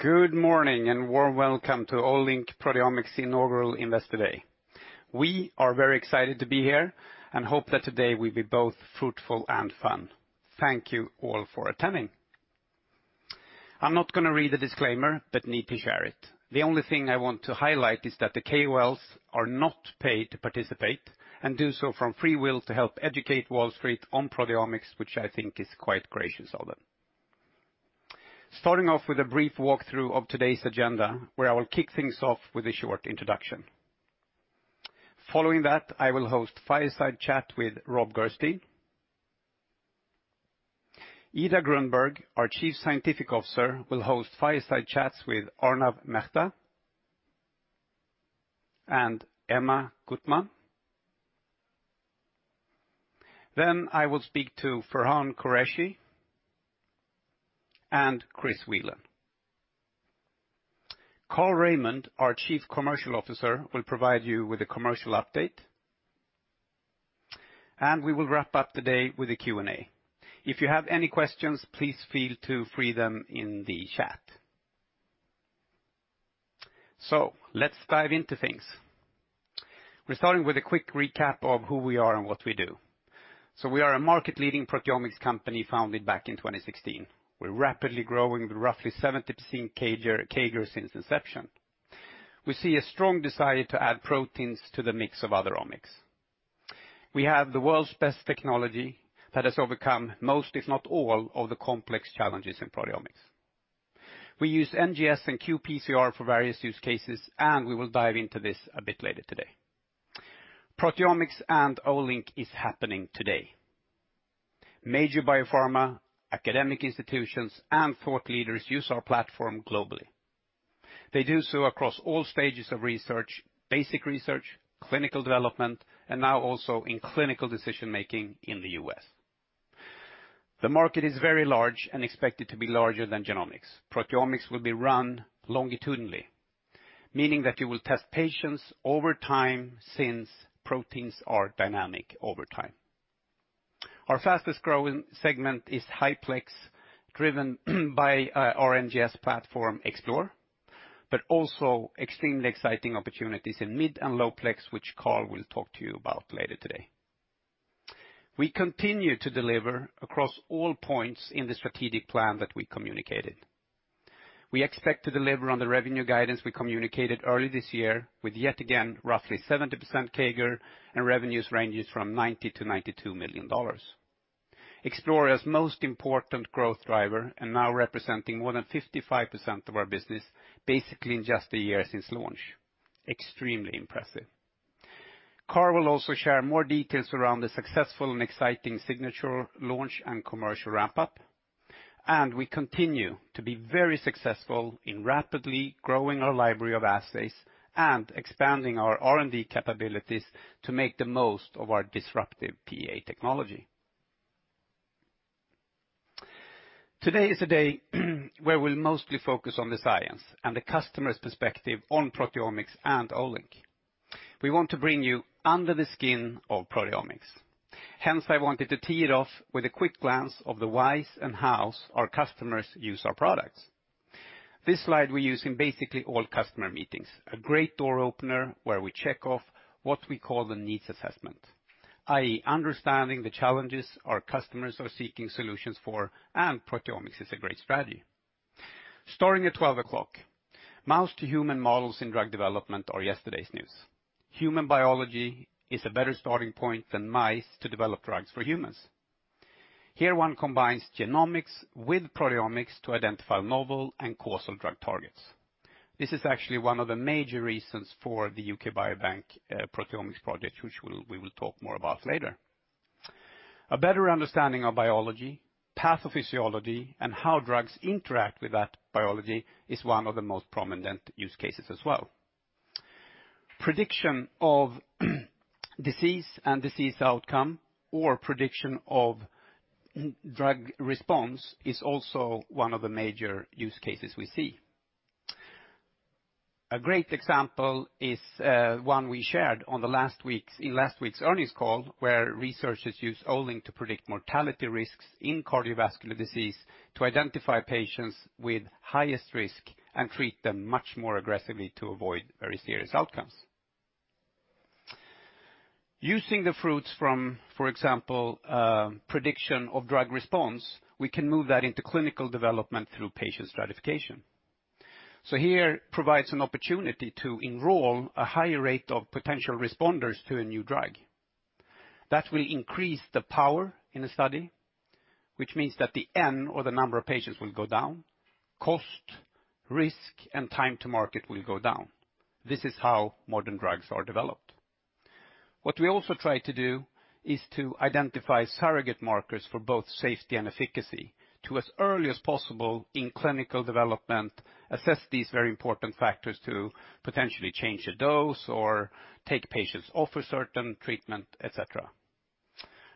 Good morning and warm welcome to Olink Proteomics inaugural Investor Day. We are very excited to be here and hope that today will be both fruitful and fun. Thank you all for attending. I'm not gonna read the disclaimer, but I need to share it. The only thing I want to highlight is that the KOLs are not paid to participate and do so from free will to help educate Wall Street on proteomics, which I think is quite gracious of them. Starting off with a brief walkthrough of today's agenda, where I will kick things off with a short introduction. Following that, I will host fireside chat with Rob Gerszten. Ida Grundberg, our Chief Scientific Officer, will host fireside chats with Arnav Mehta and Emma Guttman-Yassky. Then I will speak to Ferhan Qureshi and Chris Whelan. Carl Raimond, our Chief Commercial Officer, will provide you with a commercial update. We will wrap up today with a Q&A. If you have any questions, please feel free to share them in the chat. Let's dive into things. We're starting with a quick recap of who we are and what we do. We are a market-leading proteomics company founded back in 2016. We're rapidly growing with roughly 70% CAGR since inception. We see a strong desire to add proteins to the mix of other omics. We have the world's best technology that has overcome most, if not all, of the complex challenges in proteomics. We use NGS and qPCR for various use cases, and we will dive into this a bit later today. Proteomics and Olink is happening today. Major biopharma, academic institutions, and thought leaders use our platform globally. They do so across all stages of research, basic research, clinical development, and now also in clinical decision-making in the U.S. The market is very large and expected to be larger than genomics. Proteomics will be run longitudinally, meaning that you will test patients over time since proteins are dynamic over time. Our fastest-growing segment is highplex, driven by our NGS platform Explore, but also extremely exciting opportunities in mid and lowplex, which Carl will talk to you about later today. We continue to deliver across all points in the strategic plan that we communicated. We expect to deliver on the revenue guidance we communicated early this year with yet again roughly 70% CAGR and revenues ranging from $90 million-$92 million. Explore is most important growth driver and now representing more than 55% of our business, basically in just a year since launch. Extremely impressive. Carl will also share more details around the successful and exciting Signature launch and commercial wrap-up, and we continue to be very successful in rapidly growing our library of assays and expanding our R&D capabilities to make the most of our disruptive PEA technology. Today is a day where we'll mostly focus on the science and the customer's perspective on proteomics and Olink. We want to bring you under the skin of proteomics. Hence, I wanted to tee it up with a quick glance of the whys and hows our customers use our products. This slide we use in basically all customer meetings, a great door opener where we check off what we call the needs assessment, i.e. understanding the challenges our customers are seeking solutions for, and proteomics is a great strategy. Starting at 12 o'clock, mouse to human models in drug development are yesterday's news. Human biology is a better starting point than mice to develop drugs for humans. Here, one combines genomics with proteomics to identify novel and causal drug targets. This is actually one of the major reasons for the U.K. Biobank proteomics project, which we will talk more about later. A better understanding of biology, pathophysiology, and how drugs interact with that biology is one of the most prominent use cases as well. Prediction of disease and disease outcome or prediction of drug response is also one of the major use cases we see. A great example is one we shared in last week's earnings call, where researchers used Olink to predict mortality risks in cardiovascular disease to identify patients with highest risk and treat them much more aggressively to avoid very serious outcomes. Using the fruits from, for example, prediction of drug response, we can move that into clinical development through patient stratification. Here provides an opportunity to enroll a higher rate of potential responders to a new drug. That will increase the power in a study, which means that the N or the number of patients will go down. Cost, risk, and time to market will go down. This is how modern drugs are developed. What we also try to do is to identify surrogate markers for both safety and efficacy to, as early as possible in clinical development, assess these very important factors to potentially change a dose or take patients off a certain treatment, et cetera.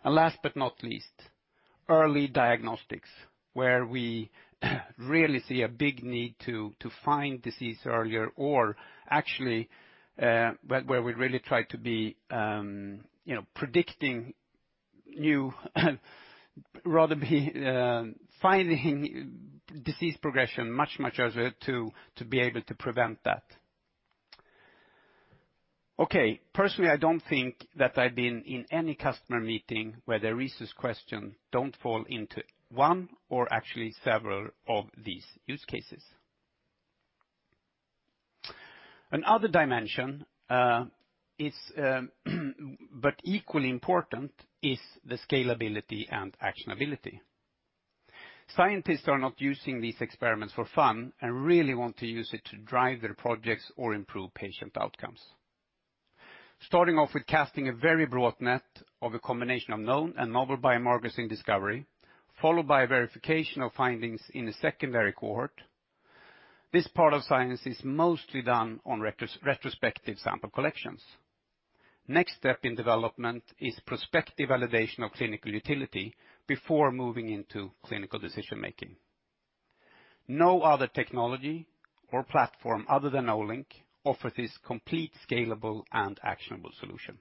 Last but not least, early diagnostics, where we really see a big need to find disease earlier or actually, where we really try to be predicting. You'd rather be finding disease progression much earlier to be able to prevent that. Okay. Personally, I don't think that I've been in any customer meeting where the research question don't fall into one or actually several of these use cases. Another dimension is but equally important is the scalability and actionability. Scientists are not using these experiments for fun and really want to use it to drive their projects or improve patient outcomes. Starting off with casting a very broad net of a combination of known and novel biomarkers in discovery, followed by verification of findings in a secondary cohort. This part of science is mostly done on retrospective sample collections. Next step in development is prospective validation of clinical utility before moving into clinical decision-making. No other technology or platform other than Olink offers this complete, scalable, and actionable solution.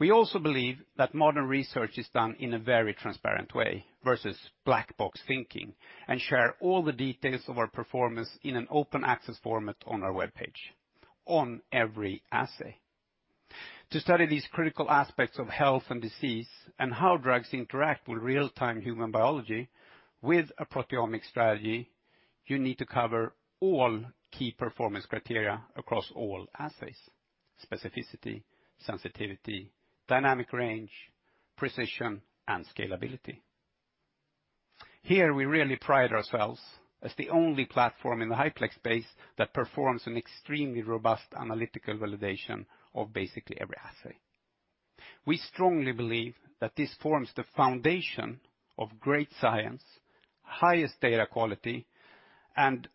We also believe that modern research is done in a very transparent way versus black box thinking and share all the details of our performance in an open access format on our webpage on every assay. To study these critical aspects of health and disease and how drugs interact with real-time human biology with a proteomic strategy, you need to cover all key performance criteria across all assays. Specificity, sensitivity, dynamic range, precision, and scalability. Here, we really pride ourselves as the only platform in the highplex space that performs an extremely robust analytical validation of basically every assay. We strongly believe that this forms the foundation of great science, highest data quality, and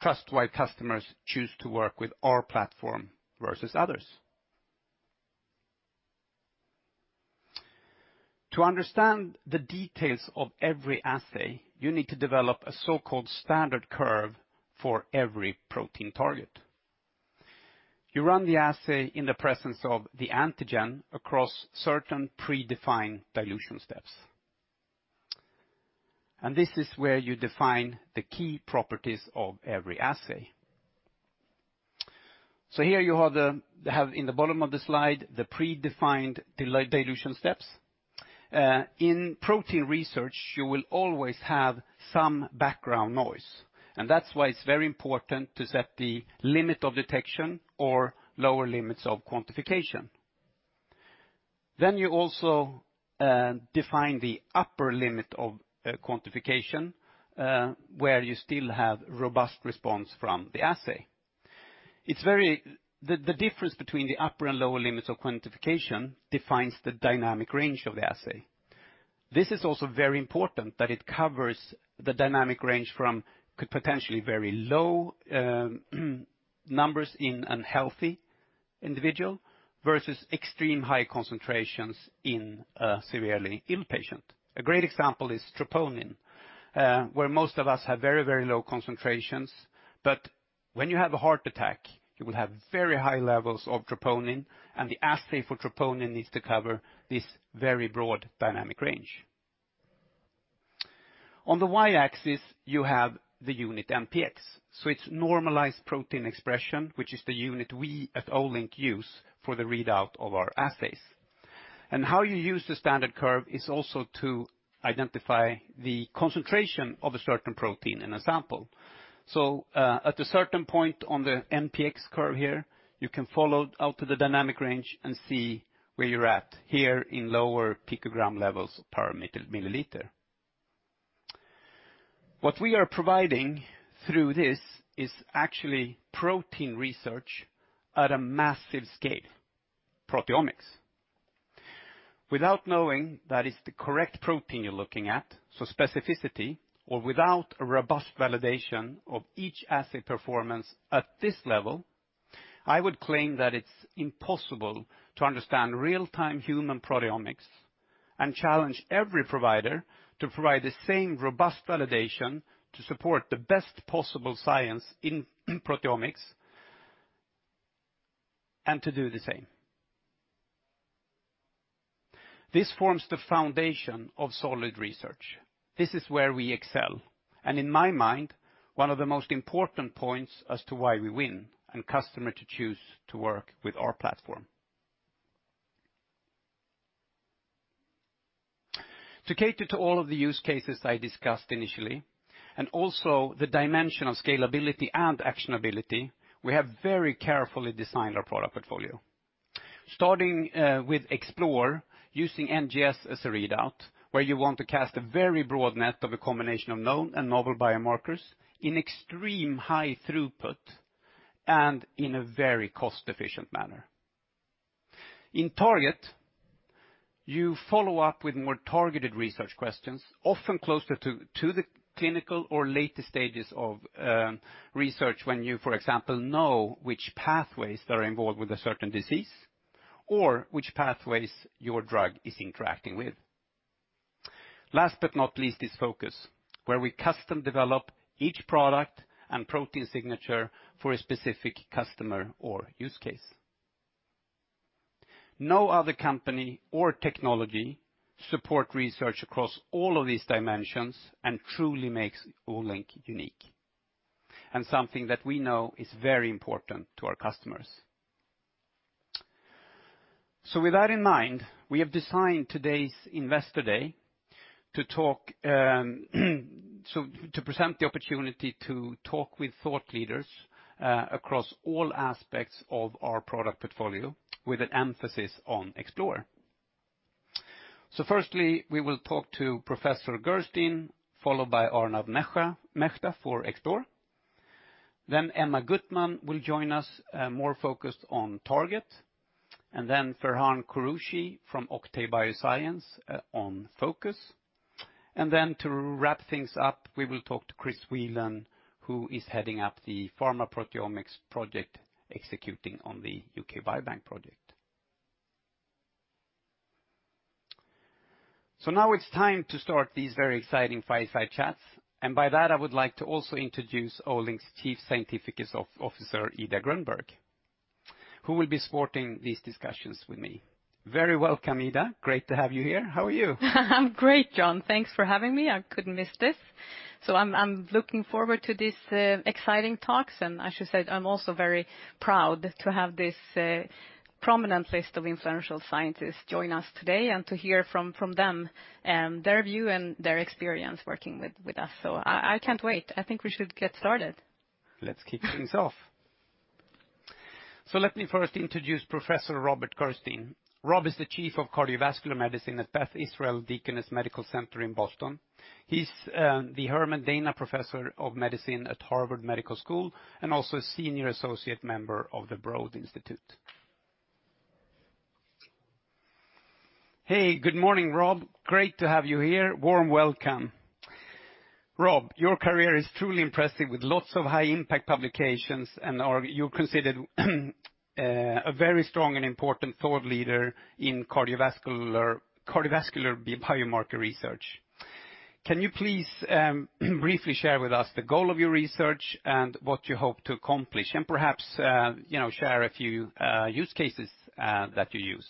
trust why customers choose to work with our platform versus others. To understand the details of every assay, you need to develop a so-called standard curve for every protein target. You run the assay in the presence of the antigen across certain predefined dilution steps. This is where you define the key properties of every assay. Here you have in the bottom of the slide, the predefined dilution steps. In protein research, you will always have some background noise, and that's why it's very important to set the limit of detection or lower limits of quantification. Then you also define the upper limit of quantification where you still have robust response from the assay. It's very. The difference between the upper and lower limits of quantification defines the dynamic range of the assay. This is also very important that it covers the dynamic range from potentially very low numbers in a healthy individual versus extremely high concentrations in a severely ill patient. A great example is troponin, where most of us have very, very low concentrations, but when you have a heart attack, you will have very high levels of troponin, and the assay for troponin needs to cover this very broad dynamic range. On the y-axis, you have the unit NPX. So it's normalized protein expression, which is the unit we at Olink use for the readout of our assays. How you use the standard curve is also to identify the concentration of a certain protein in a sample. At a certain point on the NPX curve here, you can follow out to the dynamic range and see where you're at here in lower picogram levels per milliliter. What we are providing through this is actually protein research at a massive scale, proteomics. Without knowing that it's the correct protein you're looking at, so specificity, or without a robust validation of each assay performance at this level, I would claim that it's impossible to understand real-time human proteomics and challenge every provider to provide the same robust validation to support the best possible science in proteomics and to do the same. This forms the foundation of solid research. This is where we excel, and in my mind, one of the most important points as to why we win and customers choose to work with our platform. To cater to all of the use cases I discussed initially, and also the dimension of scalability and actionability, we have very carefully designed our product portfolio. Starting with Explore, using NGS as a readout, where you want to cast a very broad net of a combination of known and novel biomarkers in extreme high throughput and in a very cost-efficient manner. In Target, you follow up with more targeted research questions, often closer to the clinical or later stages of research, when you, for example, know which pathways are involved with a certain disease or which pathways your drug is interacting with. Last but not least is Focus, where we custom develop each product and protein signature for a specific customer or use case. No other company or technology support research across all of these dimensions and truly makes Olink unique, and something that we know is very important to our customers. With that in mind, we have designed today's investor day to present the opportunity to talk with thought leaders across all aspects of our product portfolio, with an emphasis on Explore. Firstly, we will talk to Professor Gerszten, followed by Arnav Mehta for Explore. Emma Guttman-Yassky will join us, more focused on Target, and then Ferhan Qureshi from Octave Bioscience, on Focus. To wrap things up, we will talk to Chris Whelan, who is heading up the Pharma Proteomics Project, executing on the U.K. Biobank Project. Now it's time to start these very exciting fireside chats, and by that I would like to also introduce Olink's Chief Scientific Officer, Ida Grundberg, who will be supporting these discussions with me. Very welcome, Ida. Great to have you here. How are you? I'm great, Jon. Thanks for having me. I couldn't miss this. I'm looking forward to these exciting talks. I should say, I'm also very proud to have this prominent list of influential scientists join us today and to hear from them their view and their experience working with us. I can't wait. I think we should get started. Let's kick things off. So let me first introduce Professor Robert Gerszten. Rob is the Chief of Cardiovascular Medicine at Beth Israel Deaconess Medical Center in Boston. He's the Herman Dana Professor of Medicine at Harvard Medical School, and also a Senior Associate member of the Broad Institute. Hey, good morning, Rob. Great to have you here. Warm welcome. Rob, your career is truly impressive with lots of high impact publications and or you're considered a very strong and important thought leader in cardiovascular biomarker research. Can you please briefly share with us the goal of your research and what you hope to accomplish? Perhaps you know share a few use cases that you use.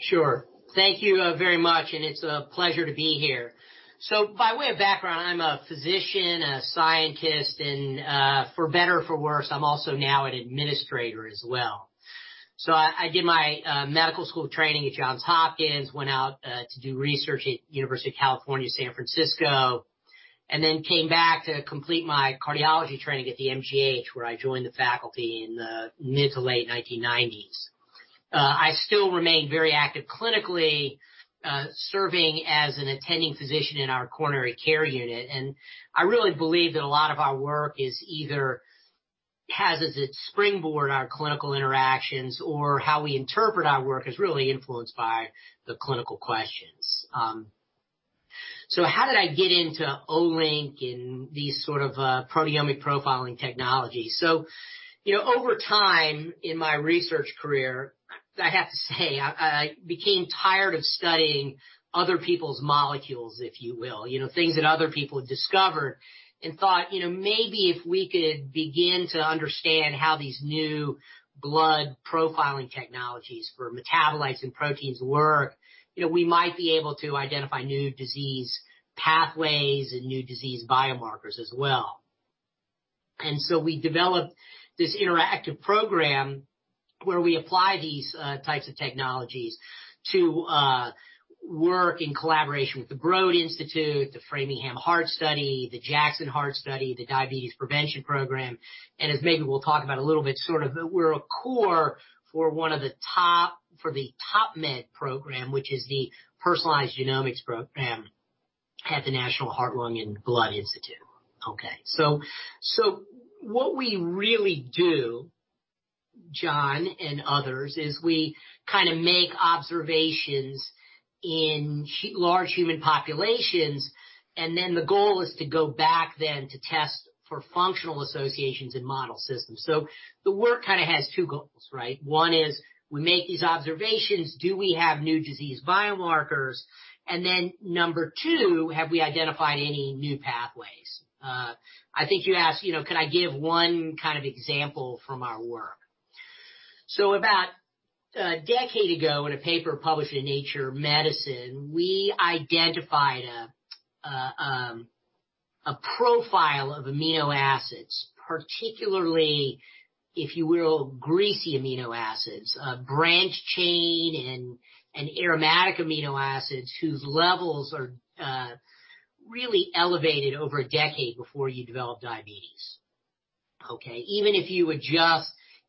Sure. Thank you very much, and it's a pleasure to be here. By way of background, I'm a physician, a scientist, and for better or for worse, I'm also now an administrator as well. I did my medical school training at Johns Hopkins, went out to do research at University of California, San Francisco, and then came back to complete my cardiology training at the MGH, where I joined the faculty in the mid to late 1990s. I still remain very active clinically, serving as an attending physician in our coronary care unit. I really believe that a lot of our work has as its springboard our clinical interactions or how we interpret our work is really influenced by the clinical questions. How did I get into Olink and these sort of proteomic profiling technology? You know, over time in my research career, I have to say, I became tired of studying other people's molecules, if you will, you know, things that other people discovered and thought, you know, maybe if we could begin to understand how these new blood profiling technologies for metabolites and proteins work, you know, we might be able to identify new disease pathways and new disease biomarkers as well. We developed this interactive program where we apply these types of technologies to work in collaboration with the Broad Institute, the Framingham Heart Study, the Jackson Heart Study, the Diabetes Prevention Program. As maybe we'll talk about a little bit sort of we're a core for the TOPMed program, which is the personalized genomics program at the National Heart, Lung, and Blood Institute. Okay. What we really do, Jon and others, is we kinda make observations in large human populations, and then the goal is to go back to test for functional associations in model systems. The work kinda has two goals, right? One is we make these observations, do we have new disease biomarkers? And then number two, have we identified any new pathways? I think you asked, you know, can I give one kind of example from our work. About a decade ago, in a paper published in Nature Medicine, we identified a profile of amino acids, particularly, if you will, greasy amino acids, branched chain and aromatic amino acids whose levels are really elevated over a decade before you develop diabetes.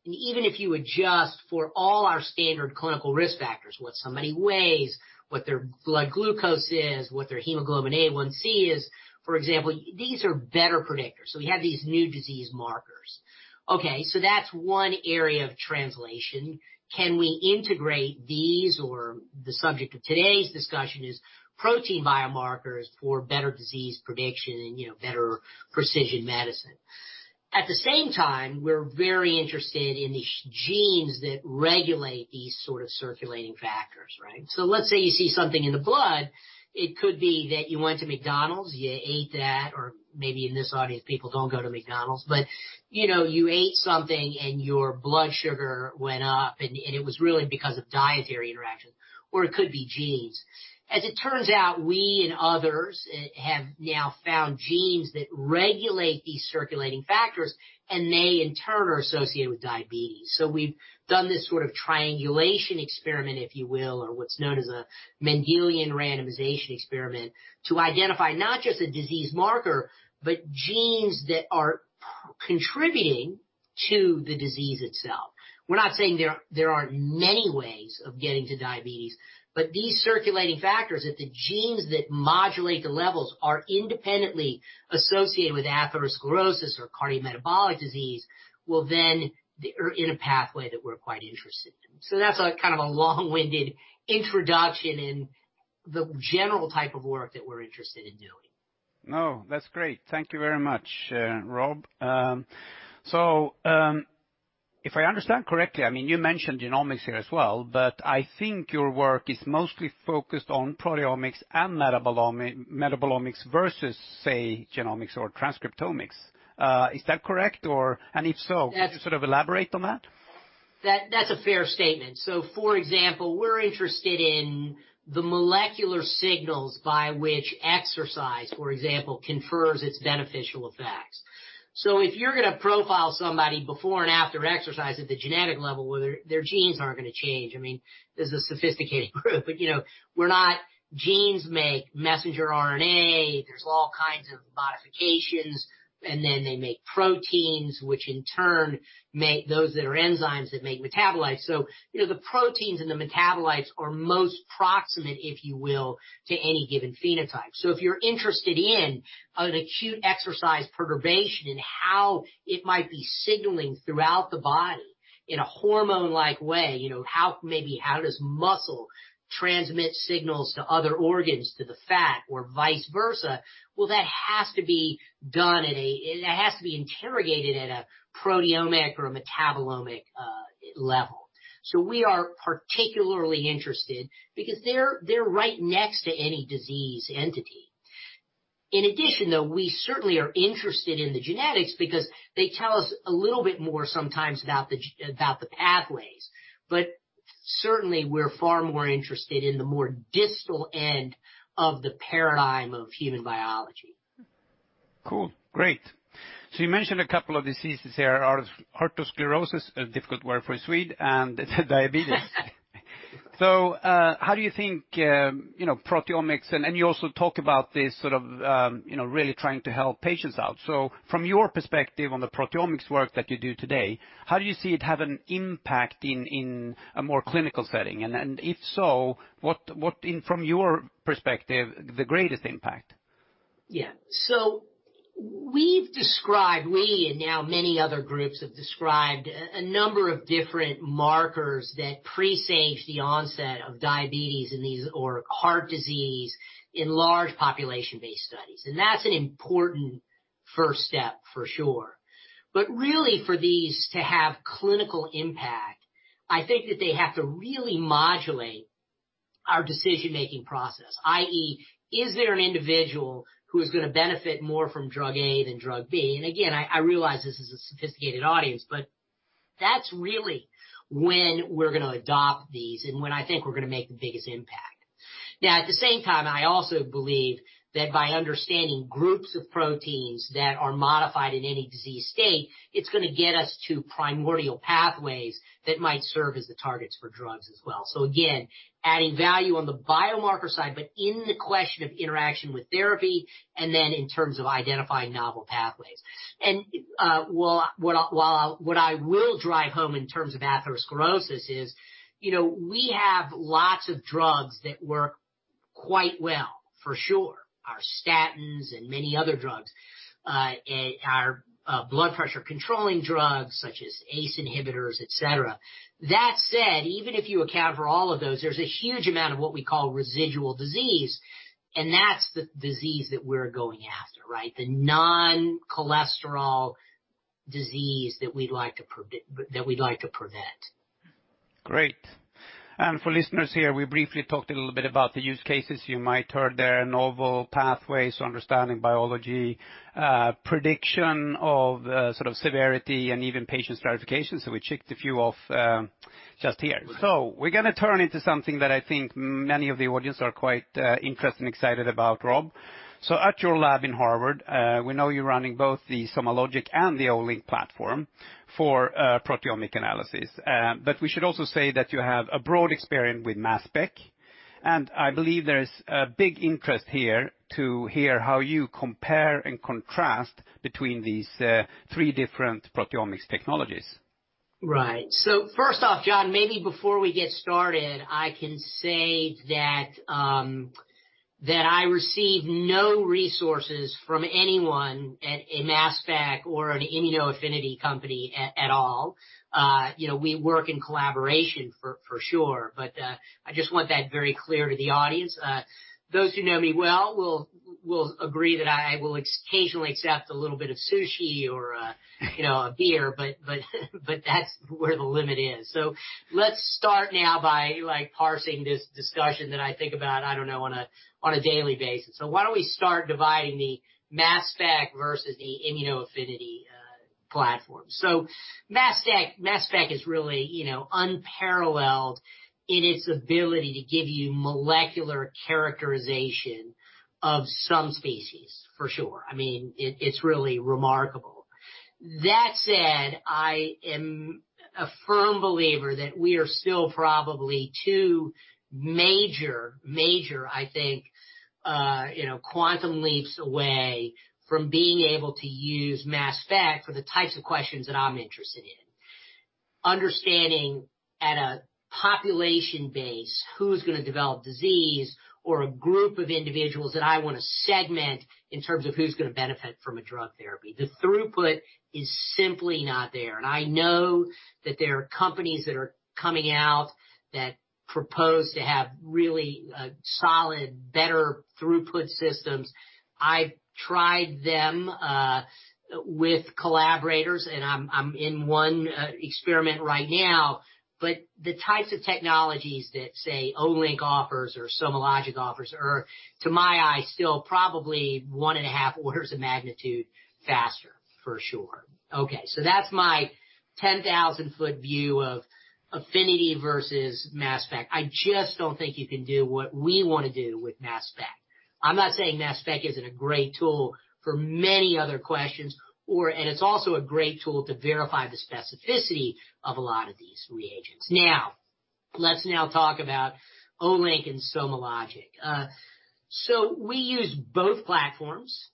Even if you adjust for all our standard clinical risk factors, what somebody weighs, what their blood glucose is, what their hemoglobin A1C is, for example, these are better predictors. We have these new disease markers. Okay, that's one area of translation. Can we integrate these or the subject of today's discussion is protein biomarkers for better disease prediction and, you know, better precision medicine. At the same time, we're very interested in the genes that regulate these sort of circulating factors, right? Let's say you see something in the blood. It could be that you went to McDonald's, you ate that, or maybe in this audience, people don't go to McDonald's, but, you know, you ate something and your blood sugar went up, and it was really because of dietary interactions, or it could be genes. As it turns out, we and others have now found genes that regulate these circulating factors, and they in turn are associated with diabetes. We've done this sort of triangulation experiment, if you will, or what's known as a Mendelian randomization experiment, to identify not just a disease marker, but genes that are contributing to the disease itself. We're not saying there aren't many ways of getting to diabetes, but these circulating factors that the genes that modulate the levels are independently associated with atherosclerosis or cardiometabolic disease. They are in a pathway that we're quite interested in. That's, like, kind of a long-winded introduction in the general type of work that we're interested in doing. No, that's great. Thank you very much, Rob. So, if I understand correctly, I mean, you mentioned genomics here as well, but I think your work is mostly focused on proteomics and metabolomics versus, say, genomics or transcriptomics. Is that correct or if so- Yes. Could you sort of elaborate on that? That's a fair statement. For example, we're interested in the molecular signals by which exercise, for example, confers its beneficial effects. If you're going to profile somebody before and after exercise at the genetic level, well, their genes aren't going to change. I mean, this is a sophisticated group. Genes make messenger RNA. There's all kinds of modifications, and then they make proteins, which in turn make those that are enzymes that make metabolites. You know, the proteins and the metabolites are most proximate, if you will, to any given phenotype. If you're interested in an acute exercise perturbation and how it might be signaling throughout the body in a hormone-like way, you know, how, maybe how does muscle transmit signals to other organs, to the fat or vice versa, well, that has to be done at a it has to be interrogated at a proteomic or a metabolomic level. We are particularly interested because they're right next to any disease entity. In addition, though, we certainly are interested in the genetics because they tell us a little bit more sometimes about the pathways. We're far more interested in the more distal end of the paradigm of human biology. Cool. Great. You mentioned a couple of diseases here, atherosclerosis, a difficult word for a Swede, and diabetes. How do you think, you know, proteomics and you also talk about this sort of, you know, really trying to help patients out. From your perspective on the proteomics work that you do today, how do you see it have an impact in a more clinical setting? If so, what in from your perspective, the greatest impact? Yeah. We've described, we and now many other groups have described a number of different markers that presage the onset of diabetes and these or heart disease in large population-based studies. That's an important first step for sure. Really for these to have clinical impact, I think that they have to really modulate our decision-making process, i.e., is there an individual who is going to benefit more from drug A than drug B? Again, I realize this is a sophisticated audience, but that's really when we're going to adopt these and when I think we're going to make the biggest impact. Now, at the same time, I also believe that by understanding groups of proteins that are modified in any disease state, it's going to get us to primordial pathways that might serve as the targets for drugs as well. Again, adding value on the biomarker side, but in the question of interaction with therapy and then in terms of identifying novel pathways. Well, what I will drive home in terms of atherosclerosis is, you know, we have lots of drugs that work quite well, for sure, our statins and many other drugs, and our blood pressure controlling drugs such as ACE inhibitors, et cetera. That said, even if you account for all of those, there's a huge amount of what we call residual disease, and that's the disease that we're going after, right? The non-cholesterol disease that we'd like to prevent. Great. For listeners here, we briefly talked a little bit about the use cases. You might have heard. There are novel pathways to understanding biology, prediction of sort of severity and even patient stratification. We checked a few off just here. We're gonna turn into something that I think many of the audience are quite interested and excited about, Rob. At your lab in Harvard, we know you're running both the SomaLogic and the Olink platform for proteomic analysis. But we should also say that you have a broad experience with MassSpec, and I believe there is a big interest here to hear how you compare and contrast between these three different Proteomics Technologies. Right. First off, Jon, maybe before we get started, I can say that I receive no resources from anyone at a Mass Spec or an immunoaffinity company at all. You know, we work in collaboration for sure. I just want that very clear to the audience. Those who know me well will agree that I will occasionally accept a little bit of sushi or a beer, but that's where the limit is. Let's start now by, like, parsing this discussion that I think about, I don't know, on a daily basis. Why don't we start dividing the Mass Spec versus the immunoaffinity platform? Mass Spec is really, you know, unparalleled in its ability to give you molecular characterization of some species, for sure. I mean, it's really remarkable. That said, I am a firm believer that we are still probably two major quantum leaps away from being able to use Mass Spec for the types of questions that I'm interested in, understanding at a population base who's gonna develop disease or a group of individuals that I wanna segment in terms of who's gonna benefit from a drug therapy. The throughput is simply not there. I know that there are companies that are coming out that propose to have really solid, better throughput systems. I've tried them with collaborators, and I'm in one experiment right now. The types of technologies that, say, Olink offers or SomaLogic offers are, to my eye, still probably one and a half orders of magnitude faster for sure. That's my 10,000-foot view of affinity versus Mass Spec. I just don't think you can do what we wanna do with mass spec. I'm not saying mass spec isn't a great tool for many other questions or, and it's also a great tool to verify the specificity of a lot of these reagents. Now, let's talk about Olink and SomaLogic. So we use both platforms,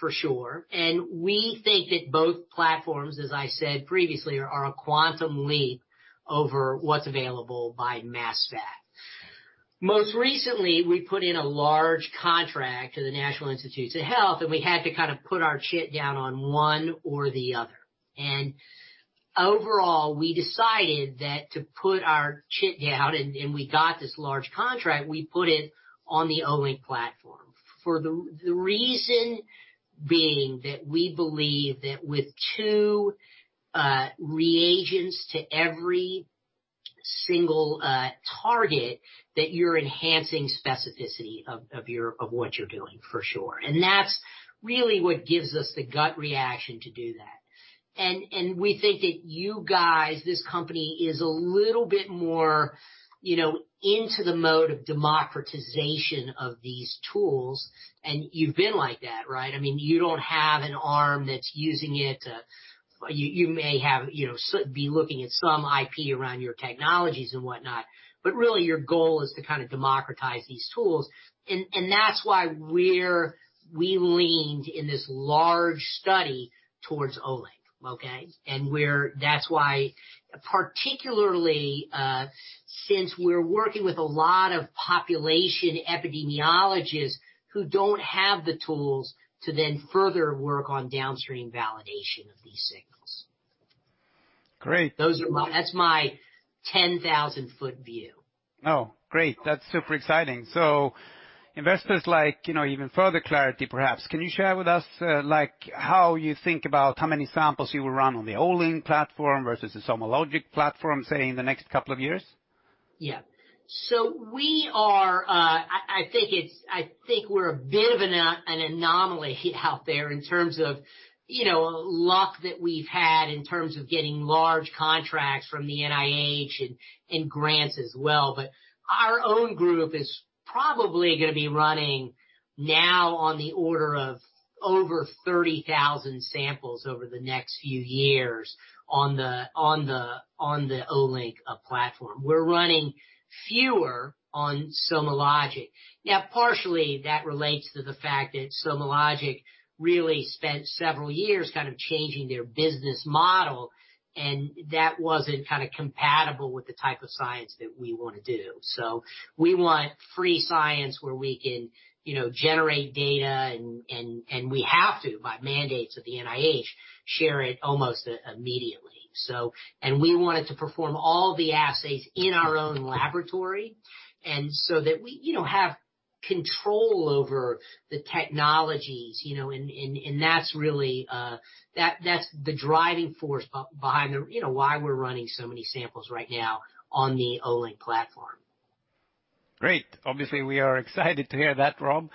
for sure, and we think that both platforms, as I said previously, are a quantum leap over what's available by mass spec. Most recently, we put in a large contract to the National Institutes of Health, and we had to kinda put our chips down on one or the other. Overall, we decided to put our chips down, and we got this large contract, we put it on the Olink platform. For the reason being that we believe that with 2 reagents to every single target, that you're enhancing specificity of what you're doing for sure. That's really what gives us the gut reaction to do that. We think that you guys, this company is a little bit more, you know, into the mode of democratization of these tools. You've been like that, right? I mean, you don't have an arm that's using it. You may have, you know, looking at some IP around your technologies and whatnot, but really your goal is to kinda democratize these tools. That's why we leaned in this large study towards Olink, okay? That's why particularly since we're working with a lot of population epidemiologists who don't have the tools to then further work on downstream validation of these signals. Great. That's my 10,000-foot view. Oh, great. That's super exciting. Investors like, you know, even further clarity, perhaps. Can you share with us, like, how you think about how many samples you will run on the Olink platform versus the SomaLogic platform, say, in the next couple of years? Yeah. We are, I think we're a bit of an anomaly out there in terms of, you know, luck that we've had in terms of getting large contracts from the NIH and grants as well. Our own group is probably gonna be running now on the order of over 30,000 samples over the next few years on the Olink platform. We're running fewer on SomaLogic. Now, partially that relates to the fact that SomaLogic really spent several years kind of changing their business model, and that wasn't kinda compatible with the type of science that we wanna do. We want free science where we can, you know, generate data, and we have to, by mandates of the NIH, share it almost immediately. We wanted to perform all the assays in our own laboratory, and so that we, you know, have control over the technologies, you know. That's really the driving force behind, you know, why we're running so many samples right now on the Olink platform. Great. Obviously, we are excited to hear that, Rob.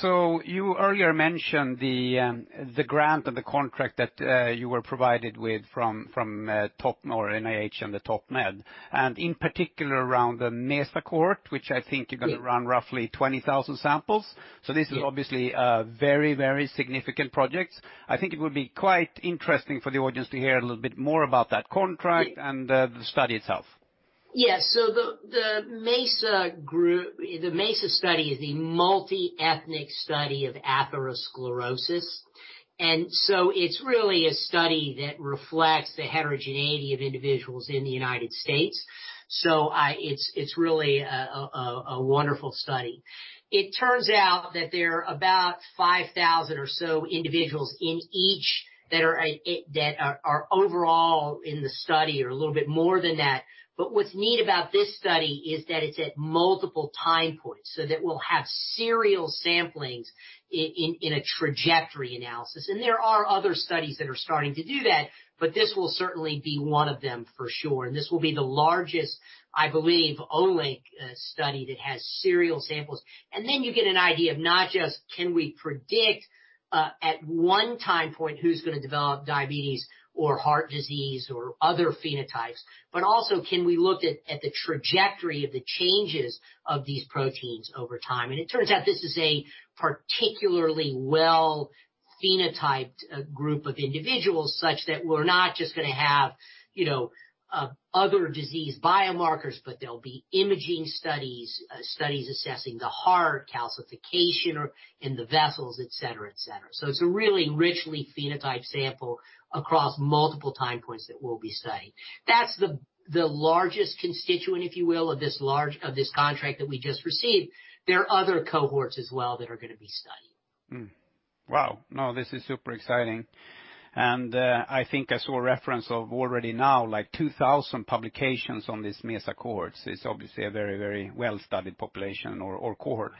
So you earlier mentioned the grant or the contract that you were provided with from TOPMed or NIH and the TOPMed, and in particular around the MESA cohort, which I think you're gonna run roughly 20,000 samples. Yeah. This is obviously a very, very significant project. I think it would be quite interesting for the audience to hear a little bit more about that contract. Yeah. the study itself. Yeah. The MESA study is the Multi-Ethnic Study of Atherosclerosis, and it's really a study that reflects the heterogeneity of individuals in the United States. It's really a wonderful study. It turns out that there are about 5,000 or so individuals in each that are overall in the study or a little bit more than that. What's neat about this study is that it's at multiple time points, so that we'll have serial samplings in a trajectory analysis. There are other studies that are starting to do that, but this will certainly be one of them for sure. This will be the largest, I believe, Olink study that has serial samples. You get an idea of not just can we predict at one time point who's gonna develop diabetes or heart disease or other phenotypes, but also can we look at the trajectory of the changes of these proteins over time. It turns out this is a particularly well-phenotyped group of individuals, such that we're not just gonna have, you know, other disease biomarkers, but there'll be imaging studies assessing the heart calcification or in the vessels, et cetera. It's a really richly phenotyped sample across multiple time points that we'll be studying. That's the largest constituent, if you will, of this contract that we just received. There are other cohorts as well that are gonna be studied. No, this is super exciting. I think I saw a reference of already now, like 2000 publications on this MESA cohort. It's obviously a very, very well-studied population or cohort.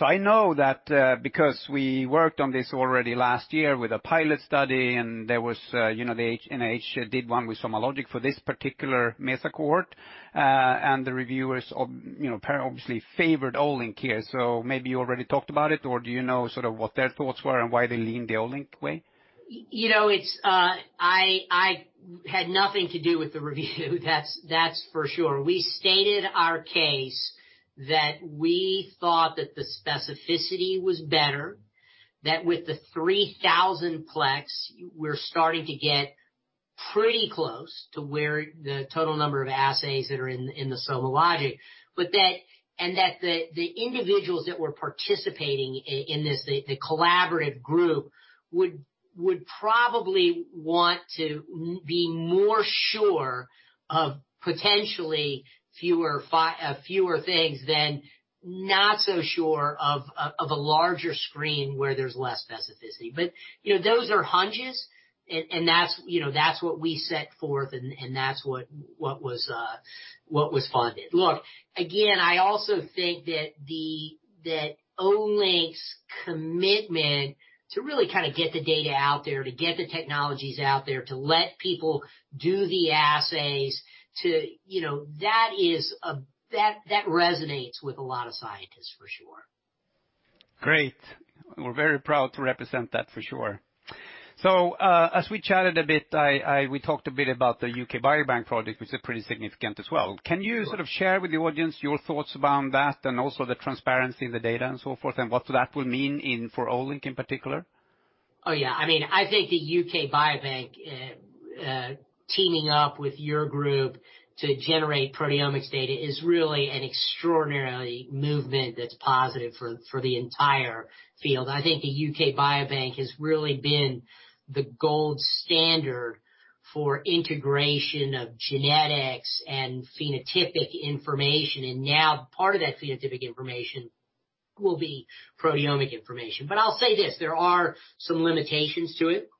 I know that, because we worked on this already last year with a pilot study and there was, you know, the NHLBI did one with SomaLogic for this particular MESA cohort, and the reviewers, you know, obviously favored Olink here. Maybe you already talked about it, or do you know sort of what their thoughts were and why they leaned the Olink way? You know, I had nothing to do with the review. That's for sure. We stated our case that we thought that the specificity was better, that with the 3,000-plex, we're starting to get pretty close to where the total number of assays that are in the SomaLogic, but that the individuals that were participating in this collaborative group would probably want to be more sure of potentially fewer things than not so sure of a larger screen where there's less specificity. You know, those are hunches. That's, you know, that's what we set forth, and that's what was funded. Look, again, I also think that Olink's commitment to really kinda get the data out there, to get the technologies out there, to let people do the assays, you know, that is that resonates with a lot of scientists for sure. Great. We're very proud to represent that for sure. As we chatted a bit, we talked a bit about the U.K. Biobank Project, which is pretty significant as well. Sure. Can you sort of share with the audience your thoughts around that and also the transparency in the data and so forth, and what that will mean for Olink in particular? Oh, yeah. I mean, I think the U.K. Biobank teaming up with your group to generate proteomics data is really an extraordinary movement that's positive for the entire field. I think the U.K. Biobank has really been the gold standard for integration of genetics and phenotypic information, and now part of that phenotypic information will be proteomic information. I'll say this, there are some limitations to it.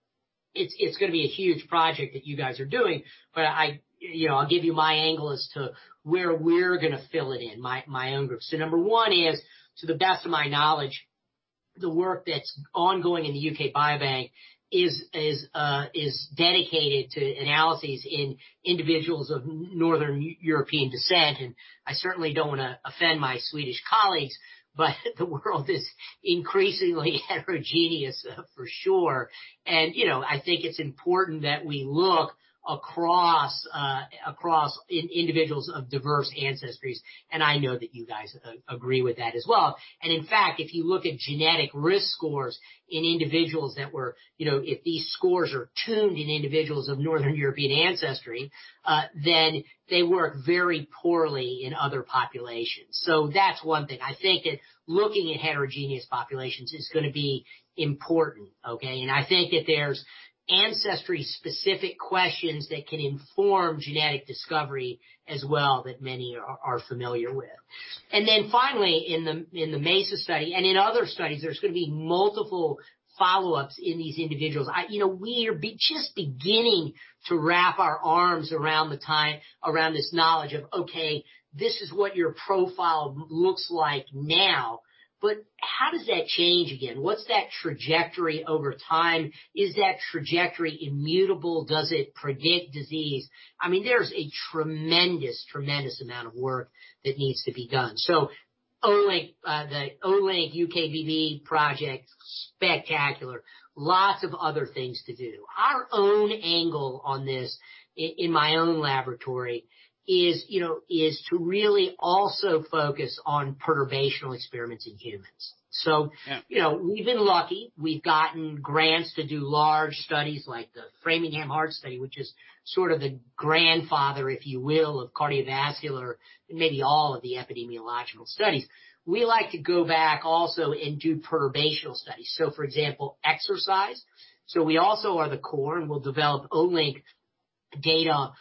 It's gonna be a huge project that you guys are doing, but I, you know, I'll give you my angle as to where we're gonna fill it in, my own group. Number one is, to the best of my knowledge, the work that's ongoing in the U.K. Biobank is dedicated to analyses in individuals of Northern European descent. I certainly don't wanna offend my Swedish colleagues, but the world is increasingly heterogeneous for sure. I think it's important that we look across individuals of diverse ancestries, and I know that you guys agree with that as well. In fact, if you look at genetic risk scores in individuals, if these scores are tuned in individuals of Northern European ancestry, then they work very poorly in other populations. That's one thing. I think that looking at heterogeneous populations is gonna be important, okay? I think that there's ancestry-specific questions that can inform genetic discovery as well that many are familiar with. Finally, in the MESA study and in other studies, there's gonna be multiple follow-ups in these individuals. I You know, we're just beginning to wrap our arms around this knowledge of, okay, this is what your profile looks like now, but how does that change again? What's that trajectory over time? Is that trajectory immutable? Does it predict disease? I mean, there's a tremendous amount of work that needs to be done. Olink, the Olink UKBB Project, spectacular. Lots of other things to do. Our own angle on this in my own laboratory is, you know, to really also focus on perturbational experiments in humans. Yeah. You know, we've been lucky. We've gotten grants to do large studies like the Framingham Heart Study, which is sort of the grandfather, if you will, of cardiovascular and maybe all of the epidemiological studies. We like to go back also and do perturbational studies. For example, exercise. We also are the core, and we'll develop Olink data on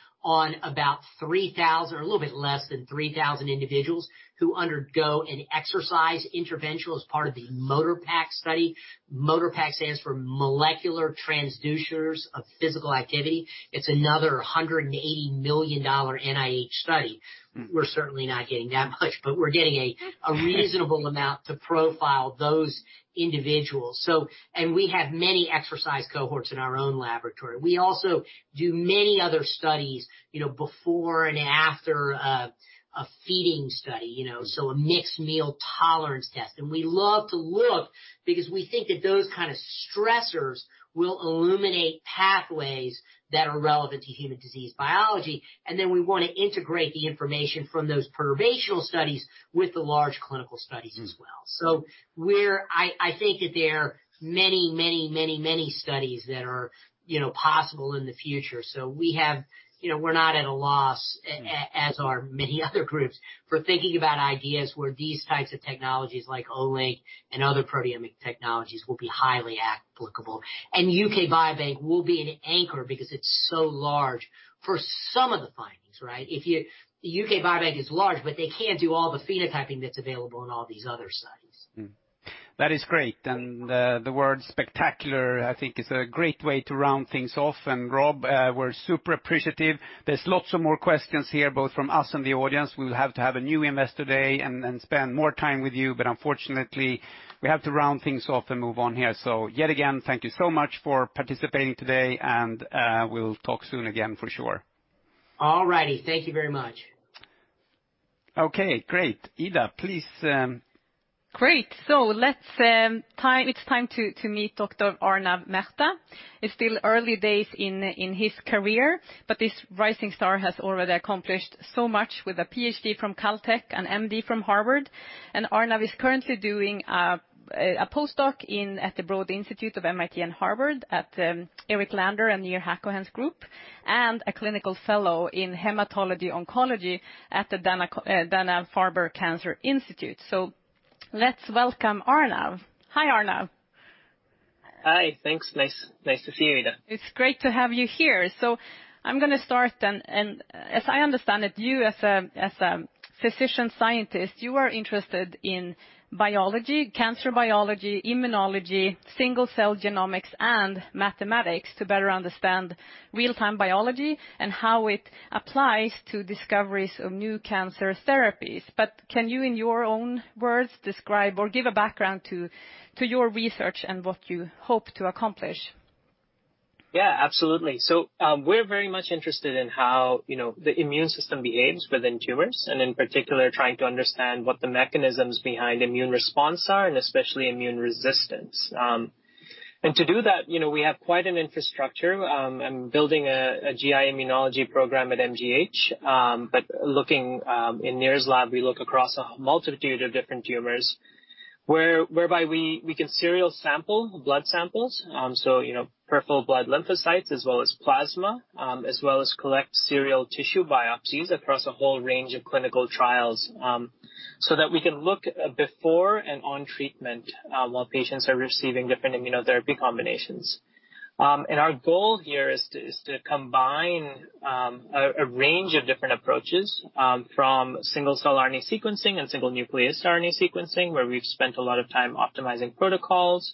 about 3,000, or a little bit less than 3,000 individuals who undergo an exercise intervention as part of the MoTrPAC study. MoTrPAC stands for Molecular Transducers of Physical Activity. It's another $180 million NIH study. Mm-hmm. We're certainly not getting that much, but we're getting a reasonable amount to profile those individuals. We have many exercise cohorts in our own laboratory. We also do many other studies, you know, before and after, a feeding study, you know. Mm-hmm. A mixed meal tolerance test. We love to look because we think that those kind of stressors will illuminate pathways that are relevant to human disease biology. Then we want to integrate the information from those provocative studies with the large clinical studies as well. Mm-hmm. I think that there are many studies that are, you know, possible in the future. You know, we're not at a loss as are many other groups for thinking about ideas where these types of technologies, like Olink and other proteomic technologies, will be highly applicable. U.K. Biobank will be an anchor because it's so large for some of the findings, right? U.K. Biobank is large, but they can't do all the phenotyping that's available in all these other studies. That is great. The word spectacular, I think, is a great way to round things off. Rob, we're super appreciative. There's lots of more questions here, both from us and the audience. We'll have to have a new Investor Day and spend more time with you. Unfortunately, we have to round things off and move on here. Yet again, thank you so much for participating today, and we'll talk soon again for sure. All righty. Thank you very much. Okay, great. Ida, please. Great. It's time to meet Dr. Arnav Mehta. It's still early days in his career, but this rising star has already accomplished so much with a PhD from Caltech and MD from Harvard. Arnav is currently doing a postdoc at the Broad Institute of MIT and Harvard at Eric Lander and Nir Hacohen's group, and a clinical fellow in Hematology Oncology at the Dana-Farber Cancer Institute. Let's welcome Arnav. Hi, Arnav. Hi. Thanks. Nice to see you, Ida. It's great to have you here. I'm gonna start then. As I understand it, you as a physician scientist, you are interested in biology, cancer biology, immunology, single cell genomics and mathematics to better understand real-time biology and how it applies to discoveries of new cancer therapies. Can you, in your own words, describe or give a background to your research and what you hope to accomplish? Yeah, absolutely. We're very much interested in how, you know, the immune system behaves within tumors, and in particular, trying to understand what the mechanisms behind immune response are, and especially immune resistance. To do that, you know, we have quite an infrastructure, and building a GI immunology program at MGH. But looking in Nir's lab, we look across a multitude of different tumors, whereby we can serial sample blood samples, so you know, peripheral blood lymphocytes as well as plasma, as well as collect serial tissue biopsies across a whole range of clinical trials, so that we can look before and on treatment, while patients are receiving different immunotherapy combinations. Our goal here is to combine a range of different approaches from single-cell RNA sequencing and single-nucleus RNA sequencing, where we've spent a lot of time optimizing protocols,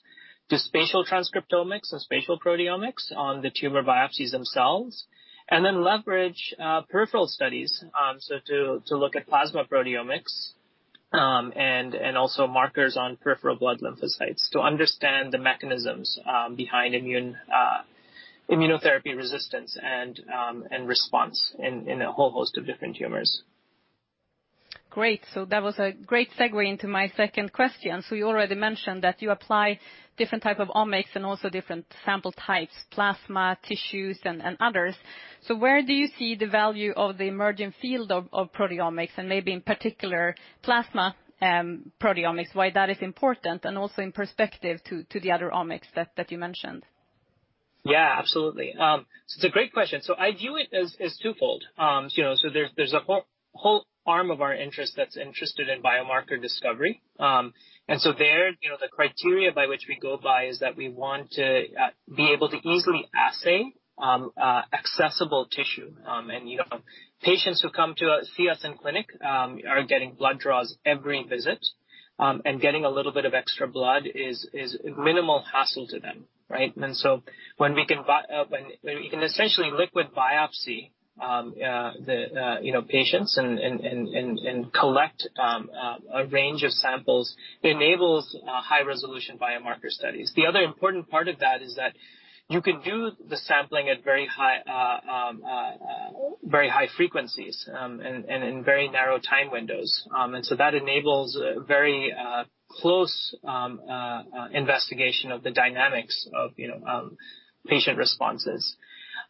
to spatial transcriptomics and spatial proteomics on the tumor biopsies themselves, and then leverage peripheral studies so to look at plasma proteomics, and also markers on peripheral blood lymphocytes to understand the mechanisms behind immune immunotherapy resistance and response in a whole host of different tumors. Great. That was a great segue into my second question. You already mentioned that you apply different type of omics and also different sample types, plasma, tissues and others. Where do you see the value of the emerging field of proteomics and maybe in particular plasma proteomics, why that is important, and also in perspective to the other omics that you mentioned? Yeah, absolutely. It's a great question. I view it as twofold. You know, there's a whole arm of our interest that's interested in biomarker discovery. There, you know, the criteria by which we go by is that we want to be able to easily assay accessible tissue. You know, patients who come to see us in clinic are getting blood draws every visit, and getting a little bit of extra blood is minimal hassle to them, right? When you can essentially liquid biopsy the, you know, patients and collect a range of samples, it enables high resolution biomarker studies. The other important part of that is that you can do the sampling at very high frequencies and in very narrow time windows. That enables a very close investigation of the dynamics of, you know, patient responses.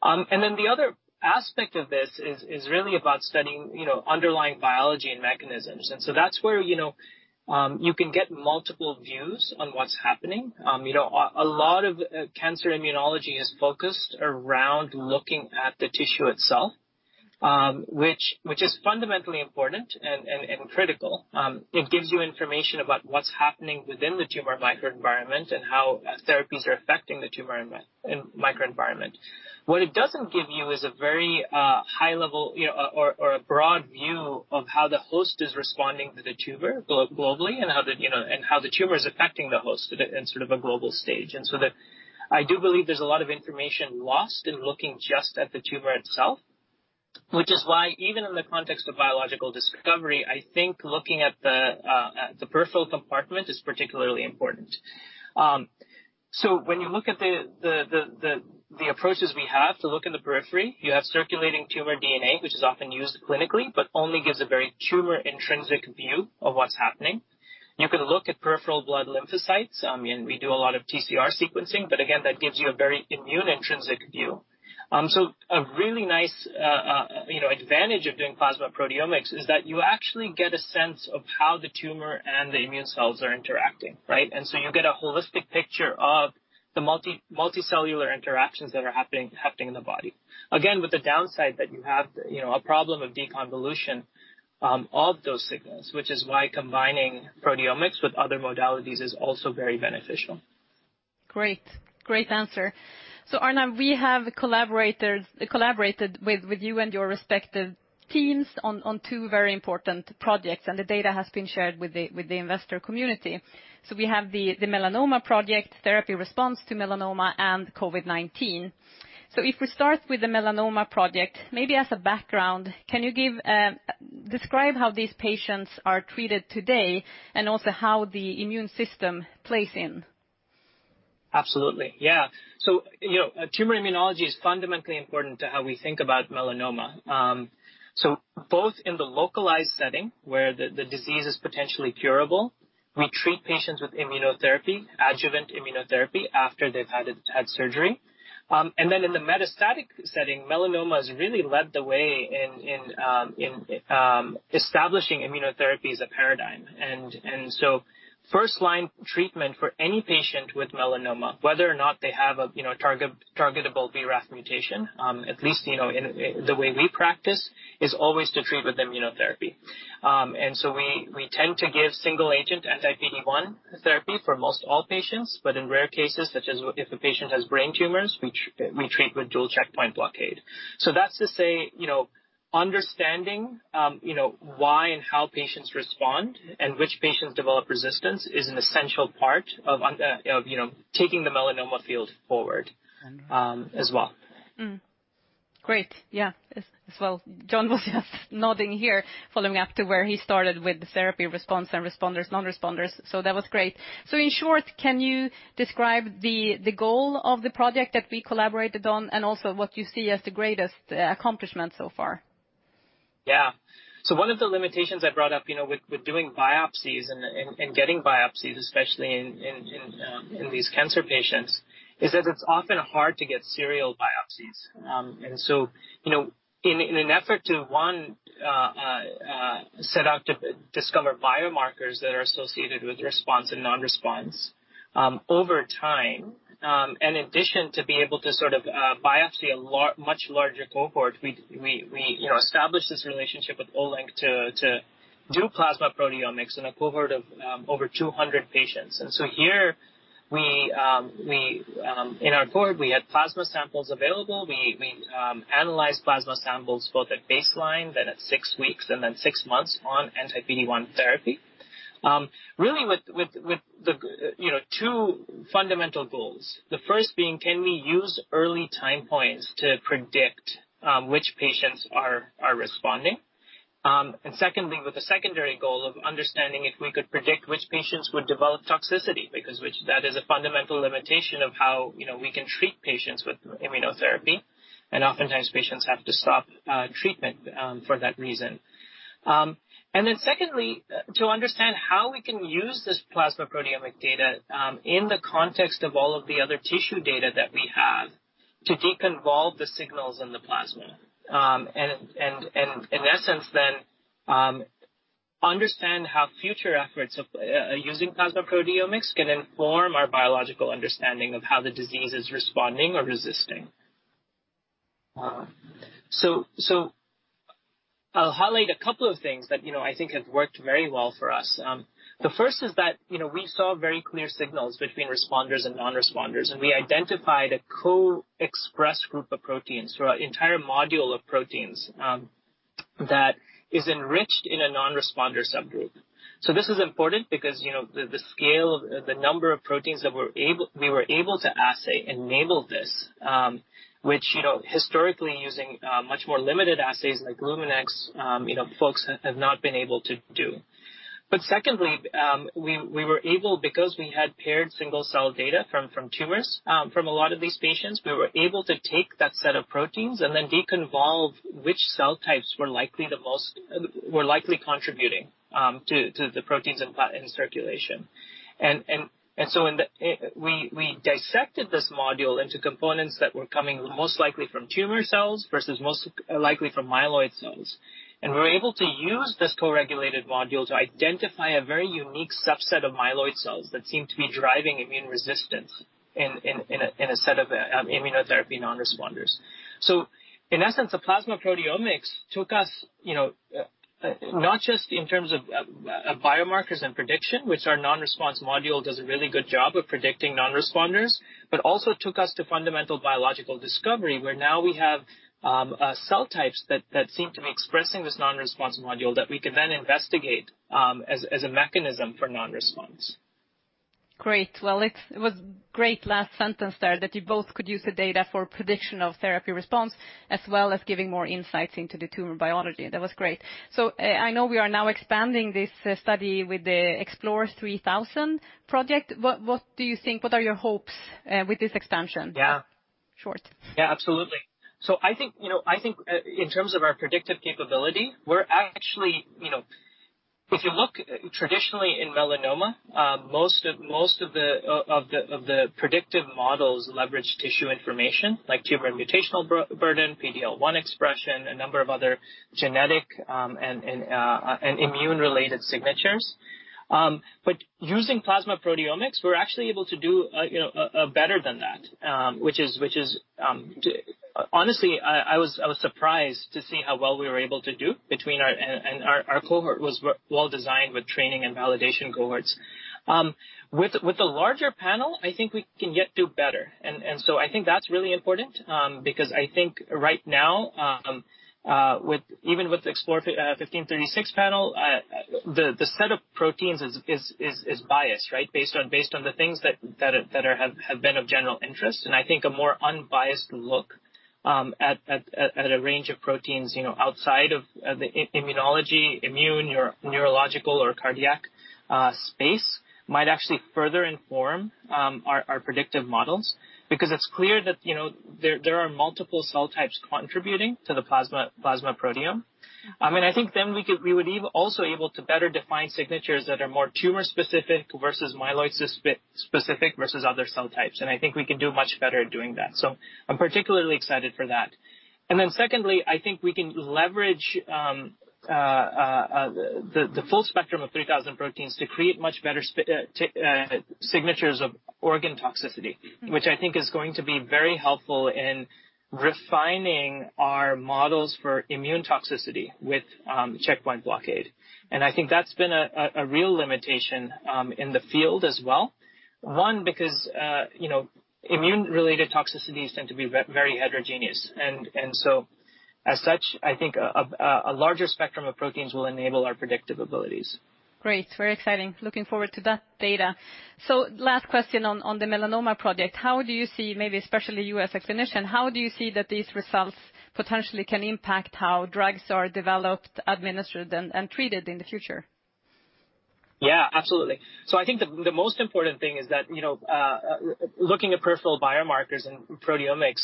The other aspect of this is really about studying, you know, underlying biology and mechanisms. That's where, you know, you can get multiple views on what's happening. You know, a lot of cancer immunology is focused around looking at the tissue itself, which is fundamentally important and critical. It gives you information about what's happening within the tumor microenvironment and how therapies are affecting the tumor microenvironment. What it doesn't give you is a very high level, you know, or a broad view of how the host is responding to the tumor globally and how the, you know, and how the tumor is affecting the host in sort of a global stage. That I do believe there's a lot of information lost in looking just at the tumor itself, which is why even in the context of biological discovery, I think looking at the peripheral compartment is particularly important. So when you look at the approaches we have to look in the periphery, you have circulating tumor DNA, which is often used clinically but only gives a very tumor-intrinsic view of what's happening. You can look at peripheral blood lymphocytes. I mean, we do a lot of TCR sequencing, but again, that gives you a very immune-intrinsic view. A really nice, you know, advantage of doing plasma proteomics is that you actually get a sense of how the tumor and the immune cells are interacting, right? You get a holistic picture of the multicellular interactions that are happening in the body. Again, with the downside that you have, you know, a problem of deconvolution of those signals, which is why combining proteomics with other modalities is also very beneficial. Great. Great answer. Arnav, we have collaborated with you and your respective teams on two very important projects, and the data has been shared with the investor community. We have the melanoma project, therapy response to melanoma and COVID-19. If we start with the melanoma project, maybe as a background, can you describe how these patients are treated today and also how the immune system plays in. Absolutely. Yeah. You know, tumor immunology is fundamentally important to how we think about melanoma. Both in the localized setting, where the disease is potentially curable, we treat patients with immunotherapy, adjuvant immunotherapy, after they've had surgery. Then in the metastatic setting, melanoma's really led the way in establishing immunotherapy as a paradigm. First line treatment for any patient with melanoma, whether or not they have a targetable BRAF mutation, at least, you know, in the way we practice, is always to treat with immunotherapy. We tend to give single agent anti-PD-1 therapy for most all patients, but in rare cases, such as if the patient has brain tumors, we treat with dual checkpoint blockade. That's to say, you know, understanding, you know, why and how patients respond and which patients develop resistance is an essential part of, you know, taking the melanoma field forward, as well. Great. As well. Jon was just nodding here, following up to where he started with the therapy response and responders, non-responders. That was great. In short, can you describe the goal of the project that we collaborated on and also what you see as the greatest accomplishment so far? One of the limitations I brought up, you know, with doing biopsies and getting biopsies, especially in these cancer patients, is that it's often hard to get serial biopsies. In an effort to set out to discover biomarkers that are associated with response and non-response over time, in addition to being able to sort of biopsy a much larger cohort, we, you know, established this relationship with Olink to do plasma proteomics in a cohort of over 200 patients. Here, in our cohort, we had plasma samples available. We analyzed plasma samples both at baseline, then at 6 weeks and then 6 months on anti-PD-1 therapy. Really, you know, two fundamental goals. The first being, can we use early time points to predict which patients are responding? Secondly, with the secondary goal of understanding if we could predict which patients would develop toxicity, because that is a fundamental limitation of how, you know, we can treat patients with immunotherapy, and oftentimes patients have to stop treatment for that reason. Secondly, to understand how we can use this plasma proteomic data in the context of all of the other tissue data that we have to deconvolve the signals in the plasma. In essence, then, understand how future efforts of using plasma proteomics can inform our biological understanding of how the disease is responding or resisting. I'll highlight a couple of things that, you know, I think have worked very well for us. The first is that, you know, we saw very clear signals between responders and non-responders, and we identified a co-expressed group of proteins or an entire module of proteins that is enriched in a non-responder subgroup. This is important because, you know, the scale of the number of proteins that we were able to assay enabled this, which, you know, historically using much more limited assays like Luminex, you know, folks have not been able to do. Secondly, we were able, because we had paired single-cell data from tumors from a lot of these patients, to take that set of proteins and then deconvolve which cell types were likely contributing to the proteins in circulation. We dissected this module into components that were coming most likely from tumor cells versus most likely from myeloid cells. We're able to use this co-regulated module to identify a very unique subset of myeloid cells that seem to be driving immune resistance in a set of immunotherapy non-responders. In essence, the plasma proteomics took us not just in terms of biomarkers and prediction, which our non-response module does a really good job of predicting non-responders, but also took us to fundamental biological discovery, where now we have cell types that seem to be expressing this non-response module that we can then investigate as a mechanism for non-response. Great. Well, it was great last sentence there, that you both could use the data for prediction of therapy response as well as giving more insights into the tumor biology. That was great. I know we are now expanding this study with the Explore 3000 project. What do you think? What are your hopes with this expansion? Yeah. Short. Yeah, absolutely. I think, you know, in terms of our predictive capability, we're actually, you know. If you look traditionally in melanoma, most of the predictive models leverage tissue information like Tumor Mutational Burden, PD-L1 expression, a number of other genetic and immune-related signatures. But using plasma proteomics, we're actually able to do better than that, which is honestly, I was surprised to see how well we were able to do. Our cohort was well designed with training and validation cohorts. With the larger panel, I think we can yet do better. I think that's really important, because I think right now, even with the Explore 1536 panel, the set of proteins is biased, right? Based on the things that have been of general interest. I think a more unbiased look at a range of proteins, you know, outside of the immunology, neurological or cardiac space might actually further inform our predictive models because it's clear that, you know, there are multiple cell types contributing to the plasma proteome. I mean, I think we would also be able to better define signatures that are more tumor specific versus myeloid specific versus other cell types. I think we can do much better at doing that. I'm particularly excited for that. Secondly, I think we can leverage the full spectrum of 3,000 proteins to create much better signatures of organ toxicity. Mm-hmm. which I think is going to be very helpful in refining our models for immune toxicity with checkpoint blockade. I think that's been a real limitation in the field as well. One, because you know, immune-related toxicities tend to be very heterogeneous. As such, I think a larger spectrum of proteins will enable our predictive abilities. Great. Very exciting. Looking forward to that data. Last question on the melanoma project. How do you see, maybe especially you as a clinician, that these results potentially can impact how drugs are developed, administered and treated in the future? Yeah, absolutely. I think the most important thing is that, you know, looking at peripheral biomarkers and proteomics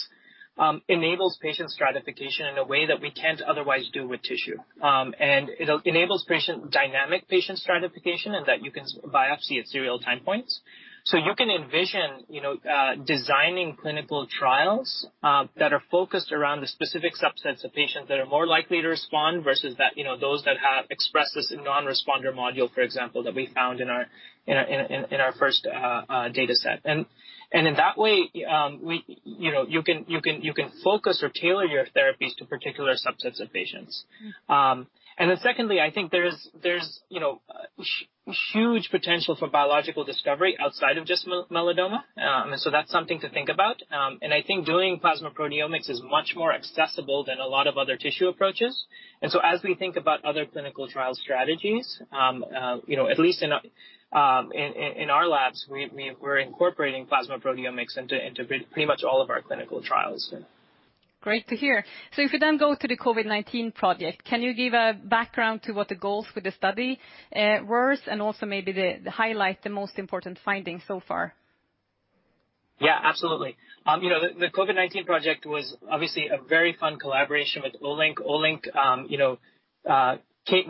enables patient stratification in a way that we can't otherwise do with tissue. It enables dynamic patient stratification, and that you can biopsy at serial time points. You can envision, you know, designing clinical trials that are focused around the specific subsets of patients that are more likely to respond versus those that have expressed this in non-responder module, for example, that we found in our first dataset. In that way, you know, you can focus or tailor your therapies to particular subsets of patients. Secondly, I think there's you know huge potential for biological discovery outside of just melanoma. So that's something to think about. I think doing plasma proteomics is much more accessible than a lot of other tissue approaches. As we think about other clinical trial strategies, you know, at least in our labs, we're incorporating plasma proteomics into pretty much all of our clinical trials. Great to hear. If you then go to the COVID-19 Project, can you give a background to what the goals for the study were and also maybe highlight the most important findings so far? Yeah, absolutely. You know, the COVID-19 Project was obviously a very fun collaboration with Olink. Olink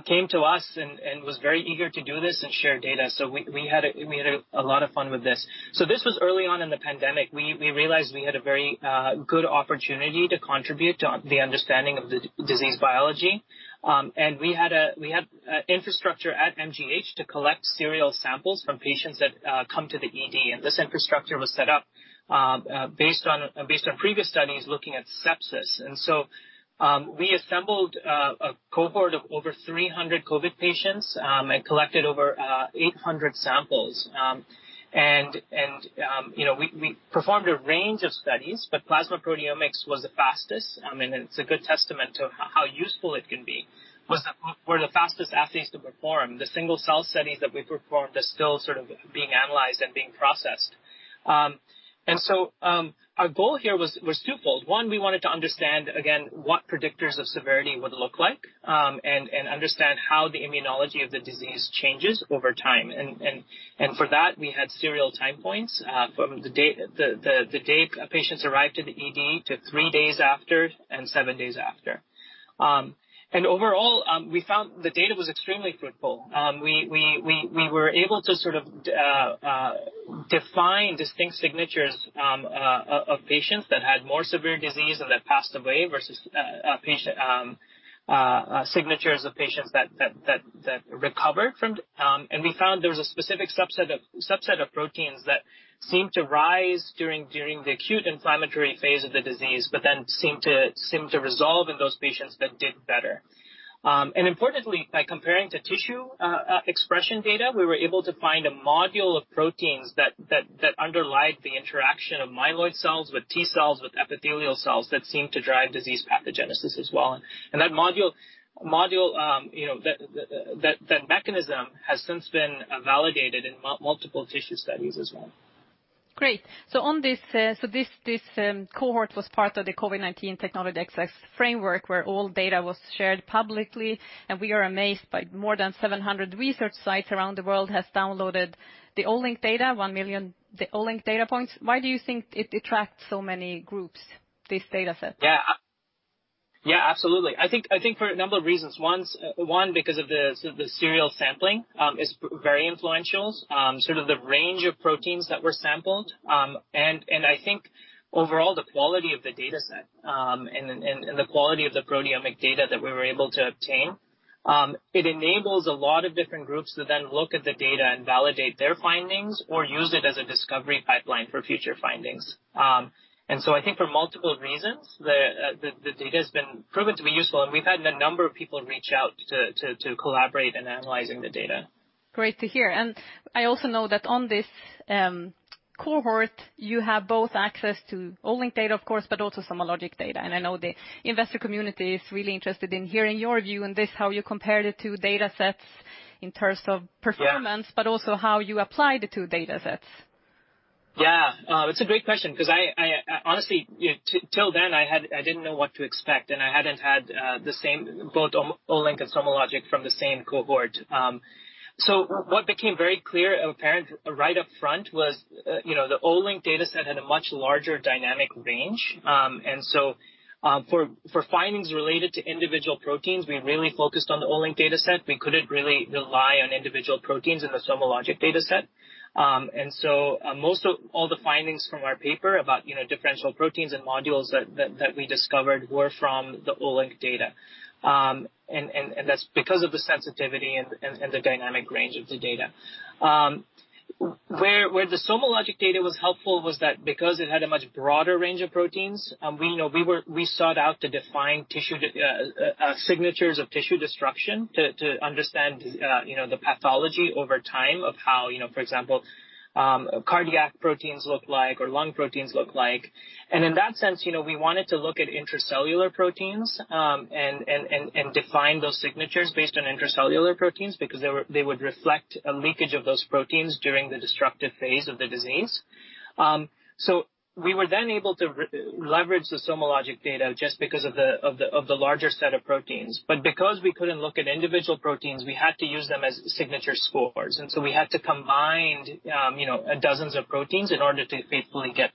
came to us and was very eager to do this and share data, so we had a lot of fun with this. This was early on in the pandemic. We realized we had a very good opportunity to contribute to the understanding of the disease biology. We had infrastructure at MGH to collect serial samples from patients that come to the ED, and this infrastructure was set up based on previous studies looking at sepsis. We assembled a cohort of over 300 COVID patients and collected over 800 samples. You know, we performed a range of studies, but plasma proteomics was the fastest. I mean, it's a good testament to how useful it can be. We were the fastest aspect to perform. The single cell studies that we performed are still sort of being analyzed and being processed. Our goal here was twofold. One, we wanted to understand again what predictors of severity would look like and understand how the immunology of the disease changes over time. For that, we had serial time points from the date patients arrived to the ED to three days after and seven days after. Overall, we found the data was extremely fruitful. We were able to sort of define distinct signatures of patients that had more severe disease and that passed away versus patient signatures of patients that recovered from, and we found there was a specific subset of proteins that seemed to rise during the acute inflammatory phase of the disease, but then seemed to resolve in those patients that did better. Importantly, by comparing to tissue expression data, we were able to find a module of proteins that underlay the interaction of myeloid cells with T cells, with epithelial cells that seemed to drive disease pathogenesis as well. That module, you know, that mechanism has since been validated in multiple tissue studies as well. Great. On this cohort was part of the COVID-19 Technology Access Framework, where all data was shared publicly, and we are amazed by more than 700 research sites around the world has downloaded the Olink data, 1 million the Olink data points. Why do you think it attract so many groups, this data set? Yeah. Yeah, absolutely. I think for a number of reasons. One, because of the serial sampling is very influential. Sort of the range of proteins that were sampled. I think overall, the quality of the data set and the quality of the proteomic data that we were able to obtain. It enables a lot of different groups to then look at the data and validate their findings or use it as a discovery pipeline for future findings. I think for multiple reasons, the data has been proven to be useful, and we've had a number of people reach out to collaborate in analyzing the data. Great to hear. I also know that on this cohort, you have both access to Olink data, of course, but also SomaLogic data. I know the investor community is really interested in hearing your view on this, how you compare the two datasets in terms of performance- Yeah. also how you apply the two datasets. Yeah. It's a great question 'cause I honestly, you know, till then, I didn't know what to expect, and I hadn't had the same, both Olink and SomaLogic from the same cohort. What became very clear and apparent right up front was, you know, the Olink data set had a much larger dynamic range. For findings related to individual proteins, we really focused on the Olink data set. We couldn't really rely on individual proteins in the SomaLogic data set. Most of all the findings from our paper about, you know, differential proteins and modules that we discovered were from the Olink data. That's because of the sensitivity and the dynamic range of the data. Where the SomaLogic data was helpful was that because it had a much broader range of proteins, we sought out to define tissue signatures of tissue destruction to understand, you know, the pathology over time of how, you know, for example, cardiac proteins look like or lung proteins look like. In that sense, you know, we wanted to look at intracellular proteins and define those signatures based on intracellular proteins because they would reflect a leakage of those proteins during the destructive phase of the disease. We were then able to re-leverage the SomaLogic data just because of the larger set of proteins. Because we couldn't look at individual proteins, we had to use them as signature scores. We had to combine, you know, dozens of proteins in order to faithfully get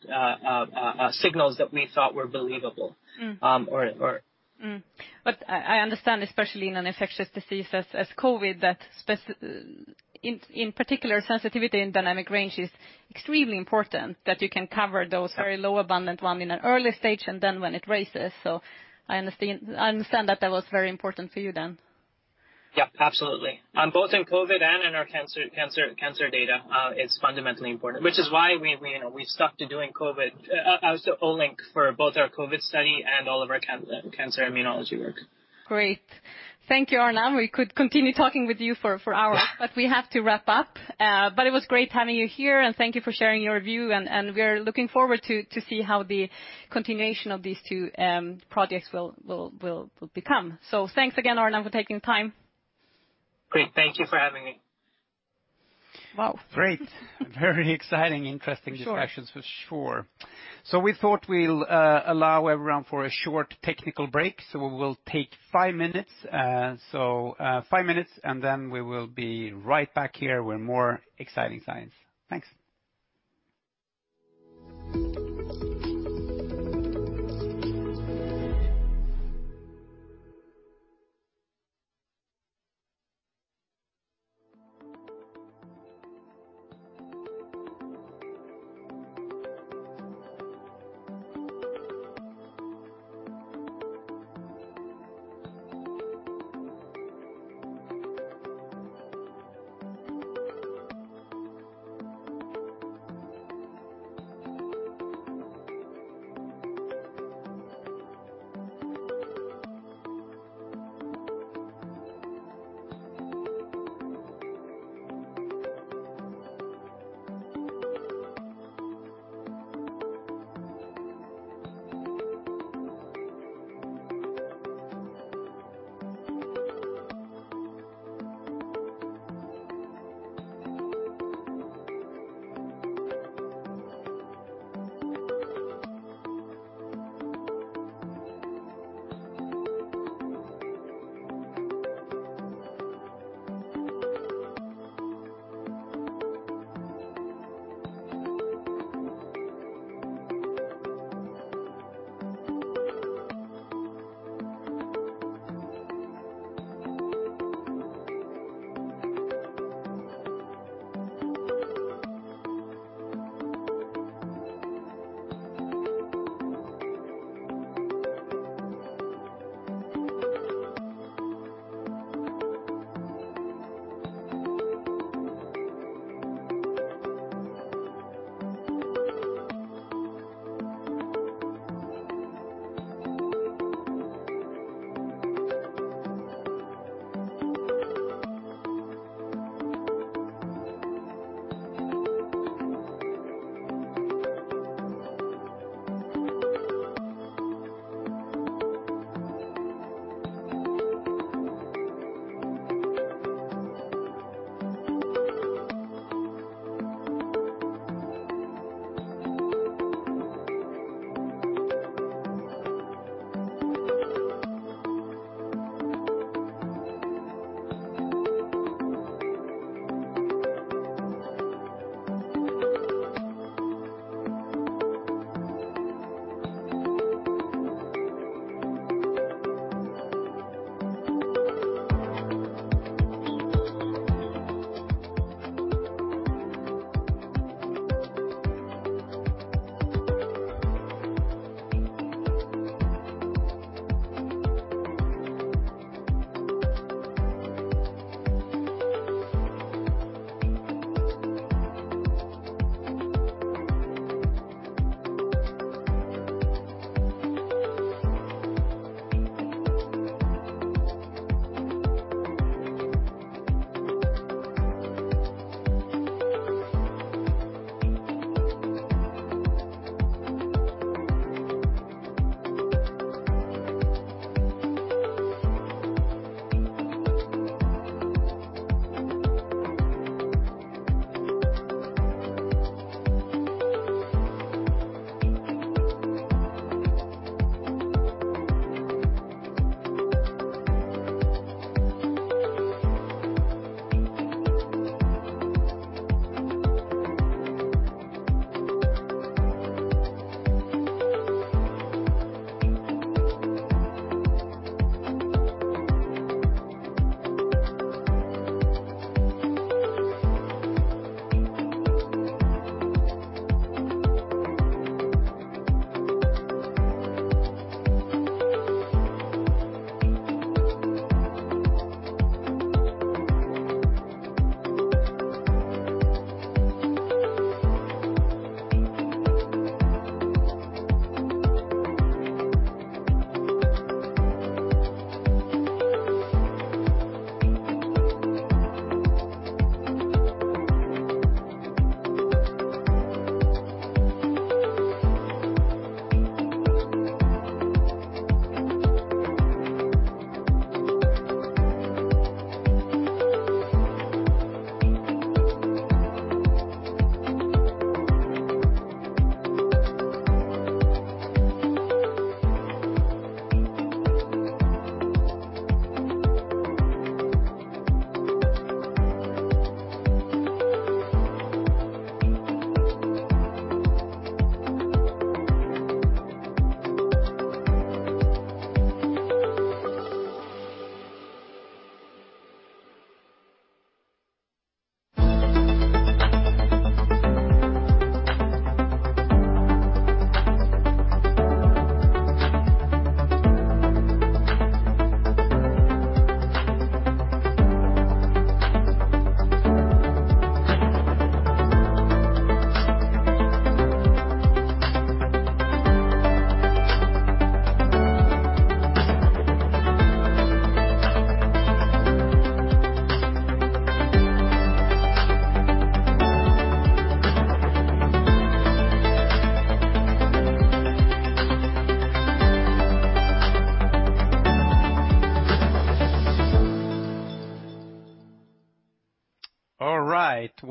signals that we thought were believable. Mm. Um, or... I understand, especially in an infectious disease as COVID, that in particular sensitivity and dynamic range is extremely important, that you can cover those very low abundant one in an early stage and then when it raises. I understand that that was very important for you then. Yeah, absolutely. Both in COVID and in our cancer data, it's fundamentally important, which is why we, you know, we stuck to doing COVID, so Olink for both our COVID study and all of our cancer immunology work. Great. Thank you, Arnav. We could continue talking with you for hours, but we have to wrap up. It was great having you here, and thank you for sharing your view, and we are looking forward to see how the continuation of these two projects will become. Thanks again, Arnav, for taking the time. Great. Thank you for having me. Wow. Great. Very exciting, interesting discussions. Sure. For sure. We thought we'll allow everyone a short technical break. We'll take 5 minutes, and then we will be right back here with more exciting science. Thanks.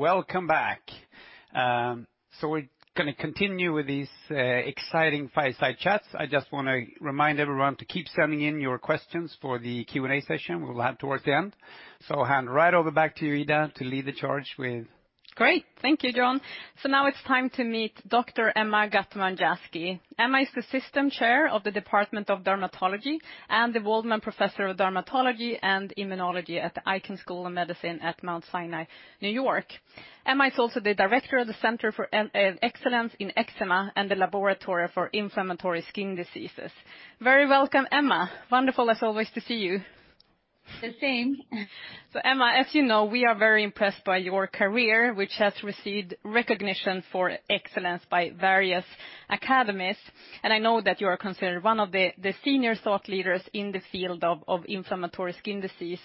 All right. Welcome back. We're gonna continue with these exciting fireside chats. I just wanna remind everyone to keep sending in your questions for the Q&A session we will have towards the end. I'll hand right back over to you, Ida, to lead the charge with. Great. Thank you, Jon Heimer. Now it's time to meet Dr. Emma Guttman-Yassky. Emma is the System Chair of the Department of Dermatology and the Waldman Professor of Dermatology and Immunology at the Icahn School of Medicine at Mount Sinai, New York. Emma is also the Director of the Center of Excellence in Eczema and the Laboratory of Inflammatory Skin Diseases. Very welcome, Emma. Wonderful as always to see you. The same. Emma, as you know, we are very impressed by your career, which has received recognition for excellence by various academies, and I know that you are considered one of the senior thought leaders in the field of inflammatory skin disease,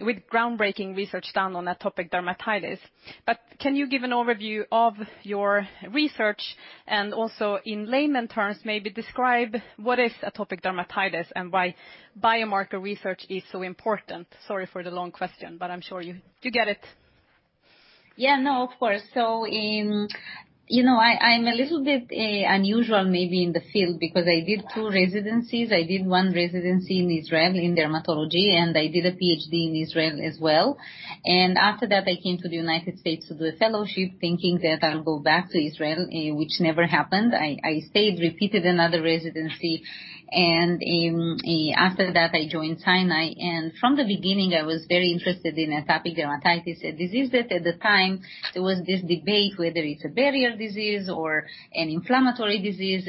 with groundbreaking research done on atopic dermatitis. Can you give an overview of your research and also in layman terms, maybe describe what is atopic dermatitis and why biomarker research is so important? Sorry for the long question, but I'm sure you get it. Yeah. No, of course. You know, I'm a little bit unusual maybe in the field because I did two residencies. I did one residency in Israel in dermatology, and I did a PhD in Israel as well. After that, I came to the United States to do a fellowship, thinking that I'll go back to Israel, which never happened. I stayed, repeated another residency, and after that I joined Sinai. From the beginning, I was very interested in atopic dermatitis, a disease that at the time there was this debate whether it's a barrier disease or an inflammatory disease.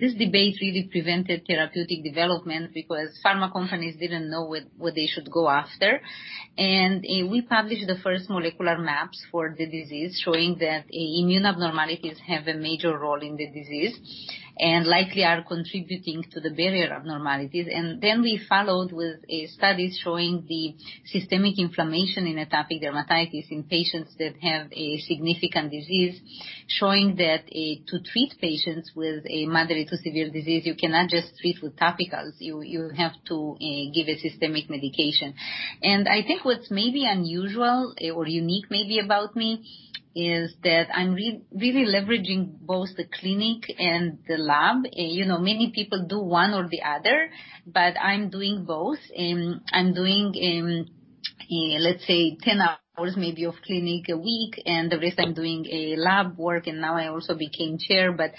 This debate really prevented therapeutic development because pharma companies didn't know what they should go after. We published the first molecular maps for the disease showing that immune abnormalities have a major role in the disease and likely are contributing to the barrier abnormalities. We followed a study showing the systemic inflammation in atopic dermatitis in patients that have a significant disease, showing that to treat patients with a moderate to severe disease, you cannot just treat with topicals. You have to give a systemic medication. I think what's maybe unusual or unique maybe about me is that I'm really leveraging both the clinic and the lab. You know, many people do one or the other, but I'm doing both. I'm doing, let's say 10 hours maybe of clinic a week, and the rest I'm doing lab work, and now I also became chair, but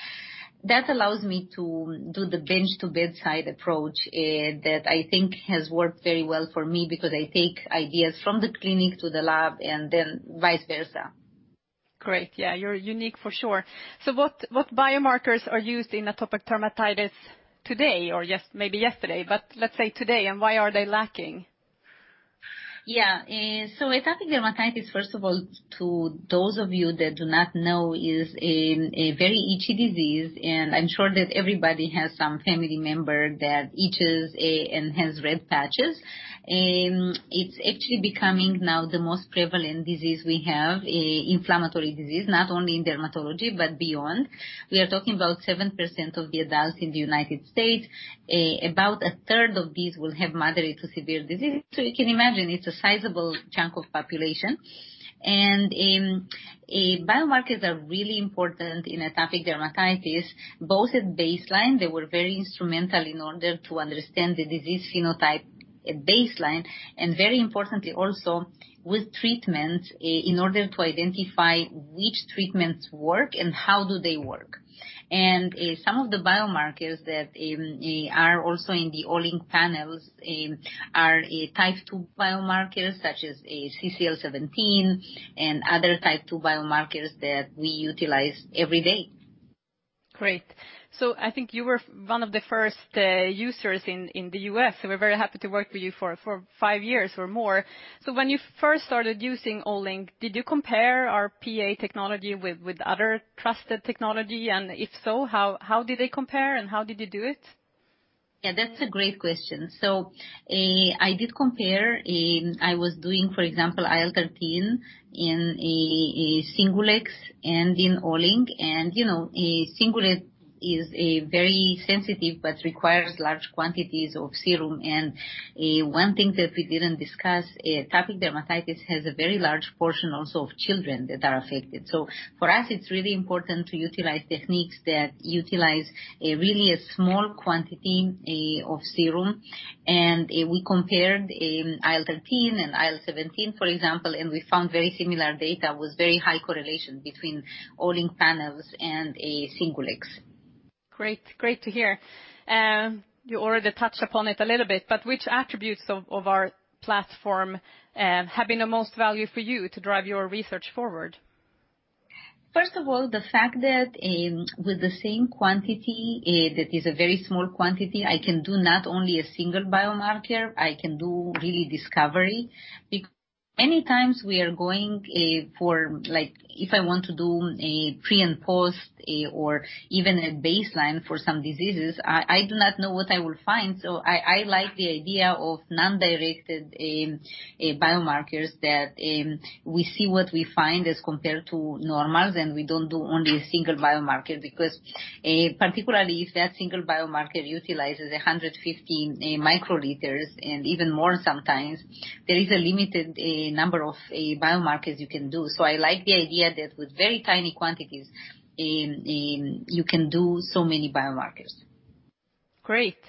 that allows me to do the bench to bedside approach that I think has worked very well for me because I take ideas from the clinic to the lab and then vice versa. Great. Yeah, you're unique for sure. What biomarkers are used in atopic dermatitis today or just maybe yesterday, but let's say today, and why are they lacking? Atopic dermatitis, first of all, to those of you that do not know, is a very itchy disease, and I'm sure that everybody has some family member that itches and has red patches. It's actually becoming now the most prevalent disease we have, inflammatory disease, not only in dermatology but beyond. We are talking about 7% of the adults in the United States. About a third of these will have moderate to severe disease. You can imagine it's a sizable chunk of population. Biomarkers are really important in atopic dermatitis, both at baseline, they were very instrumental in order to understand the disease phenotype at baseline, and very importantly also with treatments in order to identify which treatments work and how do they work. Some of the biomarkers that are also in the Olink panels are Type II biomarkers such as CCL17 and other Type II biomarkers that we utilize every day. Great. I think you were one of the first users in the U.S., so we're very happy to work with you for five years or more. When you first started using Olink, did you compare our PEA technology with other trusted technology? If so, how did they compare and how did you do it? Yeah, that's a great question. I did compare. I was doing, for example, IL-13 in a Singulex and in Olink. You know, Singulex is very sensitive but requires large quantities of serum. One thing that we didn't discuss, atopic dermatitis has a very large portion also of children that are affected. For us, it's really important to utilize techniques that utilize a really small quantity of serum. We compared IL-13 and IL-17, for example, and we found very similar data with very high correlation between Olink panels and a Singulex. Great. Great to hear. You already touched upon it a little bit, but which attributes of our platform have been the most value for you to drive your research forward? First of all, the fact that with the same quantity, that is a very small quantity, I can do not only a single biomarker, I can do really discovery. Many times we are going for, like, if I want to do a pre and post or even a baseline for some diseases, I do not know what I will find. I like the idea of non-directed biomarkers that we see what we find as compared to normals, and we don't do only a single biomarker because particularly if that single biomarker utilizes 115 microliters, and even more sometimes, there is a limited number of biomarkers you can do. I like the idea that with very tiny quantities you can do so many biomarkers. Great.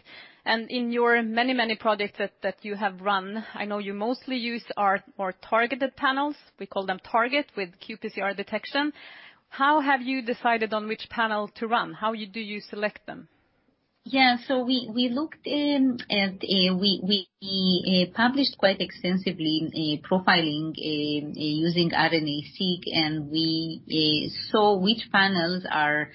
In your many, many projects that you have run, I know you mostly use our targeted panels. We call them Target with qPCR detection. How have you decided on which panel to run? How do you select them? We looked in and published quite extensively in profiling using RNA-Seq, and we saw which panels are,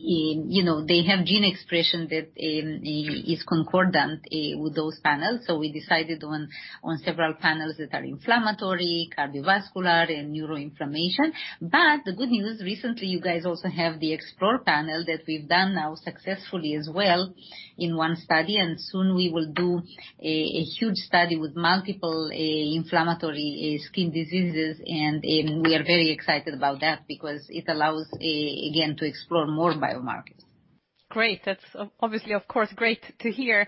you know, they have gene expression that is concordant with those panels. We decided on several panels that are inflammatory, cardiovascular, and neuroinflammation. The good news, recently, you guys also have the Explore panel that we've done now successfully as well in one study. Soon we will do a huge study with multiple inflammatory skin diseases. We are very excited about that because it allows again to explore more biomarkers. Great. That's obviously, of course, great to hear.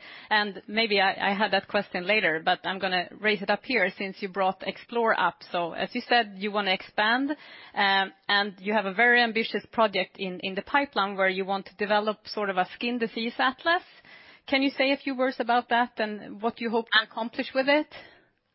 Maybe I had that question later, but I'm gonna raise it up here since you brought Explore up. As you said, you wanna expand, and you have a very ambitious project in the pipeline where you want to develop sort of a Skin Disease Atlas. Can you say a few words about that and what you hope to accomplish with it?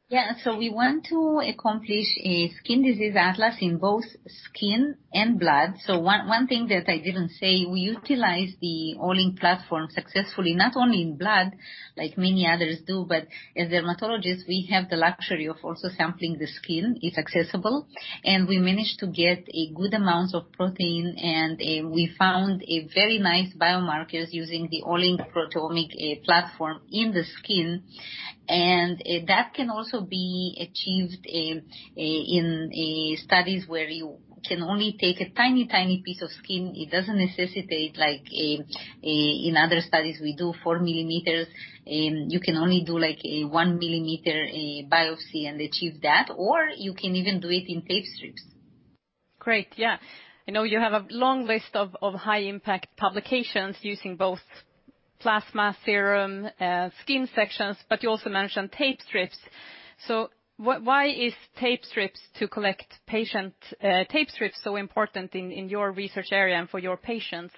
Yeah. We want to accomplish a Skin Disease Atlas in both skin and blood. One thing that I didn't say, we utilize the Olink platform successfully, not only in blood like many others do, but as dermatologists, we have the luxury of also sampling the skin. It's accessible. We managed to get a good amount of protein, and we found very nice biomarkers using the Olink proteomic platform in the skin. That can also be achieved in studies where you can only take a tiny piece of skin. It doesn't necessitate in other studies, we do 4 millimeters. You can only do a 1 millimeter biopsy and achieve that, or you can even do it in tape strips. Great. Yeah. I know you have a long list of high-impact publications using both plasma, serum, skin sections, but you also mentioned tape strips. Why is tape strips to collect patient tape strips so important in your research area and for your patients?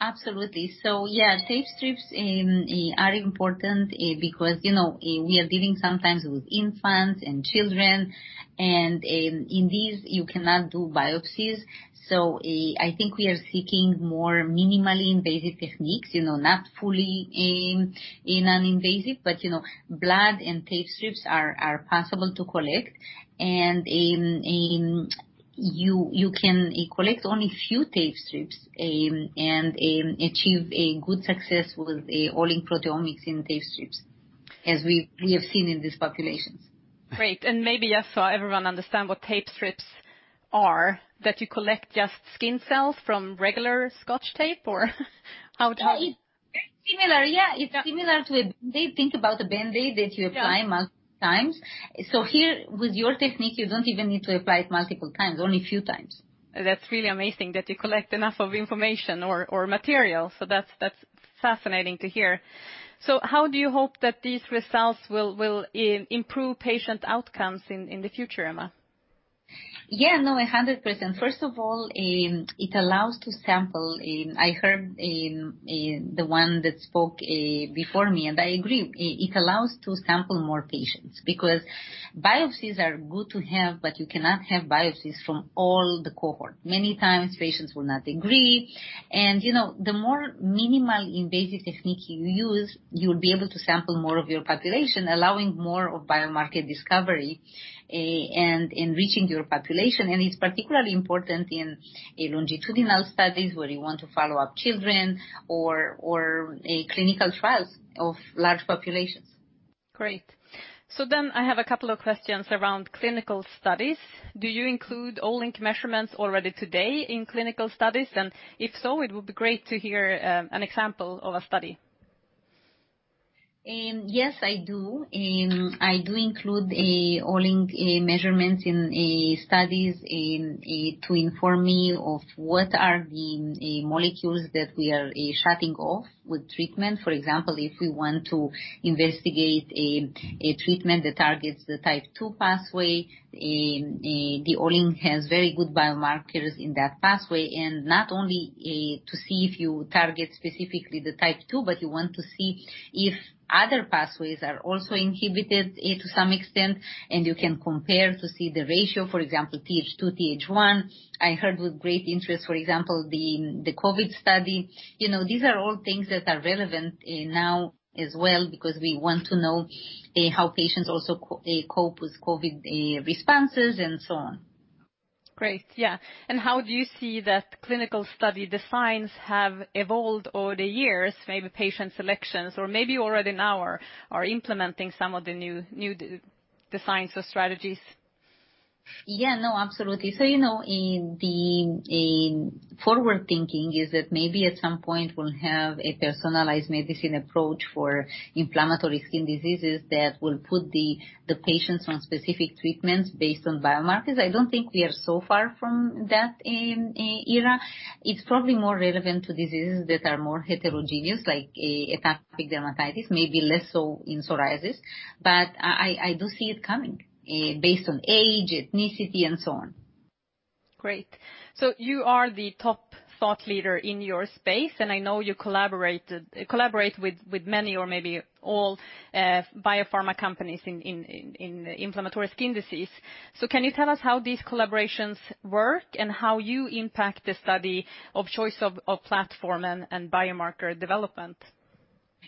Absolutely. Yeah, tape strips are important because, you know, we are dealing sometimes with infants and children and in these you cannot do biopsies. I think we are seeking more minimally invasive techniques, you know, not fully invasive, but, you know, blood and tape strips are possible to collect. You can collect only a few tape strips and achieve a good success with Olink proteomics in tape strips, as we have seen in these populations. Great. Maybe just so everyone understand what tape strips are, that you collect just skin cells from regular scotch tape, or how does it- Similar. Yeah. Yeah. Think about the Band-Aid that you apply. Yeah... multiple times. Here with your technique, you don't even need to apply it multiple times, only a few times. That's really amazing that you collect enough of information or material. That's fascinating to hear. How do you hope that these results will improve patient outcomes in the future, Emma? Yeah, no, 100%. First of all, I heard the one that spoke before me, and I agree. It allows to sample more patients because biopsies are good to have, but you cannot have biopsies from all the cohort. Many times, patients will not agree. You know, the more minimally invasive technique you use, you'll be able to sample more of your population, allowing more of biomarker discovery and enriching your population. It's particularly important in a longitudinal studies where you want to follow up children or a clinical trials of large populations. Great. I have a couple of questions around clinical studies. Do you include Olink measurements already today in clinical studies? And if so, it would be great to hear an example of a study. Yes, I do. I do include Olink measurements in studies to inform me of what are the molecules that we are shutting off with treatment. For example, if we want to investigate a treatment that targets the type two pathway, the Olink has very good biomarkers in that pathway, and not only to see if you target specifically the type two, but you want to see if other pathways are also inhibited to some extent, and you can compare to see the ratio, for example, TH2, TH1. I heard with great interest, for example, the COVID study. You know, these are all things that are relevant now as well because we want to know how patients also cope with COVID responses and so on. Great. Yeah. How do you see that clinical study designs have evolved over the years, maybe patient selections, or maybe you already now are implementing some of the new designs or strategies? Yeah, no, absolutely. You know, in the forward thinking is that maybe at some point we'll have a personalized medicine approach for inflammatory skin diseases that will put the patients on specific treatments based on biomarkers. I don't think we are so far from that era. It's probably more relevant to diseases that are more heterogeneous, like atopic dermatitis, maybe less so in psoriasis. I do see it coming based on age, ethnicity and so on. Great. You are the top thought leader in your space, and I know you collaborate with many or maybe all biopharma companies in inflammatory skin disease. Can you tell us how these collaborations work and how you impact the study of choice of platform and biomarker development? Yeah,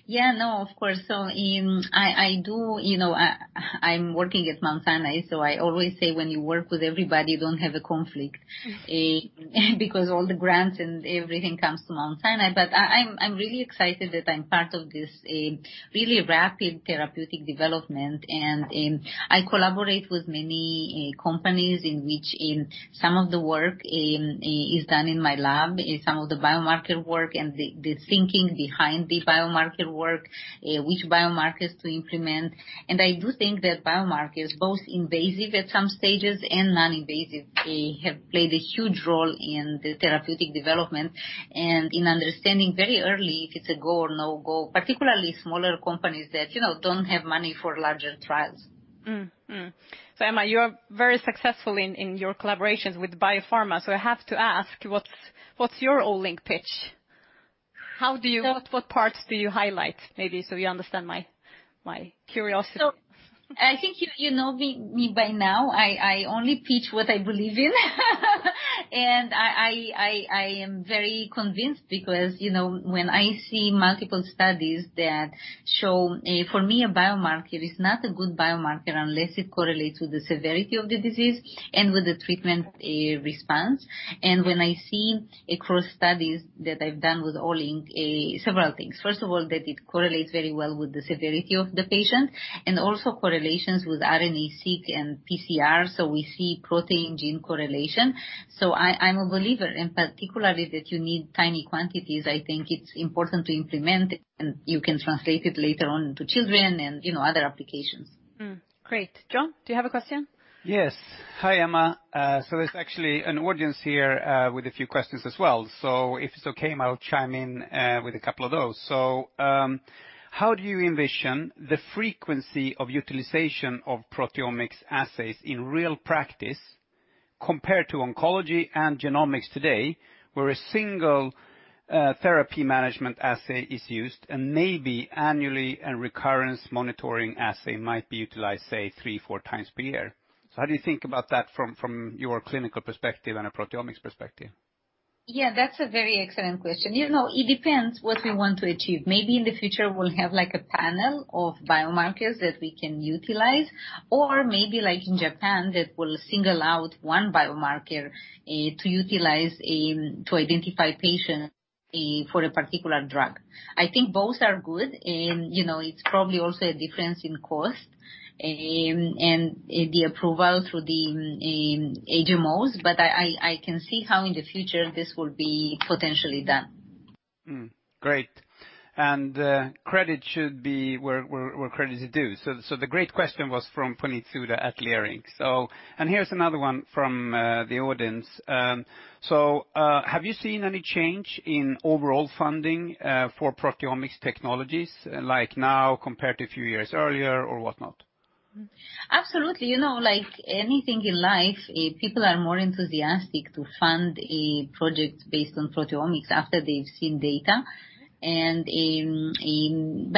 no, of course. I do, you know. I'm working at Mount Sinai, so I always say when you work with everybody, you don't have a conflict, because all the grants and everything comes to Mount Sinai. I'm really excited that I'm part of this really rapid therapeutic development. I collaborate with many companies in which some of the work is done in my lab, some of the Biomarker work and the thinking behind the biomarker work, which biomarkers to implement. I do think that Biomarkers, both invasive at some stages and non-invasive, have played a huge role in the therapeutic development and in understanding very early if it's a go or no-go, particularly smaller companies that, you know, don't have money for larger trials. Emma, you are very successful in your collaborations with biopharma, so I have to ask, what's your Olink pitch? How do you, what parts do you highlight maybe so you understand my curiosity? I think you know me by now. I am very convinced because, you know, when I see multiple studies that show, for me a Biomarker is not a good biomarker unless it correlates with the severity of the disease and with the treatment response. When I see across studies that I've done with Olink, several things. First of all, that it correlates very well with the severity of the patient and also correlations with RNA-Seq and PCR, so we see protein-gene correlation. I'm a believer, and particularly that you need tiny quantities, I think it's important to implement, and you can translate it later on to children and, you know, other applications. Great. Jon, do you have a question? Yes. Hi, Emma. There's actually an audience here with a few questions as well. If it's okay, I'll chime in with a couple of those. How do you envision the frequency of utilization of proteomics assays in real practice compared to oncology and genomics today, where a single therapy management assay is used and maybe annually a recurrence monitoring assay might be utilized, say, 3, 4 times per year? How do you think about that from your clinical perspective and a proteomics perspective? Yeah, that's a very excellent question. You know, it depends what we want to achieve. Maybe in the future we'll have like a panel of biomarkers that we can utilize. Or maybe like in Japan, that we'll single out one biomarker, to utilize and to identify patients, for a particular drug. I think both are good and, you know, it's probably also a difference in cost, and the approval through the, HMOs. I can see how in the future this will be potentially done. Great. Credit should be where credit is due. So the great question was from Puneet Souda at Leerink. Here's another one from the audience. Have you seen any change in overall funding for proteomics technologies like now compared to a few years earlier or whatnot? Absolutely. You know, like anything in life, people are more enthusiastic to fund a project based on proteomics after they've seen data.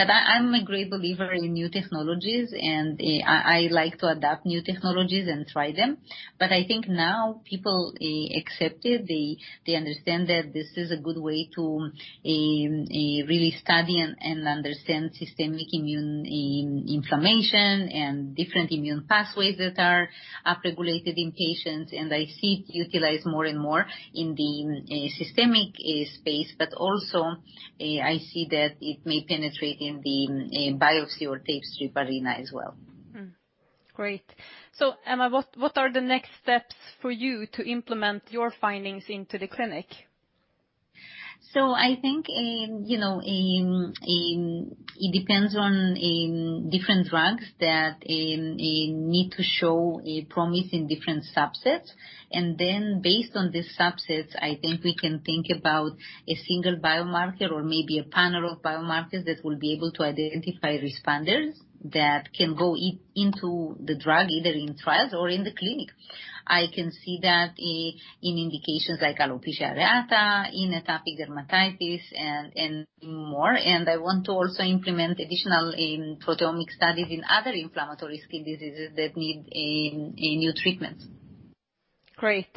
I'm a great believer in new technologies and I like to adapt new technologies and try them. I think now people accept it. They understand that this is a good way to really study and understand systemic immunity and inflammation and different immune pathways that are upregulated in patients. I see it utilized more and more in the systemic space. Also, I see that it may penetrate in the biopsy or tape strip arena as well. Great. Emma, what are the next steps for you to implement your findings into the clinic? I think, you know, it depends on different drugs that need to show a promise in different subsets. Based on these subsets, I think we can think about a single biomarker or maybe a panel of biomarkers that will be able to identify responders that can go into the drug, either in trials or in the clinic. I can see that in indications like alopecia areata, in atopic dermatitis and more, and I want to also implement additional proteomic studies in other inflammatory skin diseases that need a new treatment. Great.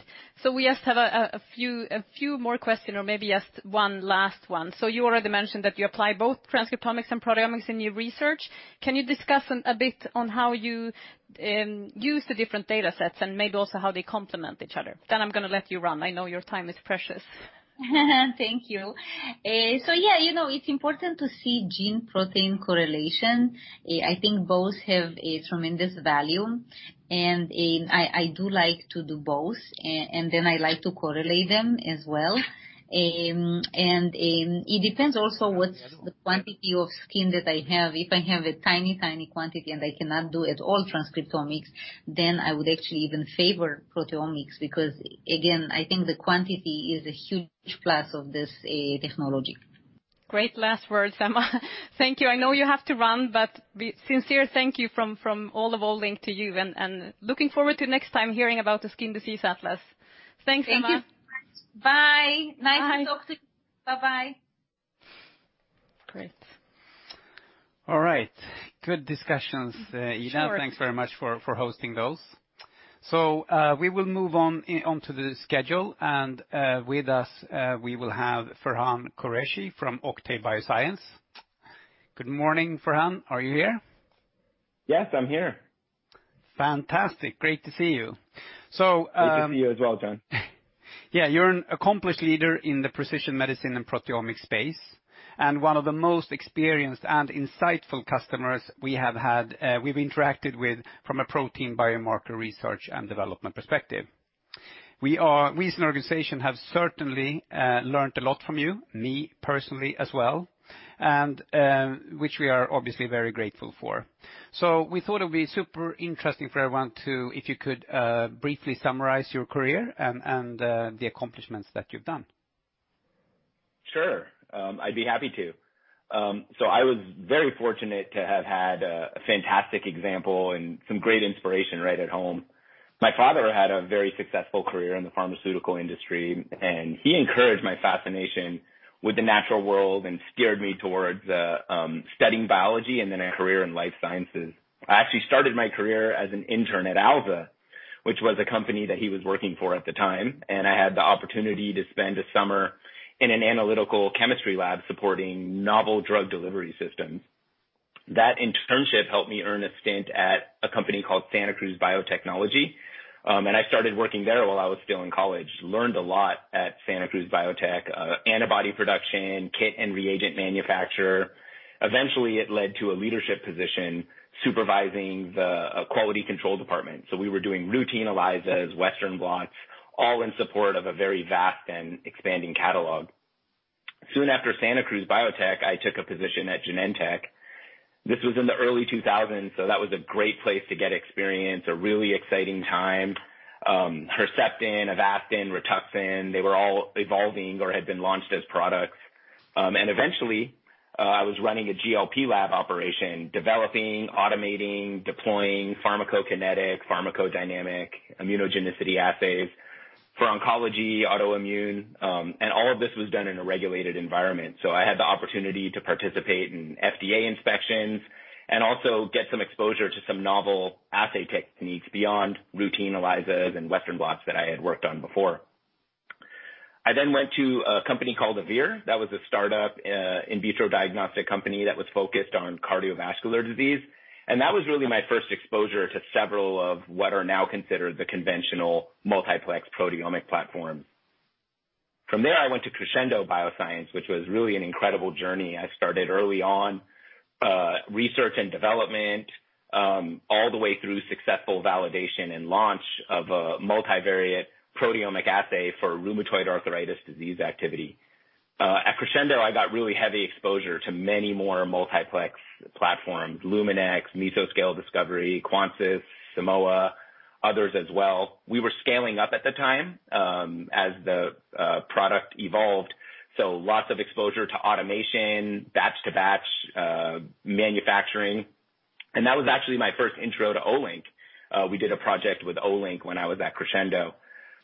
We just have a few more questions or maybe just one last one. You already mentioned that you apply both transcriptomics and proteomics in your research. Can you discuss a bit on how you use the different data sets and maybe also how they complement each other? Then I'm gonna let you run. I know your time is precious. Thank you. Yeah, you know, it's important to see gene-protein correlation. I think both have a tremendous value. I do like to do both, and then I like to correlate them as well. It depends also what's the quantity of skin that I have. If I have a tiny quantity and I cannot do at all transcriptomics, then I would actually even favor proteomics because again, I think the quantity is a huge plus of this technology. Great last words, Emma. Thank you. I know you have to run, but a sincere thank you from all of Olink to you and looking forward to next time hearing about the Skin Disease Atlas. Thanks, Emma. Thank you. Bye. Bye. Nice to talk to you. Bye-bye. Great. All right. Good discussions, Ida. Sure. Thanks very much for hosting those. We will move on onto the schedule and with us we will have Ferhan Qureshi from Octave Bioscience. Good morning, Ferhan. Are you here? Yes, I'm here. Fantastic. Great to see you. Good to see you as well, Jon. Yeah. You're an accomplished leader in the precision medicine and proteomics space, and one of the most experienced and insightful customers we have had, we've interacted with from a protein biomarker research and development perspective. We as an organization have certainly learned a lot from you, me personally as well, and which we are obviously very grateful for. We thought it would be super interesting for everyone to, if you could, briefly summarize your career and the accomplishments that you've done. Sure. I'd be happy to. I was very fortunate to have had a fantastic example and some great inspiration right at home. My father had a very successful career in the pharmaceutical industry, and he encouraged my fascination with the natural world and steered me towards studying biology and then a career in life sciences. I actually started my career as an intern at Alza, which was a company that he was working for at the time, and I had the opportunity to spend a summer in an analytical chemistry lab supporting novel drug delivery systems. That internship helped me earn a stint at a company called Santa Cruz Biotechnology, and I started working there while I was still in college. Learned a lot at Santa Cruz Biotech, antibody production, kit and reagent manufacturer. Eventually, it led to a leadership position supervising the quality control department. We were doing routine ELISAs, Western blots, all in support of a very vast and expanding catalog. Soon after Santa Cruz Biotechnology, I took a position at Genentech. This was in the early 2000s, so that was a great place to get experience, a really exciting time. Herceptin, Avastin, Rituxan, they were all evolving or had been launched as products. Eventually, I was running a GLP lab operation, developing, automating, deploying pharmacokinetic, pharmacodynamic, immunogenicity assays for oncology, autoimmune, and all of this was done in a regulated environment. I had the opportunity to participate in FDA inspections and also get some exposure to some novel assay techniques beyond routine ELISAs and Western blots that I had worked on before. I then went to a company called Aviir. That was a startup, in vitro diagnostic company that was focused on cardiovascular disease, and that was really my first exposure to several of what are now considered the conventional multiplex proteomic platforms. From there, I went to Crescendo Bioscience, which was really an incredible journey. I started early on, research and development, all the way through successful validation and launch of a multivariate proteomic assay for rheumatoid arthritis disease activity. At Crescendo, I got really heavy exposure to many more multiplex platforms, Luminex, Meso Scale Discovery, Quanterix, Simoa, others as well. We were scaling up at the time, as the product evolved, so lots of exposure to automation, batch to batch, manufacturing. That was actually my first intro to Olink. We did a project with Olink when I was at Crescendo.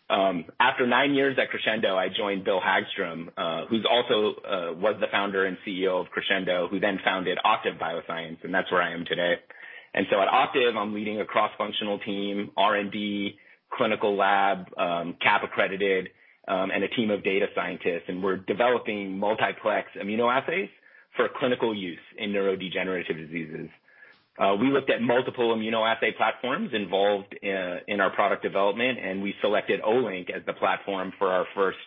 After nine years at Crescendo, I joined Bill Hagstrom, who's also was the Founder and CEO of Crescendo, who then founded Octave Bioscience, and that's where I am today. At Octave, I'm leading a cross-functional team, R&D, clinical lab, CAP-accredited, and a team of data scientists, and we're developing multiplex immunoassays for clinical use in neurodegenerative diseases. We looked at multiple immunoassay platforms involved in our product development, and we selected Olink as the platform for our first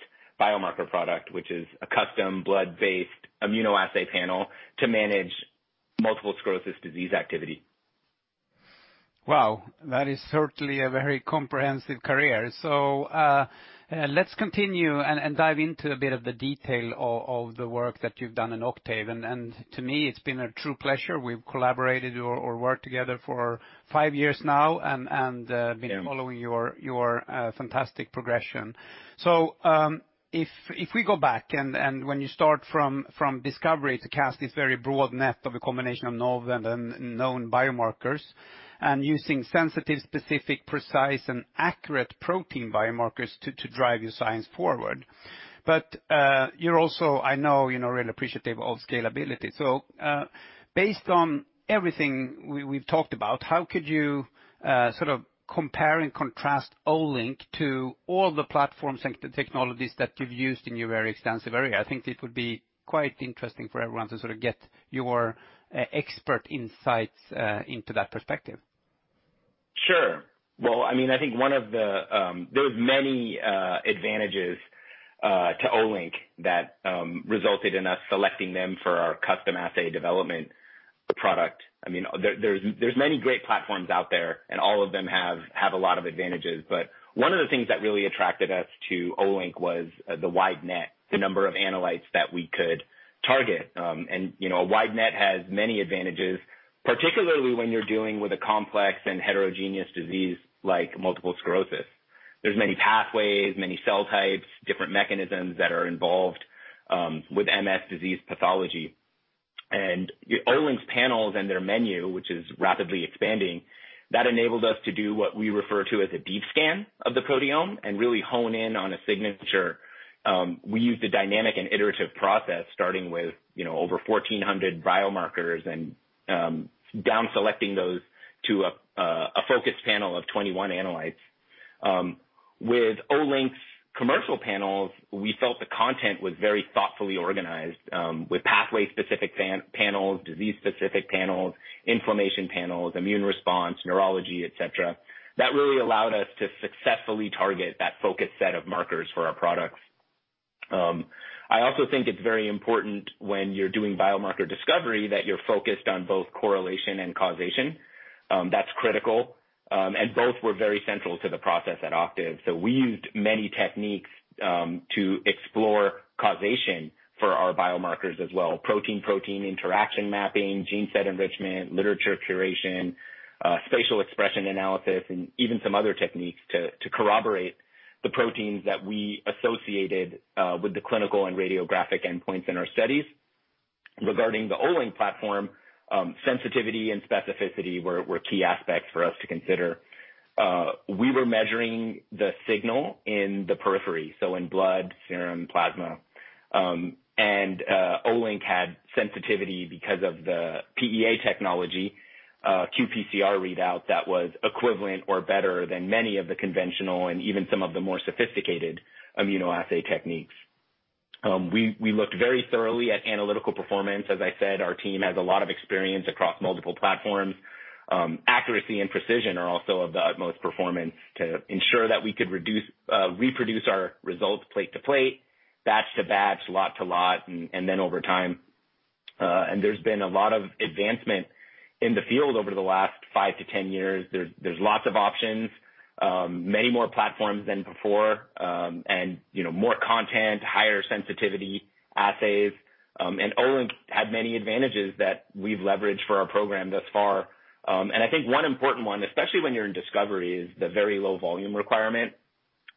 biomarker product, which is a custom blood-based immunoassay panel to manage multiple sclerosis disease activity. Wow. That is certainly a very comprehensive career. Let's continue and dive into a bit of the detail of the work that you've done in Octave. To me, it's been a true pleasure. We've collaborated or worked together for five years now and Yeah. I've been following your fantastic progression. If we go back and when you start from discovery to cast this very broad net of a combination of novel and unknown biomarkers and using sensitive, specific, precise, and accurate protein biomarkers to drive your science forward. You're also, I know, you know, really appreciative of scalability. Based on everything we've talked about, how could you sort of compare and contrast Olink to all the platforms and technologies that you've used in your very extensive career? I think it would be quite interesting for everyone to sort of get your expert insights into that perspective. Sure. Well, I mean, I think one of the advantages to Olink that resulted in us selecting them for our custom assay development product. I mean, there's many great platforms out there, and all of them have a lot of advantages. But one of the things that really attracted us to Olink was the wide net, the number of analytes that we could target. You know, a wide net has many advantages, particularly when you're dealing with a complex and heterogeneous disease like multiple sclerosis. There's many pathways, many cell types, different mechanisms that are involved with MS disease pathology. Olink's panels and their menu, which is rapidly expanding, enabled us to do what we refer to as a deep scan of the proteome and really hone in on a signature. We used a dynamic and iterative process starting with, you know, over 1,400 biomarkers and down selecting those to a focused panel of 21 analytes. With Olink's commercial panels, we felt the content was very thoughtfully organized, with pathway-specific panels, disease-specific panels, inflammation panels, immune response, neurology, et cetera. That really allowed us to successfully target that focus set of markers for our products. I also think it's very important when you're doing biomarker discovery that you're focused on both correlation and causation. That's critical. And both were very central to the process at Octave. We used many techniques to explore causation for our biomarkers as well. Protein, protein interaction mapping, gene set enrichment, literature curation. Spatial expression analysis and even some other techniques to corroborate the proteins that we associated with the clinical and radiographic endpoints in our studies. Regarding the Olink platform, sensitivity and specificity were key aspects for us to consider. We were measuring the signal in the periphery, so in blood, serum, plasma. Olink had sensitivity because of the PEA technology, qPCR readout that was equivalent or better than many of the conventional and even some of the more sophisticated immunoassay techniques. We looked very thoroughly at analytical performance. As I said, our team has a lot of experience across multiple platforms. Accuracy and precision are also of the utmost importance to ensure that we could reproduce our results plate to plate, batch to batch, lot to lot, and then over time. There's been a lot of advancement in the field over the last 5-10 years. There's lots of options, many more platforms than before, and, you know, more content, higher sensitivity assays. Olink had many advantages that we've leveraged for our program thus far. I think one important one, especially when you're in discovery, is the very low volume requirement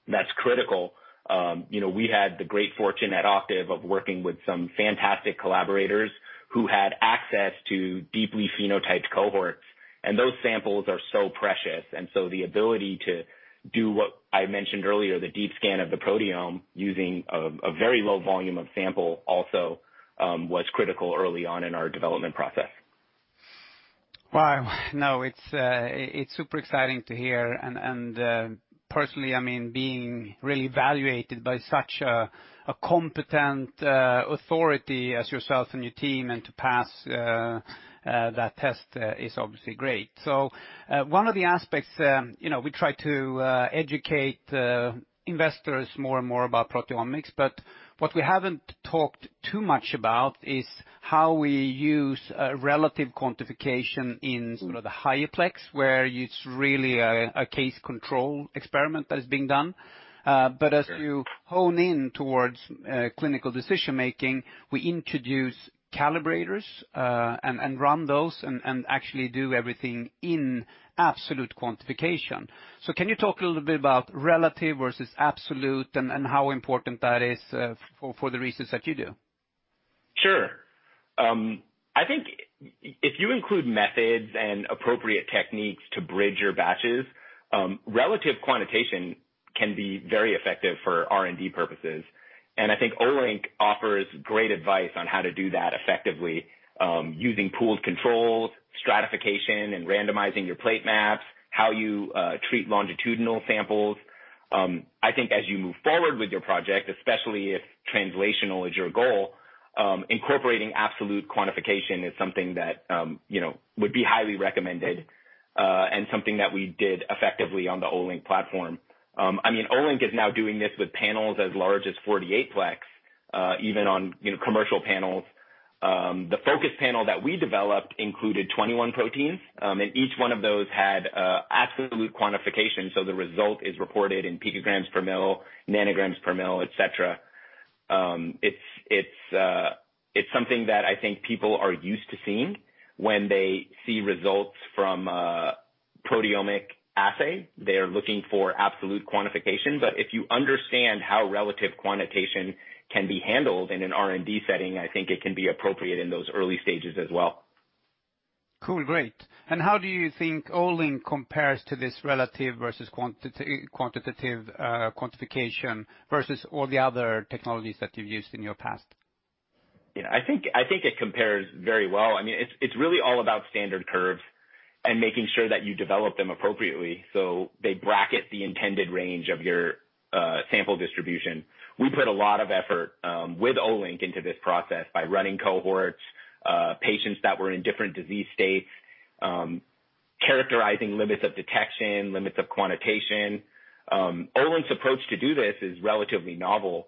that's critical. You know, we had the great fortune at Octave of working with some fantastic collaborators who had access to deeply phenotyped cohorts, and those samples are so precious. The ability to do what I mentioned earlier, the deep scan of the proteome using a very low volume of sample also was critical early on in our development process. Wow. No, it's super exciting to hear. Personally, I mean, being really evaluated by such a competent authority as yourself and your team, and to pass that test is obviously great. One of the aspects, you know, we try to educate investors more and more about proteomics, but what we haven't talked too much about is how we use relative quantification in sort of the higher plex, where it's really a case control experiment that is being done. Sure. As you hone in towards clinical decision making, we introduce calibrators, and run those and actually do everything in absolute quantification. Can you talk a little bit about relative versus absolute and how important that is, for the research that you do? Sure. I think if you include methods and appropriate techniques to bridge your batches, relative quantitation can be very effective for R&D purposes. I think Olink offers great advice on how to do that effectively, using pooled controls, stratification, and randomizing your plate maps, how you treat longitudinal samples. I think as you move forward with your project, especially if translational is your goal, incorporating absolute quantification is something that, you know, would be highly recommended, and something that we did effectively on the Olink platform. I mean, Olink is now doing this with panels as large as 48-plex, even on, you know, commercial panels. The focus panel that we developed included 21 proteins, and each one of those had absolute quantification, so the result is reported in picograms per mil, nanograms per mil, et cetera. It's something that I think people are used to seeing when they see results from a proteomic assay. They're looking for absolute quantification. But if you understand how relative quantitation can be handled in an R&D setting, I think it can be appropriate in those early stages as well. Cool. Great. How do you think Olink compares to this relative versus quantitative quantification versus all the other technologies that you've used in your past? You know, I think it compares very well. I mean, it's really all about standard curves and making sure that you develop them appropriately so they bracket the intended range of your sample distribution. We put a lot of effort with Olink into this process by running cohorts patients that were in different disease states, characterizing limits of detection, limits of quantitation. Olink's approach to do this is relatively novel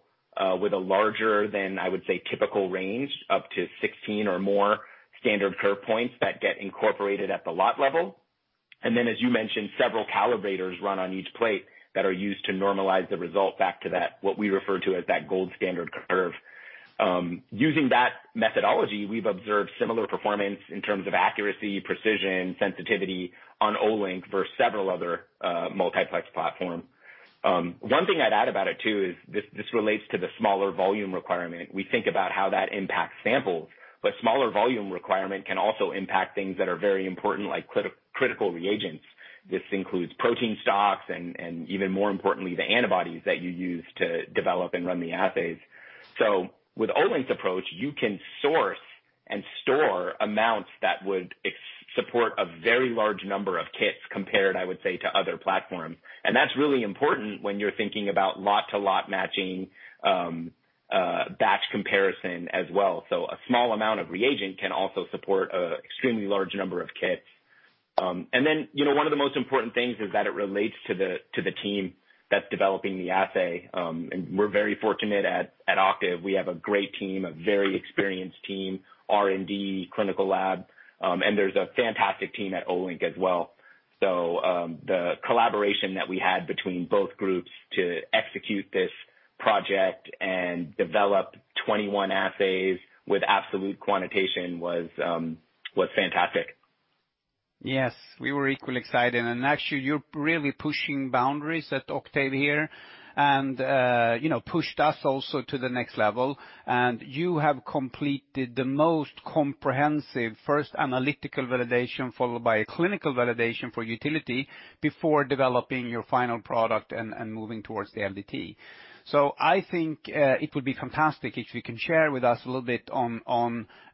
with a larger than, I would say, typical range, up to 16 or more standard curve points that get incorporated at the lot level. As you mentioned, several calibrators run on each plate that are used to normalize the result back to that, what we refer to as that gold standard curve. Using that methodology, we've observed similar performance in terms of accuracy, precision, sensitivity on Olink versus several other multiplex platform. One thing I'd add about it too is this; this relates to the smaller volume requirement. We think about how that impacts samples, but smaller volume requirement can also impact things that are very important, like critical reagents. This includes protein stocks and even more importantly, the antibodies that you use to develop and run the assays. With Olink's approach, you can source and store amounts that would support a very large number of kits compared, I would say, to other platforms. That's really important when you're thinking about lot-to-lot matching, batch comparison as well. A small amount of reagent can also support an extremely large number of kits. You know, one of the most important things is that it relates to the team that's developing the assay. We're very fortunate at Octave. We have a great team, a very experienced team, R&D, clinical lab, and there's a fantastic team at Olink as well. The collaboration that we had between both groups to execute this project and develop 21 assays with absolute quantitation was fantastic. Yes, we were equally excited. Actually, you're really pushing boundaries at Octave here and, you know, pushed us also to the next level. You have completed the most comprehensive first analytical validation, followed by a clinical validation for utility before developing your final product and moving towards the LDT. I think it would be fantastic if you can share with us a little bit on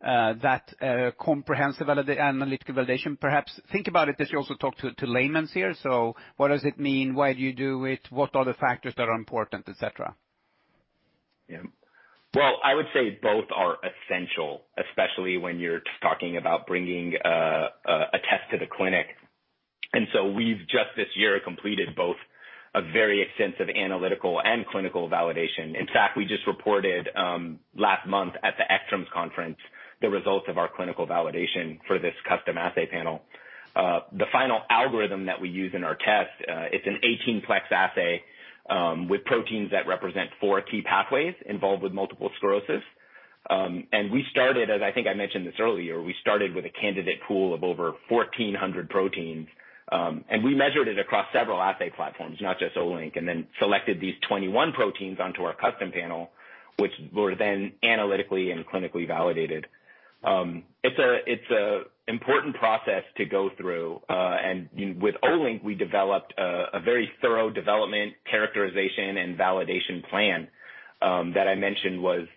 that comprehensive analytical validation. Perhaps think about it as you also talk to laymen here. What does it mean? Why do you do it? What are the factors that are important, et cetera? Yeah. Well, I would say both are essential, especially when you're talking about bringing a test to the clinic. We've just this year completed both a very extensive analytical and clinical validation. In fact, we just reported last month at the ACTRIMS conference, the results of our clinical validation for this custom assay panel. The final algorithm that we use in our test, it's an 18-plex assay with proteins that represent four key pathways involved with multiple sclerosis. We started, as I think I mentioned this earlier, with a candidate pool of over 1,400 proteins. We measured it across several assay platforms, not just Olink, and then selected these 21 proteins onto our custom panel, which were then analytically and clinically validated. It's an important process to go through. With Olink, we developed a very thorough development characterization and validation plan that I mentioned was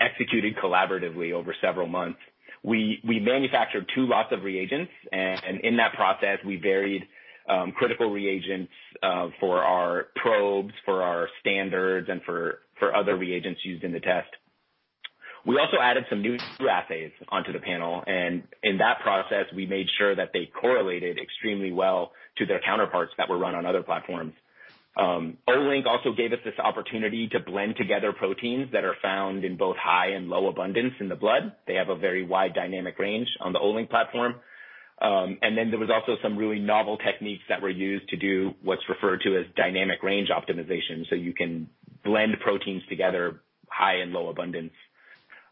executed collaboratively over several months. We manufactured 2 lots of reagents, and in that process we varied critical reagents for our probes, for our standards, and for other reagents used in the test. We also added some new assays onto the panel, and in that process we made sure that they correlated extremely well to their counterparts that were run on other platforms. Olink also gave us this opportunity to blend together proteins that are found in both high and low abundance in the blood. They have a very wide dynamic range on the Olink platform. There was also some really novel techniques that were used to do what's referred to as dynamic range optimization, so you can blend proteins together, high and low abundance.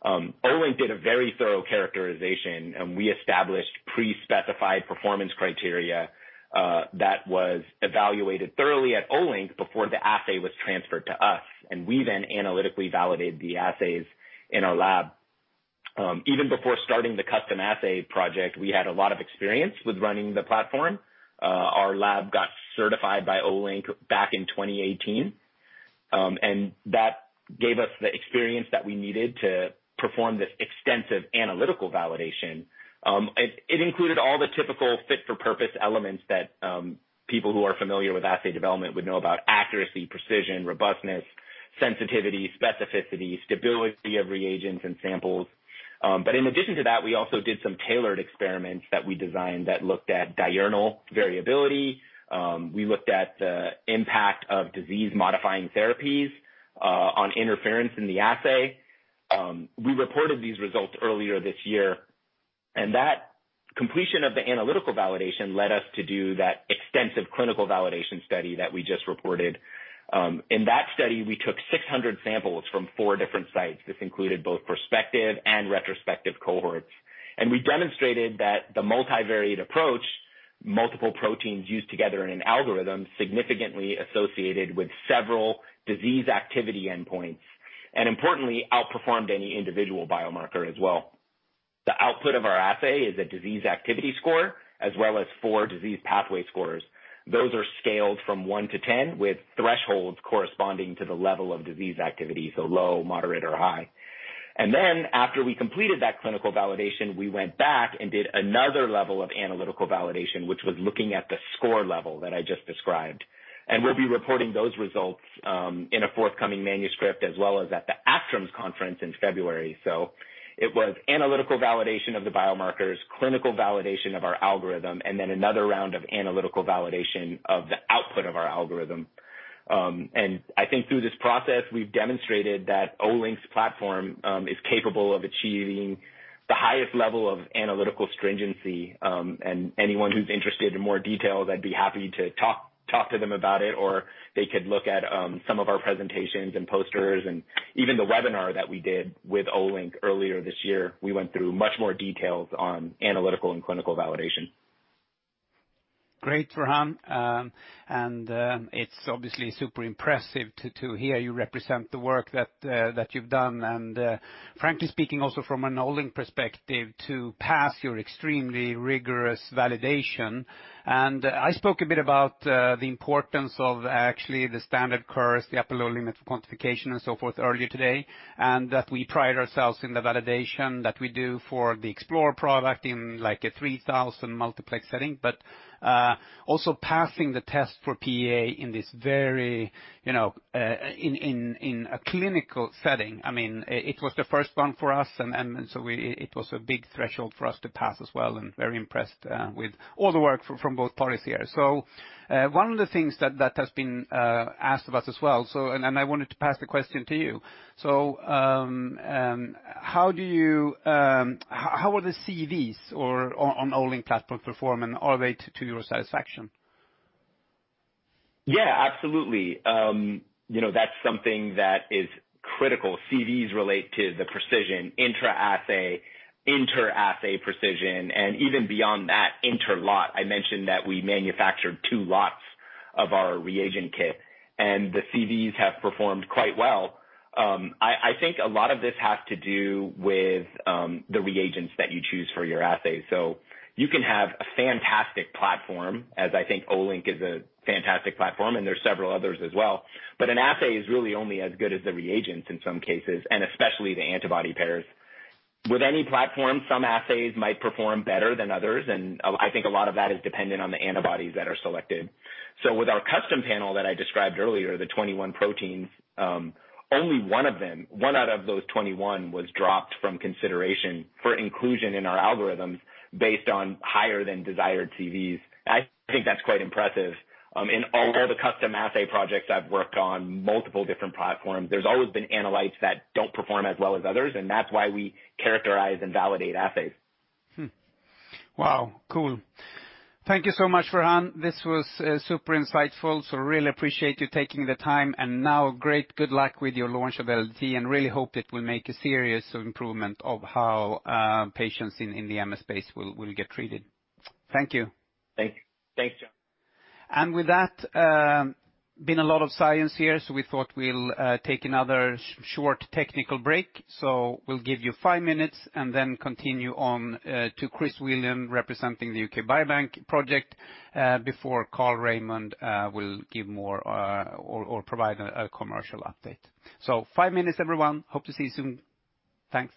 Olink did a very thorough characterization, and we established pre-specified performance criteria that was evaluated thoroughly at Olink before the assay was transferred to us. We then analytically validated the assays in our lab. Even before starting the custom assay project, we had a lot of experience with running the platform. Our lab got certified by Olink back in 2018, and that gave us the experience that we needed to perform this extensive analytical validation. It included all the typical fit for purpose elements that people who are familiar with assay development would know about accuracy, precision, robustness, sensitivity, specificity, stability of reagents and samples. In addition to that, we also did some tailored experiments that we designed that looked at diurnal variability. We looked at the impact of disease-modifying therapies on interference in the assay. We reported these results earlier this year, and that completion of the analytical validation led us to do that extensive clinical validation study that we just reported. In that study, we took 600 samples from four different sites. This included both prospective and retrospective cohorts. We demonstrated that the multivariate approach, multiple proteins used together in an algorithm, significantly associated with several disease activity endpoints, and importantly, outperformed any individual biomarker as well. The output of our assay is a disease activity score as well as four disease pathway scores. Those are scaled from 1-10, with thresholds corresponding to the level of disease activity, so low, moderate, or high. After we completed that clinical validation, we went back and did another level of analytical validation, which was looking at the score level that I just described. We'll be reporting those results in a forthcoming manuscript as well as at the ACTRIMS conference in February. It was analytical validation of the biomarkers, clinical validation of our algorithm, and then another round of analytical validation of the output of our algorithm. I think through this process, we've demonstrated that Olink's platform is capable of achieving the highest level of analytical stringency. Anyone who's interested in more details, I'd be happy to talk to them about it, or they could look at some of our presentations and posters and even the webinar that we did with Olink earlier this year. We went through much more details on analytical and clinical validation. Great, Ferhan Qureshi. It's obviously super impressive to hear you represent the work that you've done, and frankly speaking, also from an Olink perspective, to pass your extremely rigorous validation. I spoke a bit about the importance of actually the standard curves, the upper/lower limits of quantification and so forth earlier today, and that we pride ourselves in the validation that we do for the Explore product in, like, a 3,000-multiplex setting, but also passing the test for PEA in this very, you know, in a clinical setting. I mean, it was the first one for us, and so it was a big threshold for us to pass as well, and very impressed with all the work from both parties here. One of the things that has been asked of us as well. I wanted to pass the question to you. How are the CVs on Olink platform perform, and are they to your satisfaction? Yeah, absolutely. You know, that's something that is critical. CVs relate to the precision intra-assay, inter-assay precision, and even beyond that, inter-lot. I mentioned that we manufacture 2 lots of our reagent kit, and the CVs have performed quite well. I think a lot of this has to do with the reagents that you choose for your assay. You can have a fantastic platform, as I think Olink is a fantastic platform, and there are several others as well. But an assay is really only as good as the reagents in some cases, and especially the antibody pairs. With any platform, some assays might perform better than others, and I think a lot of that is dependent on the antibodies that are selected. With our custom panel that I described earlier, the 21 proteins, only one of them, one out of those 21 was dropped from consideration for inclusion in our algorithms based on higher than desired CVs. I think that's quite impressive. In all the custom assay projects I've worked on, multiple different platforms, there's always been analytes that don't perform as well as others, and that's why we characterize and validate assays. Wow, cool. Thank you so much, Ferhan. This was super insightful. Really appreciate you taking the time. Now great, good luck with your launch of LDT, and really hope it will make a serious improvement of how patients in the MS space will get treated. Thank you. Thank you. Thanks, Jon. With that, been a lot of science here, so we thought we'll take another short technical break. We'll give you 5 minutes and then continue on to Chris Whelan, representing the U.K. Biobank Pharma Proteomics Project, before Carl Raimond will give more or provide a commercial update. 5 minutes, everyone. Hope to see you soon. Thanks.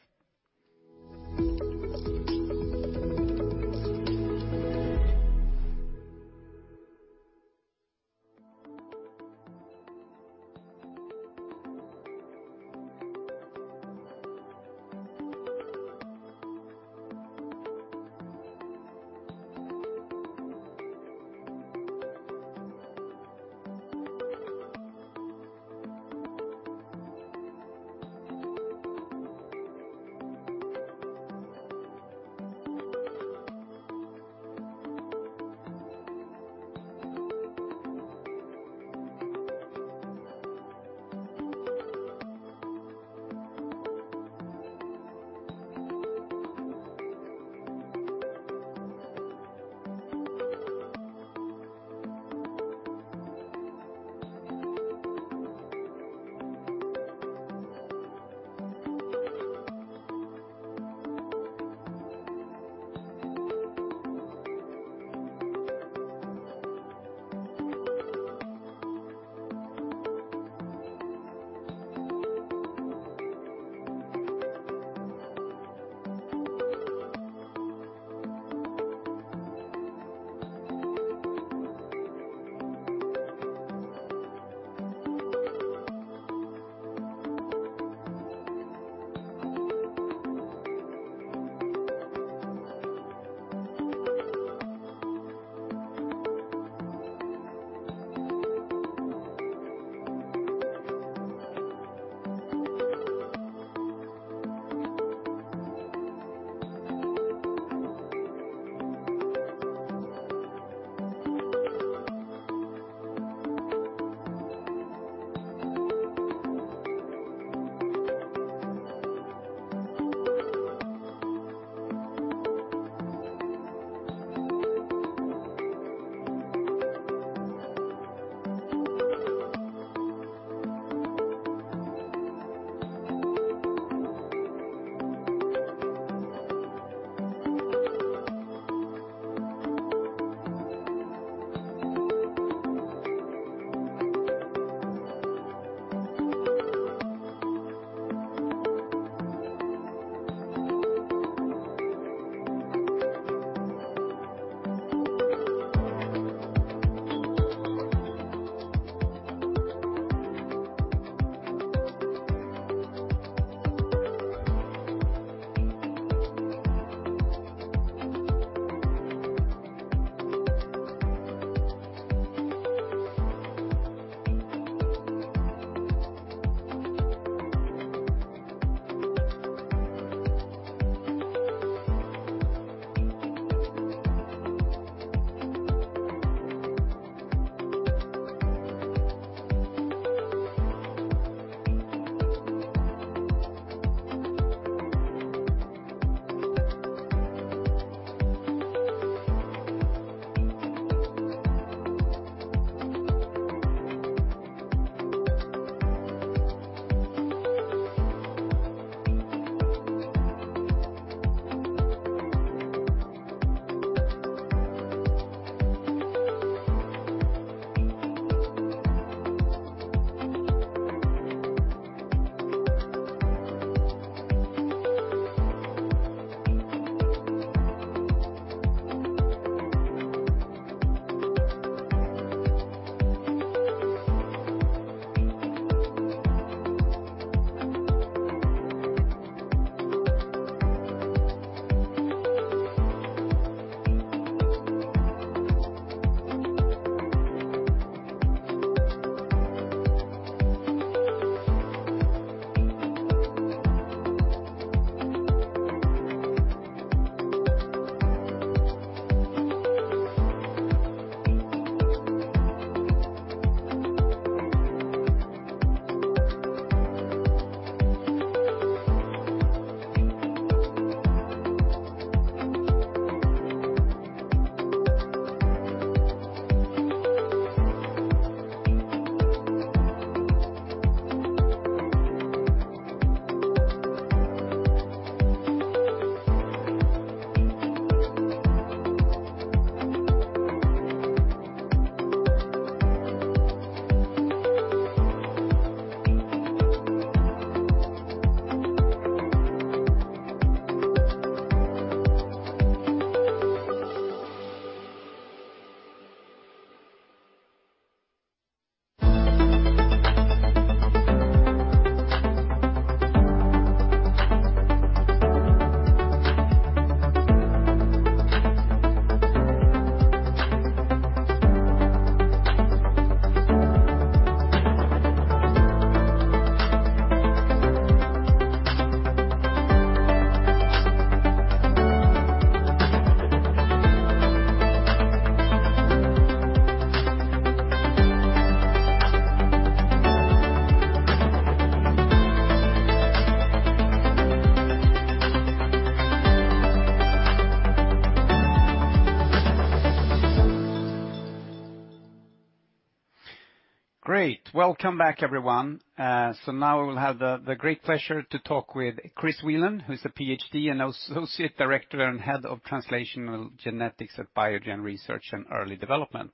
Great. Welcome back, everyone. Now we'll have the great pleasure to talk with Chris Whelan, who's a PhD and Associate Director and Head of Translational Genetics at Biogen Research and Early Development.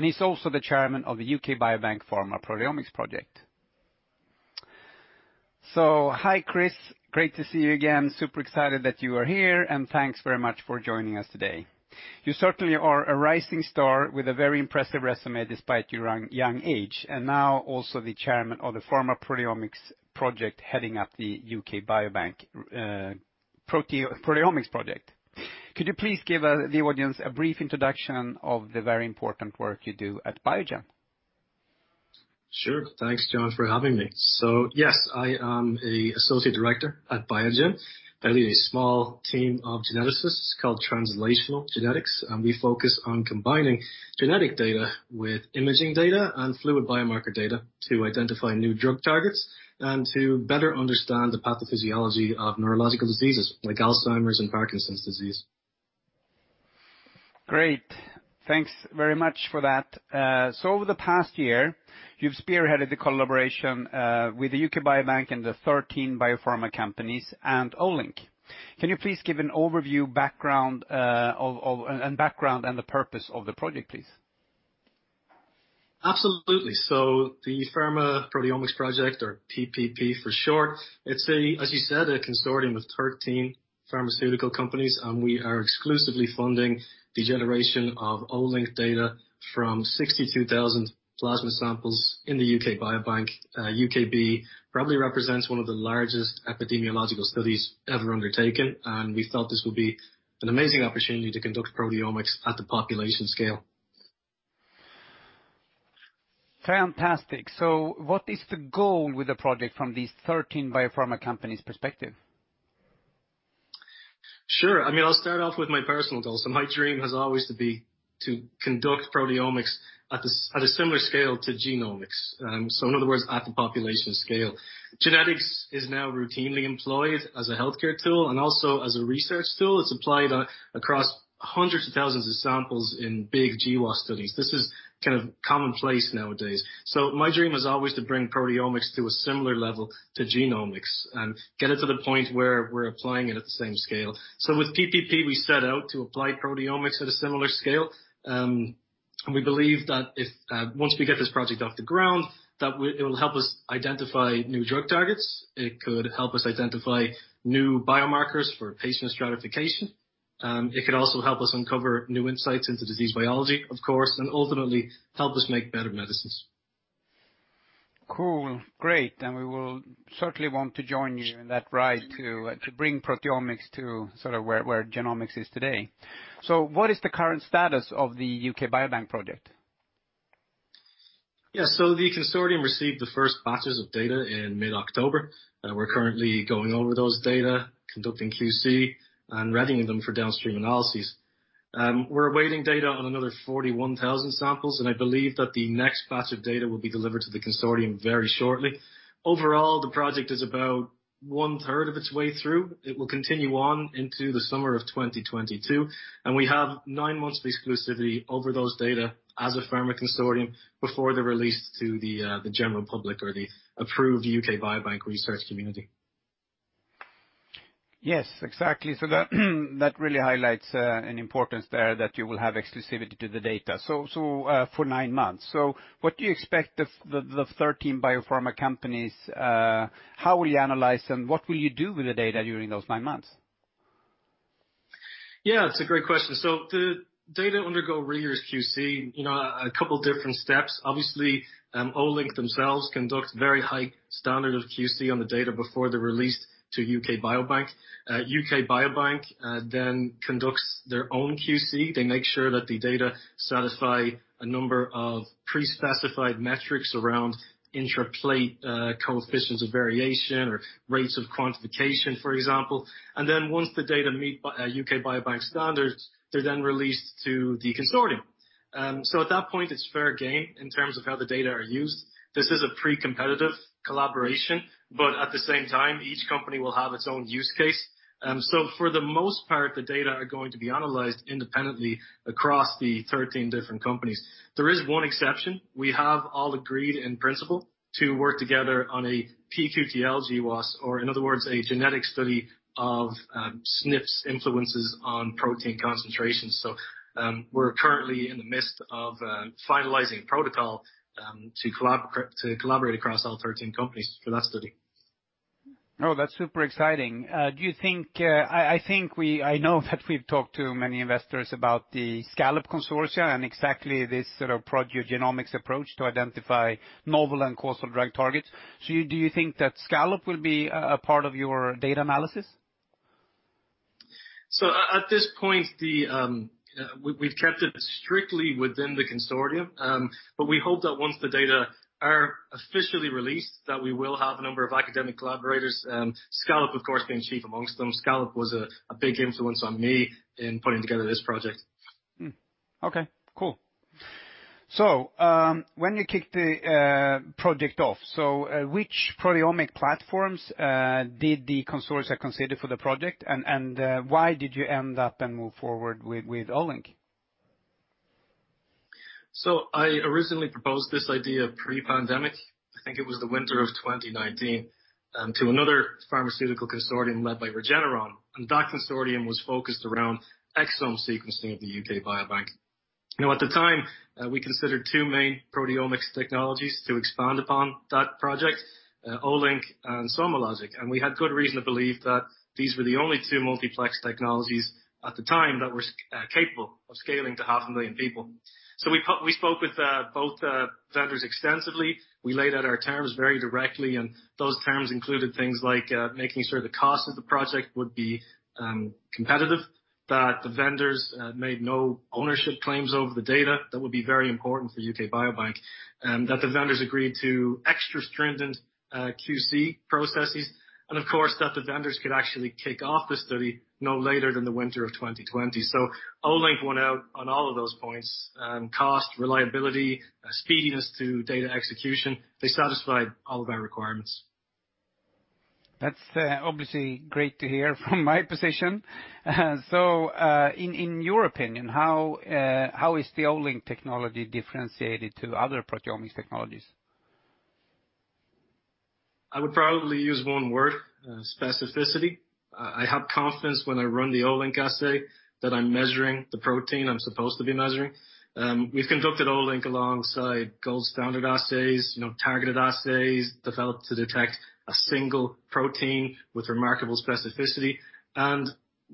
He's also the Chair of the UK Biobank Pharma Proteomics Project. Hi, Chris. Great to see you again. Super excited that you are here, and thanks very much for joining us today. You certainly are a rising star with a very impressive resume despite your young age, and now also the chairman of the Pharma Proteomics Project, heading up the U.K. Biobank Pharma Proteomics Project. Could you please give the audience a brief introduction of the very important work you do at Biogen? Sure. Thanks, Jon Heimer, for having me. Yes, I am an associate director at Biogen. I lead a small team of geneticists called Translational Genetics, and we focus on combining genetic data with imaging data and fluid biomarker data to identify new drug targets and to better understand the pathophysiology of neurological diseases like Alzheimer's and Parkinson's disease. Great. Thanks very much for that. Over the past year, you've spearheaded the collaboration with the U.K. Biobank and the 13 biopharma companies and Olink. Can you please give an overview and background and the purpose of the project, please? Absolutely. The Pharma Proteomics Project, or PPP for short, it's a, as you said, a consortium of 13 pharmaceutical companies, and we are exclusively funding the generation of Olink data from 62,000 plasma samples in the U.K. Biobank. UKB probably represents one of the largest epidemiological studies ever undertaken, and we felt this would be an amazing opportunity to conduct proteomics at the population scale. Fantastic. What is the goal with the project from these 13 biopharma companies' perspective? Sure. I mean, I'll start off with my personal goal. My dream has always to be to conduct proteomics at a at a similar scale to genomics, so in other words, at the population scale. Genetics is now routinely employed as a healthcare tool and also as a research tool. It's applied across hundreds of thousands of samples in big GWAS studies. This is kind of commonplace nowadays. My dream was always to bring proteomics to a similar level to genomics and get it to the point where we're applying it at the same scale. With PPP, we set out to apply proteomics at a similar scale, and we believe that if, once we get this project off the ground, that it will help us identify new drug targets. It could help us identify new biomarkers for patient stratification. It could also help us uncover new insights into disease biology, of course, and ultimately help us make better medicines. Cool. Great. We will certainly want to join you in that ride to bring proteomics to sort of where genomics is today. What is the current status of the U.K. Biobank Project? The consortium received the first batches of data in mid-October. We're currently going over those data, conducting QC, and readying them for downstream analyses. We're awaiting data on another 41,000 samples, and I believe that the next batch of data will be delivered to the consortium very shortly. Overall, the project is about one-third of its way through. It will continue on into the summer of 2022, and we have 9 months exclusivity over those data as a pharma consortium before they're released to the general public or the approved U.K. Biobank research community. Yes, exactly. That really highlights an importance there that you will have exclusivity to the data for 9 months. What do you expect the 13 biopharma companies, how will you analyze and what will you do with the data during those 9 months? Yeah, it's a great question. The data undergo rigorous QC, you know, a couple different steps. Obviously, Olink themselves conduct very high standard of QC on the data before they're released to U.K. Biobank. U.K. Biobank then conducts their own QC. They make sure that the data satisfy a number of pre-specified metrics around intraplate, coefficients of variation or rates of quantification, for example. Then once the data meet UK Biobank's standards, they're then released to the consortium. At that point, it's fair game in terms of how the data are used. This is a pre-competitive collaboration, but at the same time, each company will have its own use case. For the most part, the data are going to be analyzed independently across the 13 different companies. There is one exception. We have all agreed in principle to work together on a pQTL GWAS, or in other words, a genetic study of SNP influences on protein concentration. We're currently in the midst of finalizing protocol to collaborate across all 13 companies for that study. Oh, that's super exciting. I know that we've talked to many investors about the SCALLOP Consortium and exactly this sort of proteogenomics approach to identify novel and causal drug targets. Do you think that SCALLOP will be a part of your data analysis? At this point, we've kept it strictly within the consortium, but we hope that once the data are officially released, that we will have a number of academic collaborators, SCALLOP, of course, being chief among them. SCALLOP was a big influence on me in putting together this project. Okay, cool. When you kicked the project off, which proteomic platforms did the consortia consider for the project and why did you end up and move forward with Olink? I originally proposed this idea pre-pandemic, I think it was the winter of 2019, to another pharmaceutical consortium led by Regeneron, and that consortium was focused around exome sequencing of the UK Biobank. Now, at the time, we considered two main proteomics technologies to expand upon that project, Olink and SomaLogic, and we had good reason to believe that these were the only two multiplex technologies at the time that were capable of scaling to half a million people. We spoke with both vendors extensively. We laid out our terms very directly, and those terms included things like making sure the cost of the project would be competitive, that the vendors made no ownership claims over the data. That would be very important for UK Biobank. That the vendors agreed to extra stringent QC processes, and of course, that the vendors could actually kick off the study no later than the winter of 2020. Olink won out on all of those points, cost, reliability, speediness to data execution. They satisfied all of our requirements. That's obviously great to hear from my position. In your opinion, how is the Olink Technology differentiated to other proteomics technologies? I would probably use one word, specificity. I have confidence when I run the Olink assay that I'm measuring the protein I'm supposed to be measuring. We've conducted Olink alongside gold standard assays, you know, targeted assays developed to detect a single protein with remarkable specificity.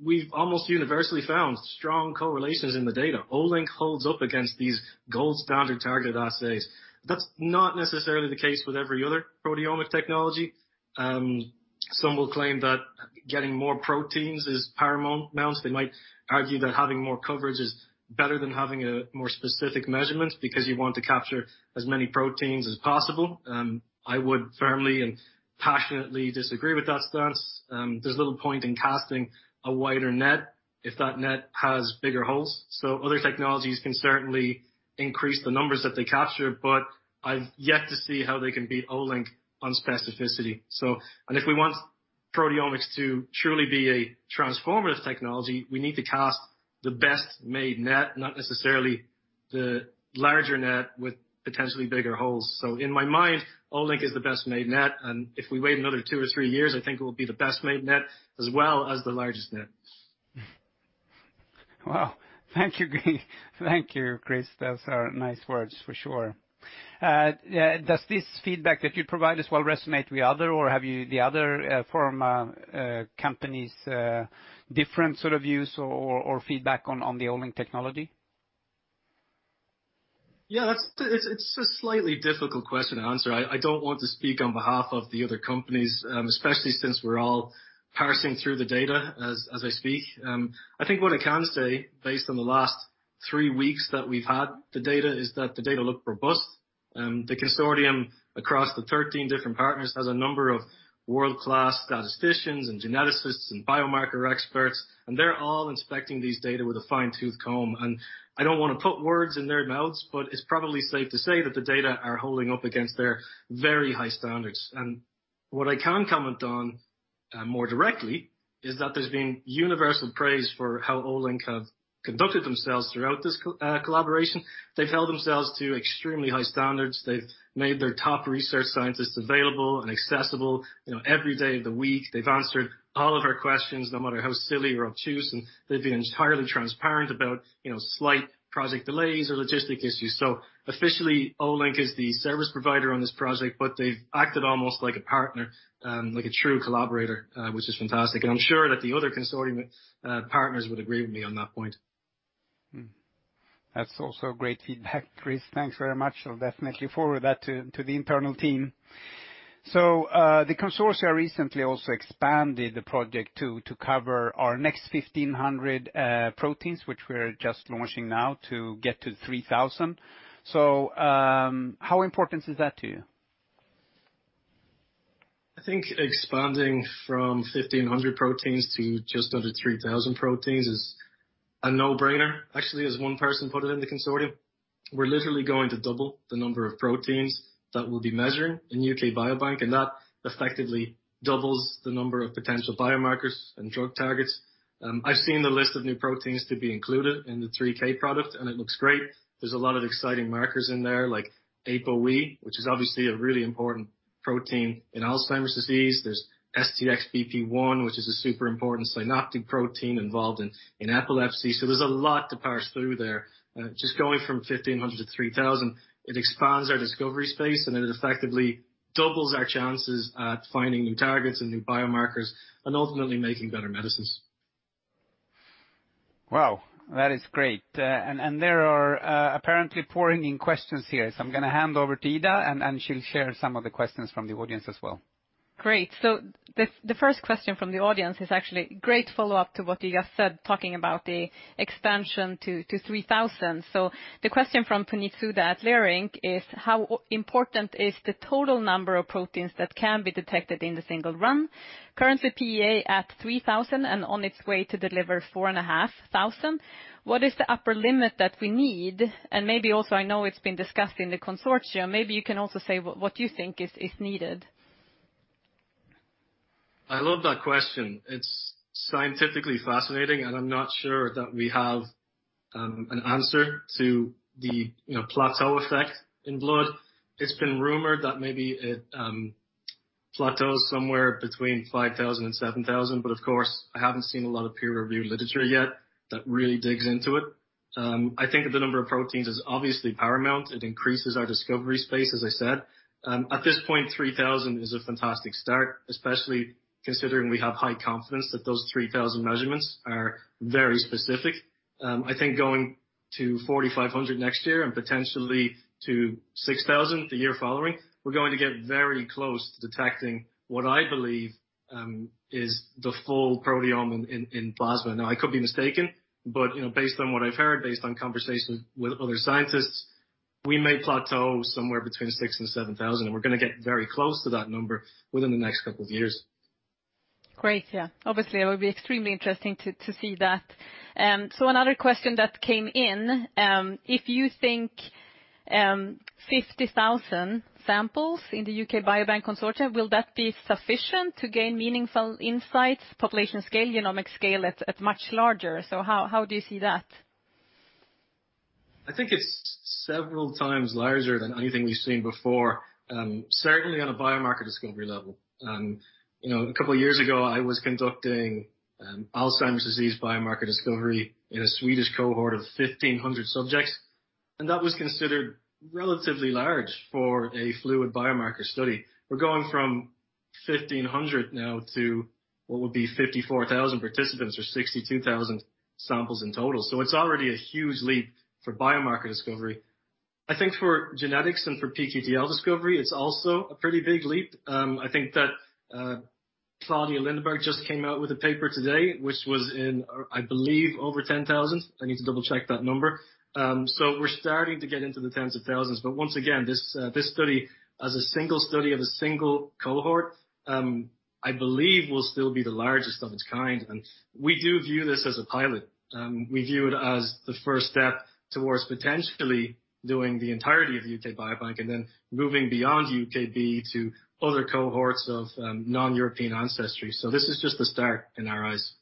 We've almost universally found strong correlations in the data. Olink holds up against these gold standard targeted assays. That's not necessarily the case with every other Proteomic Technology. Some will claim that getting more proteins is paramount. They might argue that having more coverage is better than having a more specific measurement because you want to capture as many proteins as possible. I would firmly and passionately disagree with that stance. There's little point in casting a wider net if that net has bigger holes. Other technologies can certainly increase the numbers that they capture, but I've yet to see how they can beat Olink on specificity. If we want proteomics to truly be a transformative technology, we need to cast the best made net, not necessarily the larger net with potentially bigger holes. In my mind, Olink is the best made net. If we wait another two or three years, I think it will be the best made net as well as the largest net. Wow. Thank you. Thank you, Chris. Those are nice words for sure. Does this feedback that you provide as well resonate with the other pharma companies different sort of views or feedback on the Olink technology? Yeah, that's a slightly difficult question to answer. I don't want to speak on behalf of the other companies, especially since we're all parsing through the data as I speak. I think what I can say, based on the last three weeks that we've had the data, is that the data look robust. The consortium across the 13 different partners has a number of world-class statisticians and geneticists and biomarker experts, and they're all inspecting these data with a fine-tooth comb. I don't wanna put words in their mouths, but it's probably safe to say that the data are holding up against their very high standards. What I can comment on, more directly, is that there's been universal praise for how Olink have conducted themselves throughout this collaboration. They've held themselves to extremely high standards. They've made their top research scientists available and accessible, you know, every day of the week. They've answered all of our questions, no matter how silly or obtuse, and they've been entirely transparent about, you know, slight project delays or logistic issues. Officially, Olink is the service provider on this project, but they've acted almost like a partner, like a true collaborator, which is fantastic. I'm sure that the other consortium partners would agree with me on that point. That's also great feedback, Chris. Thanks very much. I'll definitely forward that to the internal team. The consortia recently also expanded the project to cover our next 1500 proteins, which we're just launching now to get to 3000. How important is that to you? I think expanding from 1500 proteins to just under 3000 proteins is a no-brainer. Actually, as one person put it in the consortium, we're literally going to double the number of proteins that we'll be measuring in U.K. Biobank, and that effectively doubles the number of potential biomarkers and drug targets. I've seen the list of new proteins to be included in the 3K product, and it looks great. There's a lot of exciting markers in there, like ApoE, which is obviously a really important protein in Alzheimer's disease. There's STXBP1, which is a super important synaptic protein involved in epilepsy. There's a lot to parse through there. Just going from 1500 to 3000, it expands our discovery space, and it effectively doubles our chances at finding new targets and new biomarkers and ultimately making better medicines. Wow, that is great. There are apparently questions pouring in here. I'm gonna hand over to Ida, and she'll share some of the questions from the audience as well. Great. The first question from the audience is actually great follow-up to what you just said, talking about the expansion to 3,000. The question from Puneet Souda at SVB Leerink is how important is the total number of proteins that can be detected in the single run? Currently, PEA at 3,000 and on its way to deliver 4,500. What is the upper limit that we need? And maybe also, I know it's been discussed in the consortium, maybe you can also say what you think is needed. I love that question. It's scientifically fascinating, and I'm not sure that we have an answer to the, you know, plateau effect in blood. It's been rumored that maybe it plateaus somewhere between 5,000 and 7,000, but of course, I haven't seen a lot of peer-reviewed literature yet that really digs into it. I think that the number of proteins is obviously paramount. It increases our discovery space, as I said. At this point, 3,000 is a fantastic start, especially considering we have high confidence that those 3,000 measurements are very specific. I think going to 4,500 next year and potentially to 6,000 the year following, we're going to get very close to detecting what I believe is the full proteome in plasma. Now, I could be mistaken, but, you know, based on what I've heard, based on conversations with other scientists, we may plateau somewhere between 6,000 and 7,000. We're gonna get very close to that number within the next couple of years. Great. Yeah. Obviously, it would be extremely interesting to see that. Another question that came in, if you think 50,000 samples in the U.K. Biobank consortium will that be sufficient to gain meaningful insights, population scale, genomic scale at much larger? How do you see that? I think it's several times larger than anything we've seen before, certainly on a biomarker discovery level. You know, a couple years ago, I was conducting Alzheimer's disease biomarker discovery in a Swedish cohort of 1,500 subjects, and that was considered relatively large for a fluid biomarker study. We're going from 1,500 now to what would be 54,000 participants or 62,000 samples in total. It's already a huge leap for biomarker discovery. I think for genetics and for pQTL discovery, it's also a pretty big leap. I think that Claudia Langenberg just came out with a paper today which was in, I believe, over 10,000. I need to double-check that number. We're starting to get into the tens of thousands. Once again, this study, as a single study of a single cohort, I believe will still be the largest of its kind. We do view this as a pilot. We view it as the first step towards potentially doing the entirety of the UK Biobank and then moving beyond UKB to other cohorts of non-European ancestry. This is just the start in our eyes.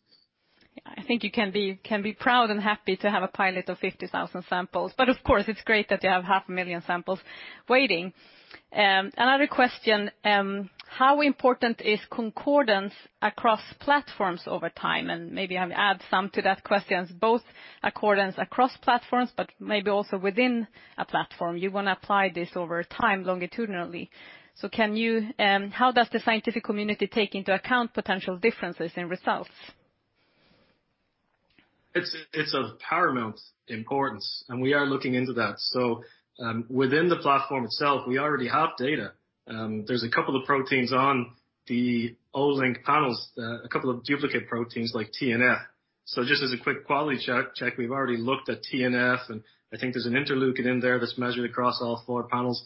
Yeah. I think you can be proud and happy to have a pilot of 50,000 samples. Of course, it's great that you have 500,000 samples waiting. Another question, how important is concordance across platforms over time? Maybe I'll add some to that question, both concordance across platforms, but maybe also within a platform. You wanna apply this over time longitudinally. How does the scientific community take into account potential differences in results? It's of paramount importance, and we are looking into that. Within the platform itself, we already have data. There's a couple of proteins on the Olink panels, a couple of duplicate proteins like TNF. Just as a quick quality check, we've already looked at TNF, and I think there's an interleukin in there that's measured across all 4 panels.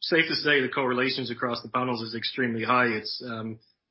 Safe to say the correlations across the panels is extremely high. It's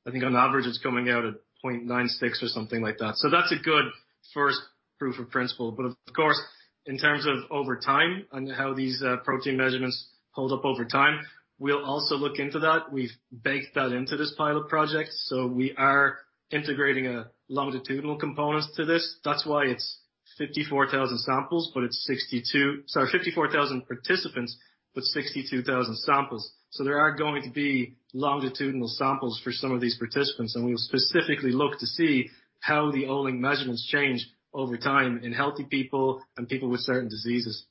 I think on average, it's coming out at 0.96 or something like that. That's a good first proof of principle. Of course, in terms of over time on how these protein measurements hold up over time, we'll also look into that. We've baked that into this pilot project, so we are integrating a longitudinal component to this. That's why it's 54,000 samples, but it's 62,000. Sorry, 54,000 participants, but 62,000 samples. There are going to be longitudinal samples for some of these participants, and we'll specifically look to see how the Olink measurements change over time in healthy people and people with certain diseases.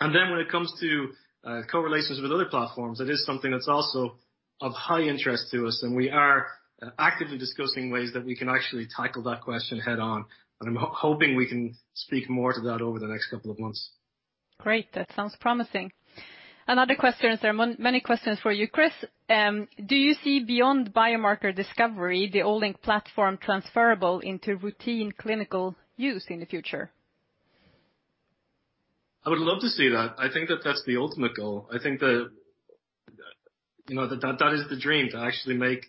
Then when it comes to correlations with other platforms, it is something that's also of high interest to us, and we are actively discussing ways that we can actually tackle that question head-on. I'm hoping we can speak more to that over the next couple of months. Great. That sounds promising. Another question. There are many questions for you, Chris. Do you see beyond biomarker discovery, the Olink platform transferable into routine clinical use in the future? I would love to see that. I think that that's the ultimate goal. I think the, you know, that is the dream, to actually make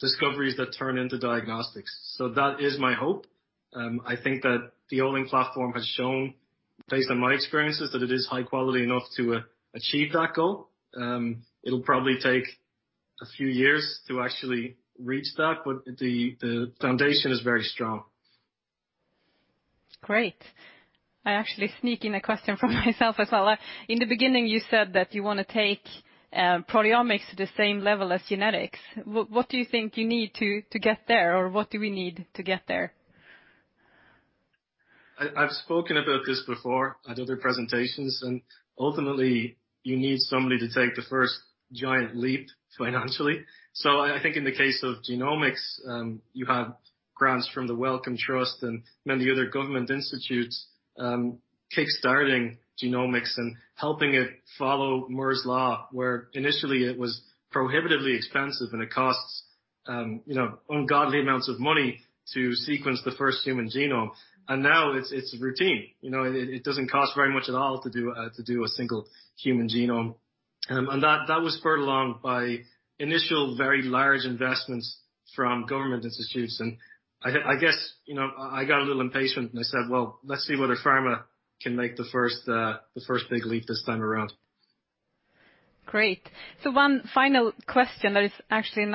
discoveries that turn into diagnostics. That is my hope. I think that the Olink platform has shown, based on my experiences, that it is high quality enough to achieve that goal. It'll probably take a few years to actually reach that, but the foundation is very strong. Great. I actually sneak in a question from myself as well. In the beginning, you said that you wanna take proteomics to the same level as genetics. What do you think you need to get there, or what do we need to get there? I've spoken about this before at other presentations, and ultimately, you need somebody to take the first giant leap financially. I think in the case of genomics, you had grants from the Wellcome Trust and many other government institutes kick-starting genomics and helping it follow Moore's Law, where initially it was prohibitively expensive and it costs you know, ungodly amounts of money to sequence the first human genome. Now it's routine. You know, it doesn't cost very much at all to do a single human genome. That was spurred along by initial, very large investments from government institutes. I guess, you know, I got a little impatient and I said, "Well, let's see whether pharma can make the first big leap this time around. Great. One final question that is actually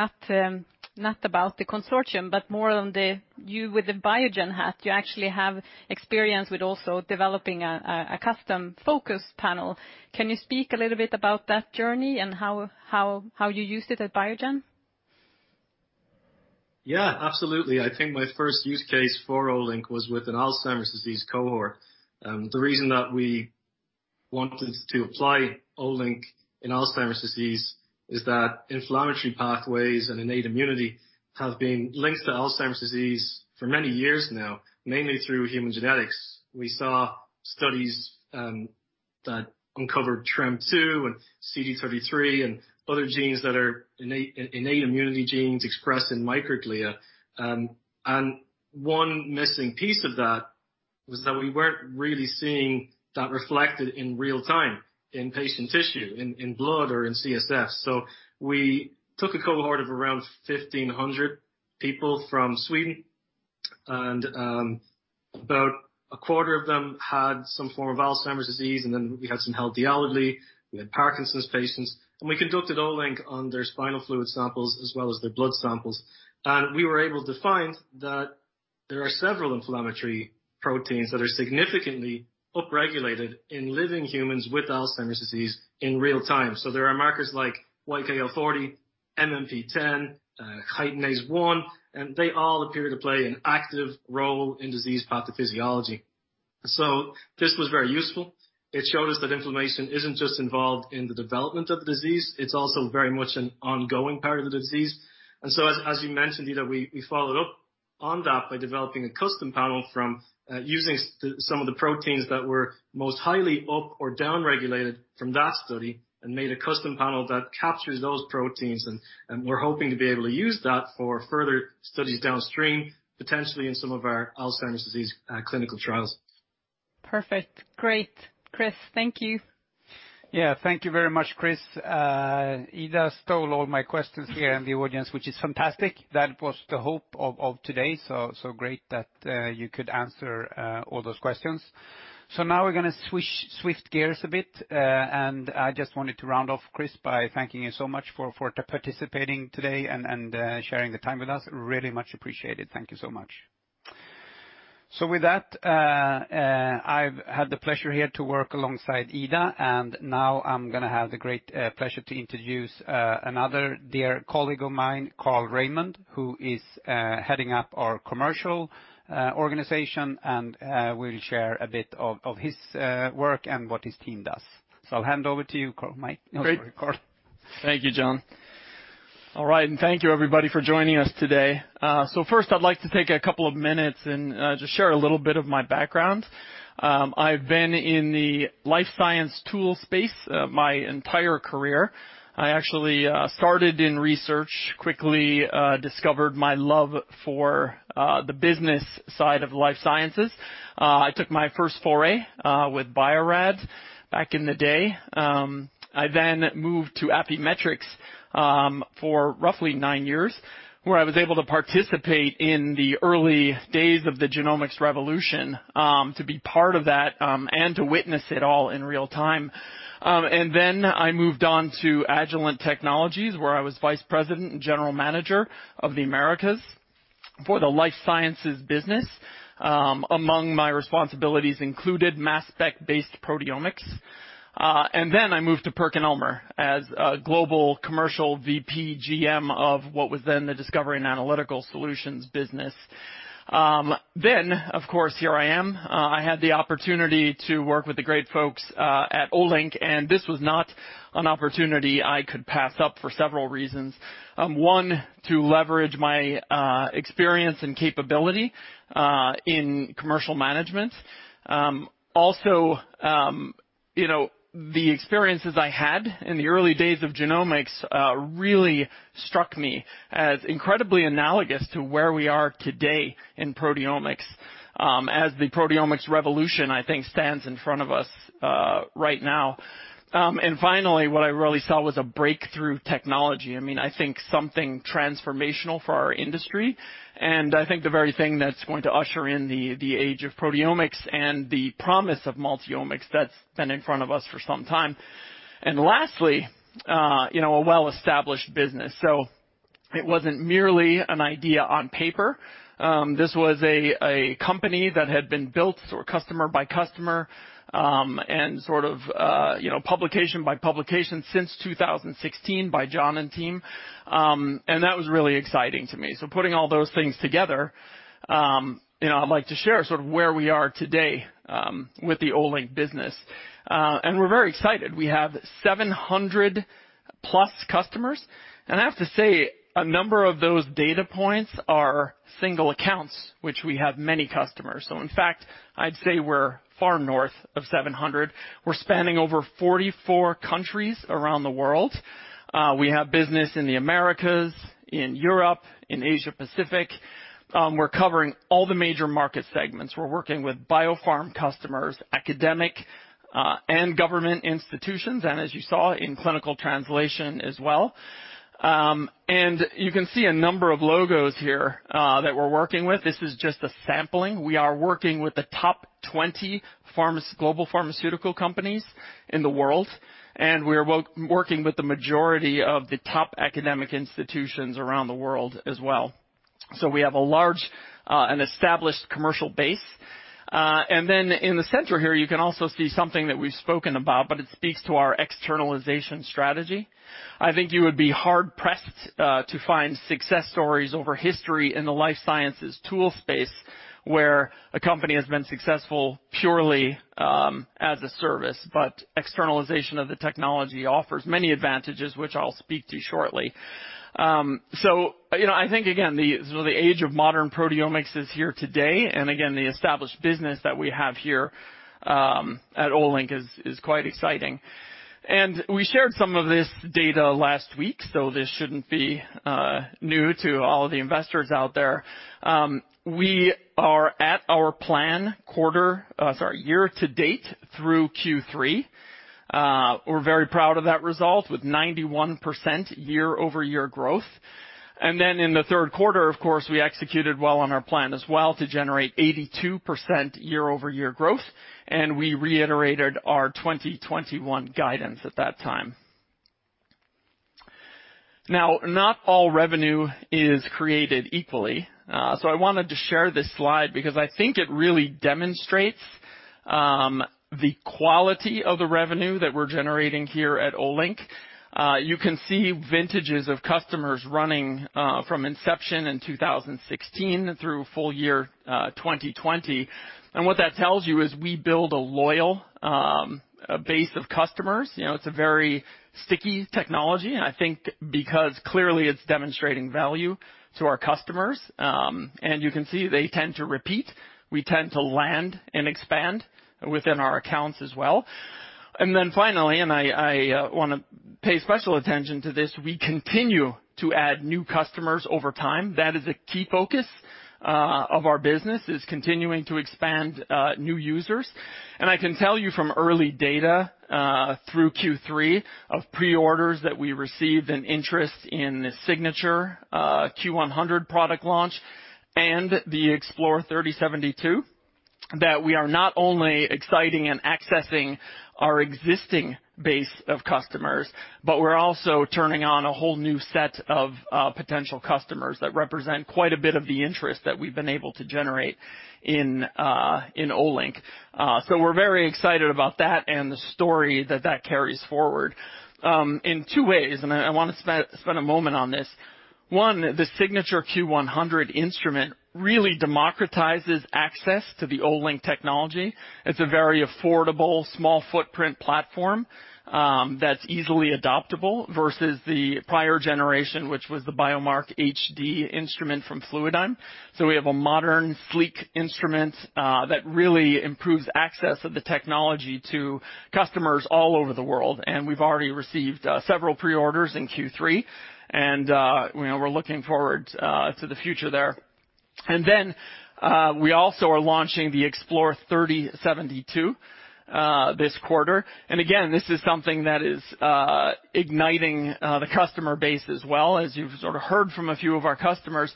not about the consortium, but more on you with the Biogen hat, you actually have experience with also developing a custom Focus panel. Can you speak a little bit about that journey and how you used it at Biogen? Yeah, absolutely. I think my first use case for Olink was with an Alzheimer's disease cohort. The reason that we wanted to apply Olink in Alzheimer's disease is that inflammatory pathways and innate immunity have been linked to Alzheimer's disease for many years now, mainly through human genetics. We saw studies that uncovered TREM2 and CD33 and other genes that are innate immunity genes expressed in microglia. One missing piece of that was that we weren't really seeing that reflected in real-time in patient tissue, in blood or in CSF. We took a cohort of around 1,500 people from Sweden, and about a quarter of them had some form of Alzheimer's disease, and then we had some healthy elderly, we had Parkinson's patients. We conducted Olink on their spinal fluid samples as well as their blood samples. We were able to find that there are several inflammatory proteins that are significantly upregulated in living humans with Alzheimer's disease in real-time. There are markers like YKL-40, MMP-10, Chitinase 1, and they all appear to play an active role in disease pathophysiology. This was very useful. It showed us that inflammation isn't just involved in the development of the disease, it's also very much an ongoing part of the disease. As you mentioned, Ida, we followed up on that by developing a custom panel from using some of the proteins that were most highly up or down-regulated from that study and made a custom panel that captures those proteins, and we're hoping to be able to use that for further studies downstream, potentially in some of our Alzheimer's disease clinical trials. Perfect. Great. Chris, thank you. Yeah. Thank you very much, Chris. Ida stole all my questions here in the audience, which is fantastic. That was the hope of today, so great that you could answer all those questions. Now we're gonna switch gears a bit, and I just wanted to round off, Chris, by thanking you so much for participating today and sharing the time with us. Really much appreciated. Thank you so much. With that, I've had the pleasure here to work alongside Ida, and now I'm gonna have the great pleasure to introduce another dear colleague of mine, Carl Raimond, who is heading up our commercial organization and will share a bit of his work and what his team does. I'll hand over to you, Carl, mate. Great. Oh, sorry, Carl. Thank you, Jon. All right, and thank you, everybody, for joining us today. First I'd like to take a couple of minutes and just share a little bit of my background. I've been in the life science tool space my entire career. I actually started in research, quickly discovered my love for the business side of life sciences. I took my first foray with Bio-Rad back in the day. I then moved to Affymetrix for roughly nine years, where I was able to participate in the early days of the genomics revolution to be part of that and to witness it all in real-time. Then I moved on to Agilent Technologies, where I was Vice President and General Manager of the Americas for the Life Sciences Business. Among my responsibilities included Mass Spec-based proteomics. I moved to PerkinElmer as a global commercial V.P. G.M. of what was then the discovery and analytical solutions business. Of course, here I am. I had the opportunity to work with the great folks at Olink, and this was not an opportunity I could pass up for several reasons. One, to leverage my experience and capability in commercial management. Also, You know, the experiences I had in the early days of genomics really struck me as incredibly analogous to where we are today in Proteomics, as the Proteomics revolution, I think, stands in front of us right now. Finally, what I really saw was a breakthrough technology. I mean, I think something transformational for our industry, and I think the very thing that's going to usher in the age of Proteomics and the promise of multi-omics that's been in front of us for some time. Lastly, you know, a well-established business. It wasn't merely an idea on paper. This was a company that had been built sort of customer by customer, and sort of, you know, publication by publication since 2016 by Jon and team. That was really exciting to me. Putting all those things together, you know, I'd like to share sort of where we are today with the Olink business. We're very excited. We have 700+ customers. I have to say, a number of those data points are single accounts which we have many customers. In fact, I'd say we're far north of 700. We're spanning over 44 countries around the world. We have business in the Americas, in Europe, in Asia Pacific. We're covering all the major market segments. We're working with biopharm customers, academic, and government institutions, and as you saw in clinical translation as well. You can see a number of logos here that we're working with. This is just a sampling. We are working with the top 20 pharmas, global pharmaceutical companies in the world, and we are working with the majority of the top academic institutions around the world as well. We have a large and established commercial base. And then in the center here, you can also see something that we've spoken about, but it speaks to our externalization strategy. I think you would be hard pressed to find success stories over history in the life sciences tool space where a company has been successful purely as a service, but externalization of the technology offers many advantages, which I'll speak to shortly. You know, I think again, sort of the age of modern proteomics is here today, and again, the established business that we have here at Olink is quite exciting. We shared some of this data last week, so this shouldn't be new to all the investors out there. We are at our plan year to date through Q3. We're very proud of that result, with 91% year-over-year growth. Then in the third quarter, of course, we executed well on our plan as well to generate 82% year-over-year growth, and we reiterated our 2021 guidance at that time. Now, not all revenue is created equally. So I wanted to share this slide because I think it really demonstrates the quality of the revenue that we're generating here at Olink. You can see vintages of customers running from inception in 2016 through full year 2020. What that tells you is we build a loyal base of customers. You know, it's a very sticky technology, and I think because clearly it's demonstrating value to our customers. You can see they tend to repeat. We tend to land and expand within our accounts as well. Finally, I want to pay special attention to this. We continue to add new customers over time. That is a key focus of our business, is continuing to expand new users. I can tell you from early data through Q3 of pre-orders that we received an interest in the Signature Q100 product launch and the Explore 3072, that we are not only exciting and accessing our existing base of customers, but we're also turning on a whole new set of potential customers that represent quite a bit of the interest that we've been able to generate in Olink. We're very excited about that and the story that carries forward in two ways, and I wanna spend a moment on this. One, the Signature Q100 instrument really democratizes access to the Olink technology. It's a very affordable, small footprint platform that's easily adoptable versus the prior generation, which was the Biomark HD instrument from Fluidigm. We have a modern, sleek instrument that really improves access of the technology to customers all over the world. We've already received several pre-orders in Q3 and you know, we're looking forward to the future there. We also are launching the Explore 3072 this quarter. This is something that is igniting the customer base as well. As you've sort of heard from a few of our customers,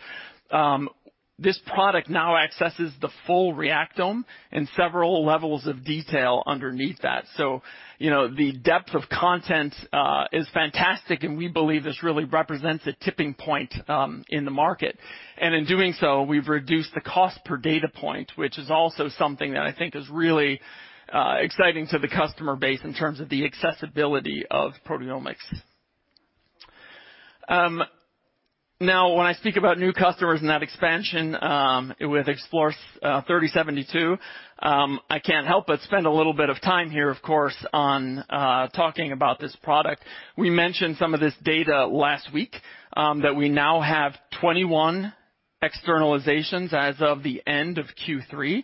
this product now accesses the full Reactome and several levels of detail underneath that. You know, the depth of content is fantastic, and we believe this really represents a tipping point in the market. In doing so, we've reduced the cost per data point, which is also something that I think is really exciting to the customer base in terms of the accessibility of proteomics. Now, when I speak about new customers and that expansion with Explore 3072, I can't help but spend a little bit of time here, of course, on talking about this product. We mentioned some of this data last week that we now have 21 externalizations as of the end of Q3.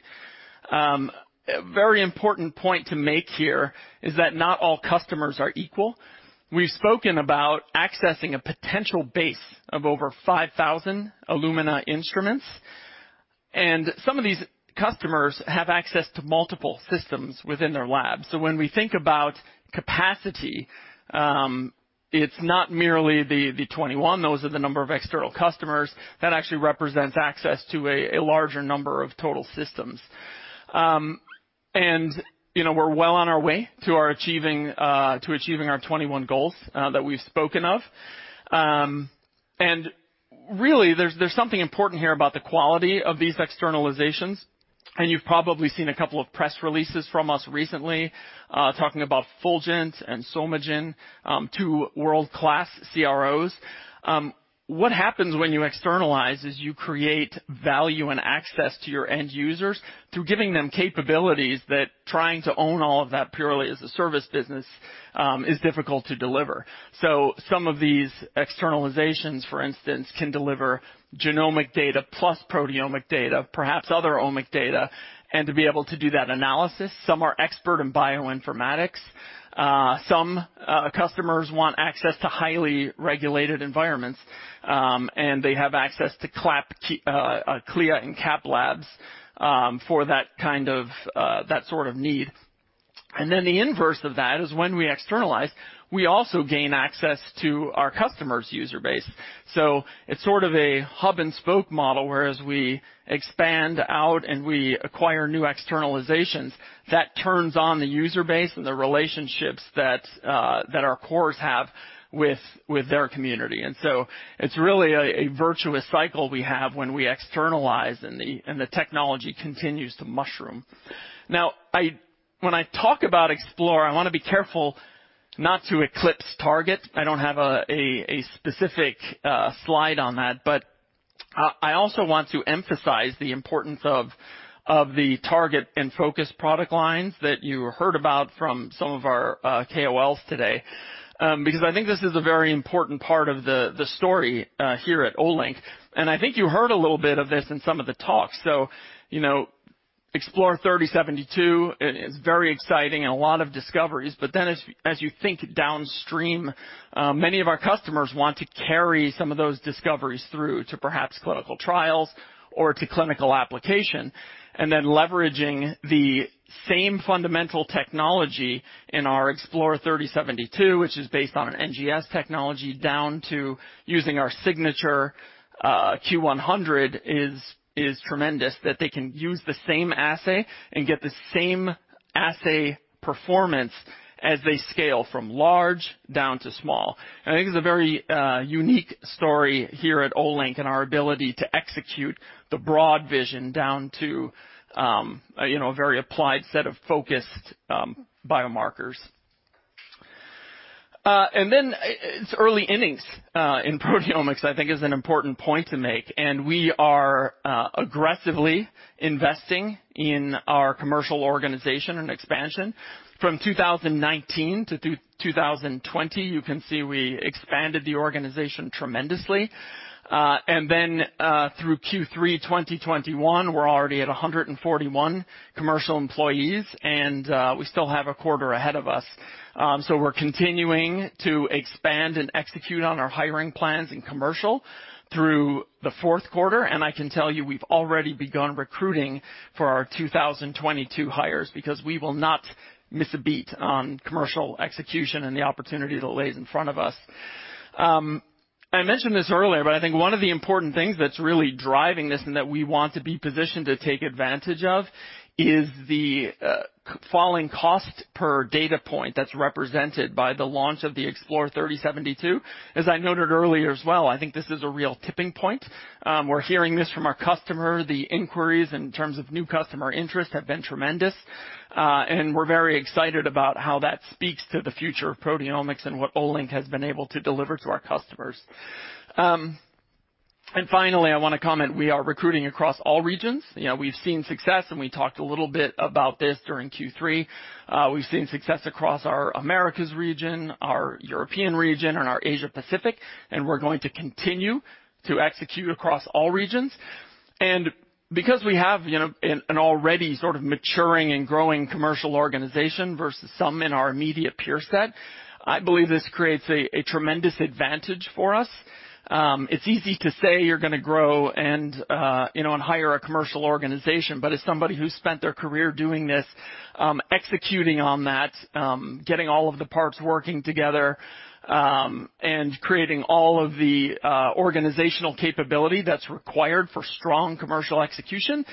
A very important point to make here is that not all customers are equal. We've spoken about accessing a potential base of over 5,000 Illumina instruments, and some of these customers have access to multiple systems within their labs. When we think about capacity, it's not merely the 21. Those are the number of external customers that actually represents access to a larger number of total systems. You know, we're well on our way to achieving our 21 goals that we've spoken of. Really there's something important here about the quality of these externalizations, and you've probably seen a couple of press releases from us recently, talking about Fulgent and Somagen, two world-class CROs. What happens when you externalize is you create value and access to your end users through giving them capabilities that trying to own all of that purely as a service business is difficult to deliver. Some of these externalizations, for instance, can deliver genomic data plus proteomic data, perhaps other omic data, and to be able to do that analysis. Some are expert in bioinformatics. Some customers want access to highly regulated environments, and they have access to CLIA and CAP labs, for that kind of, that sort of need. Then the inverse of that is when we externalize, we also gain access to our customer's user base. It's sort of a hub and spoke model, as we expand out and we acquire new externalizations that turns on the user base and the relationships that our cores have with their community. It's really a virtuous cycle we have when we externalize and the technology continues to mushroom. Now when I talk about Explore, I wanna be careful not to eclipse Target. I don't have a specific slide on that, but I also want to emphasize the importance of the Target and Focus product lines that you heard about from some of our KOLs today. Because I think this is a very important part of the story here at Olink, and I think you heard a little bit of this in some of the talks. You know, Olink Explore 3072 is very exciting and a lot of discoveries, but then as you think downstream, many of our customers want to carry some of those discoveries through to perhaps clinical trials or to clinical application. Leveraging the same fundamental technology in our Olink Explore 3072, which is based on an NGS technology, down to using our Olink Signature Q100 is tremendous that they can use the same assay and get the same assay performance as they scale from large down to small. I think it's a very unique story here at Olink and our ability to execute the broad vision down to, you know, a very applied set of focused biomarkers. It's early innings in proteomics, I think is an important point to make. We are aggressively investing in our commercial organization and expansion. From 2019 to 2020, you can see we expanded the organization tremendously. Then, through Q3 2021, we're already at 141 commercial employees and we still have a quarter ahead of us. We're continuing to expand and execute on our hiring plans in commercial through the fourth quarter. I can tell you, we've already begun recruiting for our 2022 hires because we will not miss a beat on commercial execution and the opportunity that lays in front of us. I mentioned this earlier, but I think one of the important things that's really driving this and that we want to be positioned to take advantage of is the falling cost per data point that's represented by the launch of the Olink Explore 3072. As I noted earlier as well, I think this is a real tipping point. We're hearing this from our customer. The inquiries in terms of new customer interest have been tremendous, and we're very excited about how that speaks to the future of proteomics and what Olink has been able to deliver to our customers. Finally, I wanna comment. We are recruiting across all regions. You know, we've seen success, and we talked a little bit about this during Q3. We've seen success across our Americas region, our European region and our Asia Pacific, and we're going to continue to execute across all regions. Because we have, you know, an already sort of maturing and growing commercial organization versus some in our immediate peer set, I believe this creates a tremendous advantage for us. It's easy to say you're gonna grow and, you know, and hire a commercial organization. As somebody who's spent their career doing this, executing on that, getting all of the parts working together, and creating all of the organizational capability that's required for strong commercial execution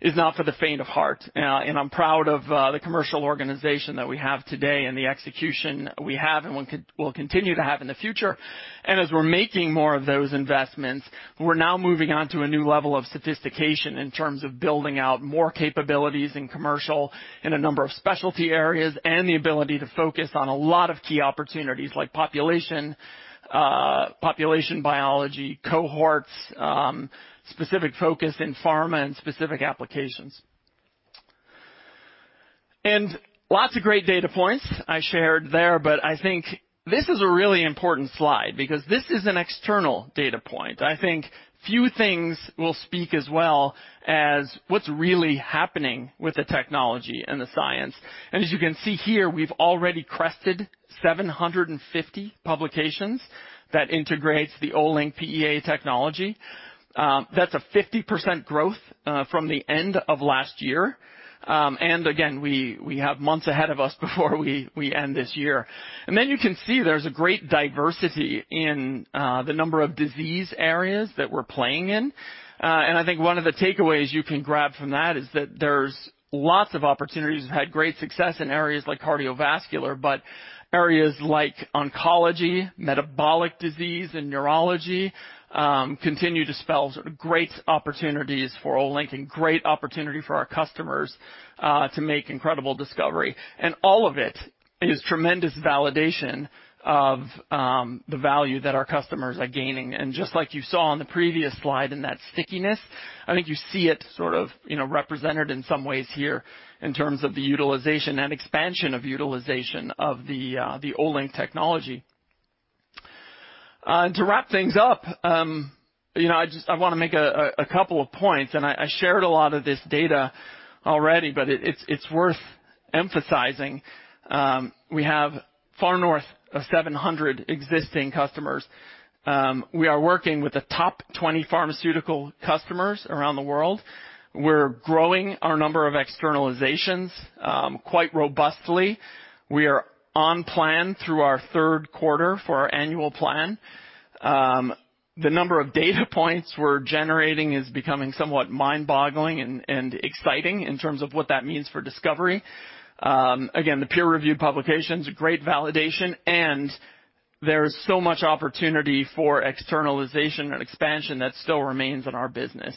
is not for the faint of heart. I'm proud of the commercial organization that we have today and the execution we have and we'll continue to have in the future. As we're making more of those investments, we're now moving on to a new level of sophistication in terms of building out more capabilities in commercial, in a number of specialty areas, and the ability to focus on a lot of key opportunities like population biology, cohorts, specific focus in pharma and specific applications. Lots of great data points I shared there, but I think this is a really important slide because this is an external data point. I think few things will speak as well as what's really happening with the technology and the science. As you can see here, we've already crested 750 publications that integrates the Olink PEA technology. That's a 50% growth from the end of last year. Again, we have months ahead of us before we end this year. Then you can see there's a great diversity in the number of disease areas that we're playing in. I think one of the takeaways you can grab from that is that there's lots of opportunities. We've had great success in areas like cardiovascular, but areas like oncology, metabolic disease and neurology continue to spell great opportunities for Olink and great opportunity for our customers to make incredible discovery. All of it is tremendous validation of the value that our customers are gaining. Just like you saw on the previous slide in that stickiness, I think you see it sort of, you know, represented in some ways here in terms of the utilization and expansion of utilization of the Olink technology. To wrap things up, you know, I wanna make a couple of points, and I shared a lot of this data already, but it's worth emphasizing. We have far north of 700 existing customers. We are working with the top 20 pharmaceutical customers around the world. We're growing our number of externalizations quite robustly. We are on plan through our third quarter for our annual plan. The number of data points we're generating is becoming somewhat mind-boggling and exciting in terms of what that means for discovery. Again, the peer-reviewed publication's a great validation, and there's so much opportunity for externalization and expansion that still remains in our business.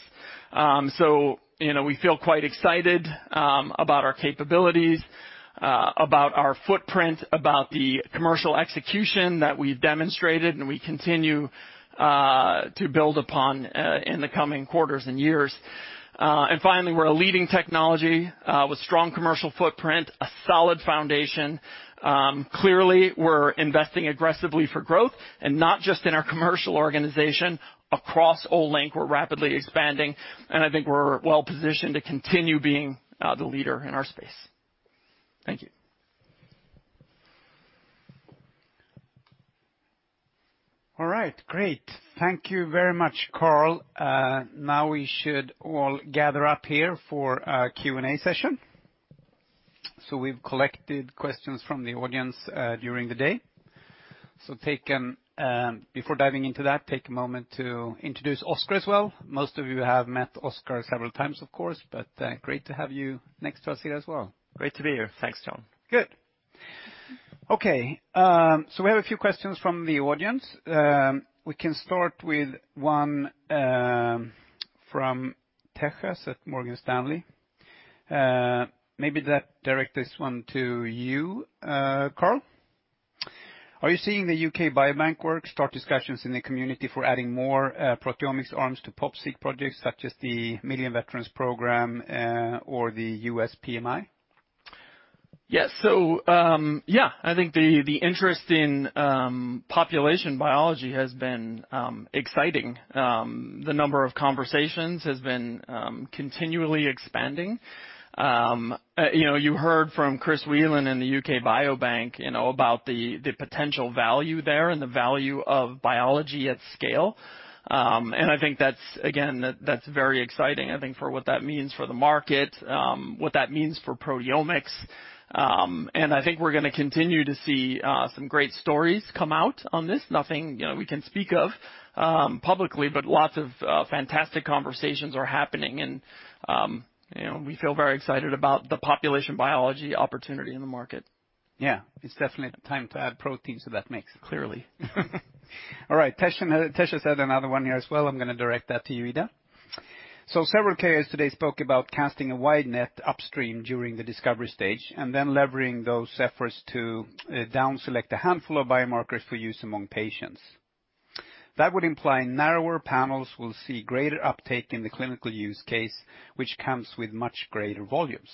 You know, we feel quite excited about our capabilities, about our footprint, about the commercial execution that we've demonstrated and we continue to build upon in the coming quarters and years. Finally, we're a leading technology with strong commercial footprint, a solid foundation. Clearly we're investing aggressively for growth and not just in our commercial organization. Across Olink, we're rapidly expanding, and I think we're well-positioned to continue being the leader in our space. Thank you. All right. Great. Thank you very much, Carl. Now we should all gather up here for our Q&A session. We've collected questions from the audience during the day. Before diving into that, take a moment to introduce Oskar as well. Most of you have met Oskar several times, of course, but great to have you next to us here as well. Great to be here. Thanks, Jon. Good. Okay. We have a few questions from the audience. We can start with one from Tejas Savant at Morgan Stanley. Maybe direct this one to you, Carl. Are you seeing the UK Biobank work start discussions in the community for adding more proteomics arms to PopSeq projects such as the Million Veteran Program or the USPMI? Yes. Yeah, I think the interest in population biology has been exciting. The number of conversations has been continually expanding. You know, you heard from Chris Whelan in the U.K. Biobank, you know, about the potential value there and the value of biology at scale. I think that's, again, that's very exciting, I think, for what that means for the market, what that means for proteomics. I think we're gonna continue to see some great stories come out on this. Nothing, you know, we can speak of publicly, but lots of fantastic conversations are happening and you know, we feel very excited about the population biology opportunity in the market. Yeah. It's definitely the time to add protein to that mix, clearly. All right. Tejas had, Tejas said another one here as well. I'm gonna direct that to you, Ida. So several KOLs today spoke about casting a wide net upstream during the discovery stage and then levering those efforts to down select a handful of biomarkers for use among patients. That would imply narrower panels will see greater uptake in the clinical use case, which comes with much greater volumes.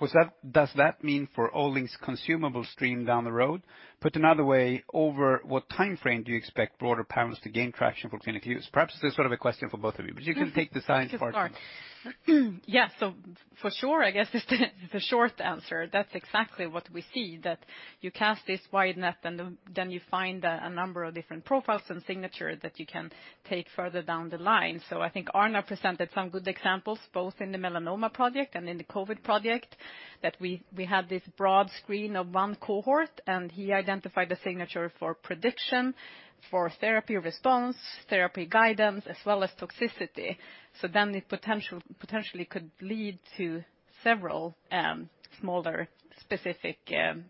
Does that mean for Olink's consumable stream down the road? Put another way, over what timeframe do you expect broader panels to gain traction for clinical use? Perhaps this is sort of a question for both of you, but you can take the science part. I can start. Yeah. For sure, I guess is the short answer. That's exactly what we see, that you cast this wide net and then you find a number of different profiles and signature that you can take further down the line. I think Arnav presented some good examples, both in the melanoma project and in the COVID-19 Multi-Omics Project, that we had this broad screen of one cohort, and he identified a signature for prediction, for therapy response, therapy guidance, as well as toxicity. Then it potentially could lead to several smaller specific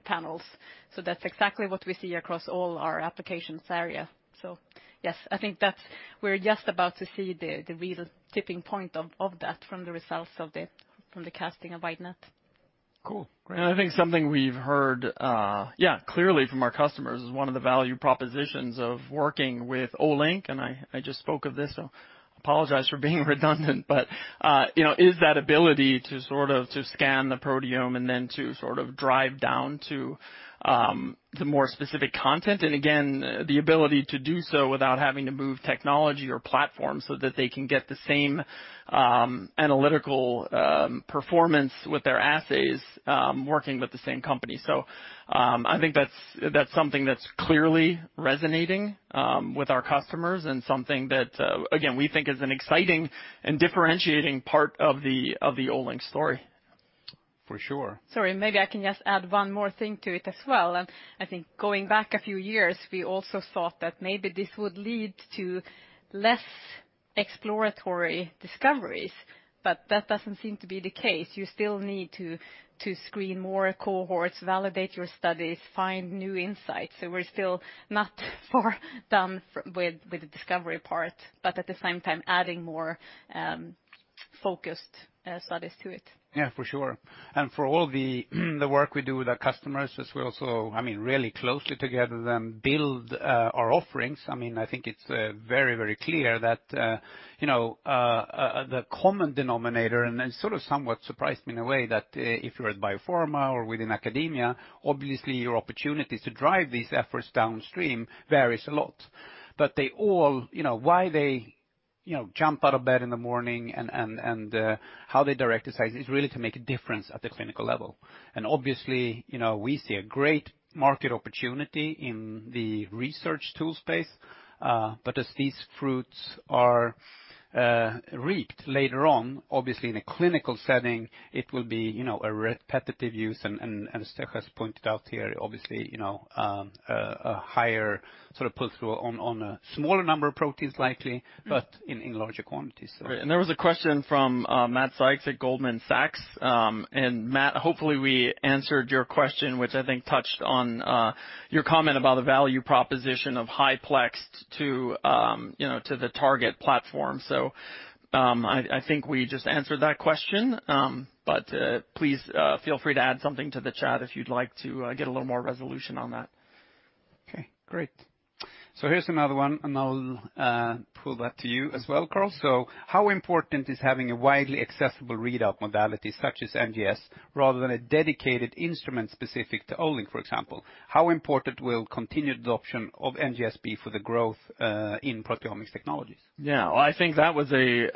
panels. That's exactly what we see across all our applications area. Yes, I think that's. We're just about to see the real tipping point of that from the results of the from the casting a wide net. Cool. I think something we've heard clearly from our customers is one of the value propositions of working with Olink, and I just spoke of this, so apologize for being redundant, but you know, is that ability to sort of scan the proteome and then to sort of drive down to more specific content. Again, the ability to do so without having to move technology or platform so that they can get the same analytical performance with their assays working with the same company. I think that's something that's clearly resonating with our customers and something that again we think is an exciting and differentiating part of the Olink story. For sure. Sorry, maybe I can just add one more thing to it as well. I think going back a few years, we also thought that maybe this would lead to less exploratory discoveries, but that doesn't seem to be the case. You still need to screen more cohorts, validate your studies, find new insights. We're still not far done with the discovery part, but at the same time adding more focused studies to it. Yeah, for sure. For all the work we do with our customers, but we also, I mean, really closely together then build our offerings. I mean, I think it's very clear that, you know, the common denominator, and it sort of somewhat surprised me in a way that, if you are at biopharma or within academia, obviously your opportunities to drive these efforts downstream varies a lot. But they all, you know, why they, you know, jump out of bed in the morning and how they direct the science is really to make a difference at the clinical level. Obviously, you know, we see a great market opportunity in the research tool space, but as these fruits are reaped later on, obviously in a clinical setting, it will be, you know, a repetitive use and as Steffi has pointed out here, obviously, you know, a higher sort of pull-through on a smaller number of proteins likely, but in larger quantities. Right. There was a question from Matt Sykes at Goldman Sachs. Matt, hopefully we answered your question, which I think touched on your comment about the value proposition of high-plexed, too, you know, to the Target platform. I think we just answered that question. Please, feel free to add something to the chat if you'd like to get a little more resolution on that. Okay, great. Here's another one, and I'll pull that to you as well, Carl. How important is having a widely accessible readout modality such as NGS rather than a dedicated instrument specific to Olink, for example? How important will continued adoption of NGS be for the growth in proteomics technologies? Yeah, I think that was a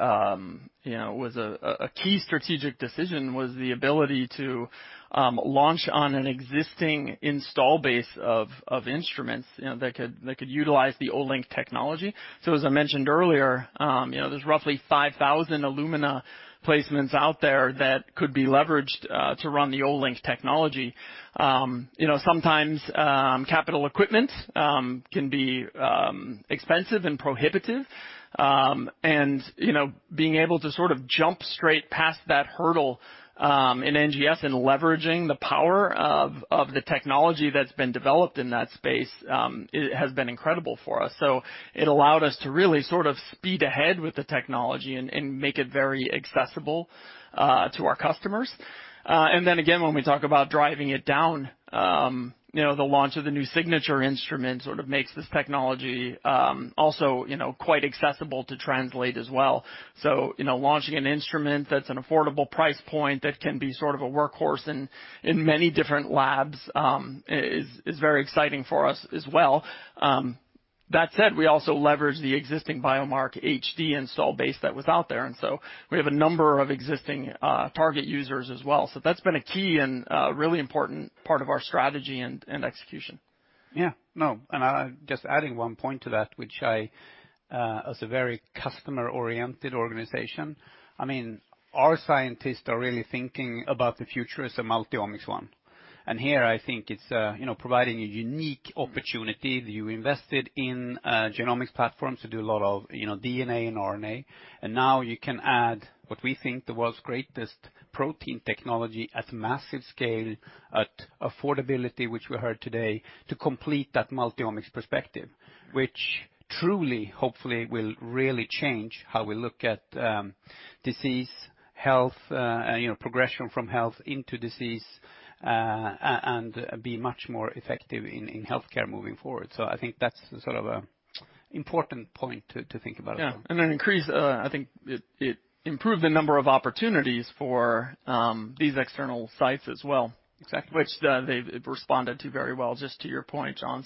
key strategic decision, the ability to launch on an existing install base of instruments, you know, that could utilize the Olink technology. As I mentioned earlier, you know, there's roughly 5,000 Illumina placements out there that could be leveraged to run the Olink technology. You know, sometimes capital equipment can be expensive and prohibitive. You know, being able to sort of jump straight past that hurdle in NGS and leveraging the power of the technology that's been developed in that space, it has been incredible for us. It allowed us to really sort of speed ahead with the technology and make it very accessible to our customers. When we talk about driving it down, you know, the launch of the new signature instrument sort of makes this technology also, you know, quite accessible to translate as well. You know, launching an instrument that's an affordable price point that can be sort of a workhorse in many different labs is very exciting for us as well. That said, we also leverage the existing Biomark HD install base that was out there. We have a number of existing target users as well. That's been a key and really important part of our strategy and execution. Yeah. No, just adding one point to that, which I, as a very customer-oriented organization, I mean, our scientists are really thinking about the future as a multi-omics one. Here, I think it's, you know, providing a unique opportunity. You invested in genomics platforms to do a lot of, you know, DNA and RNA. Now you can add what we think the world's greatest protein technology at massive scale, at affordability, which we heard today, to complete that multi-omics perspective, which truly, hopefully, will really change how we look at disease, health, you know, progression from health into disease, and be much more effective in healthcare moving forward. I think that's sort of an important point to think about. Yeah. An increase, I think it improved the number of opportunities for these external sites as well. Exactly. Which they've responded to very well, just to your point, Jon.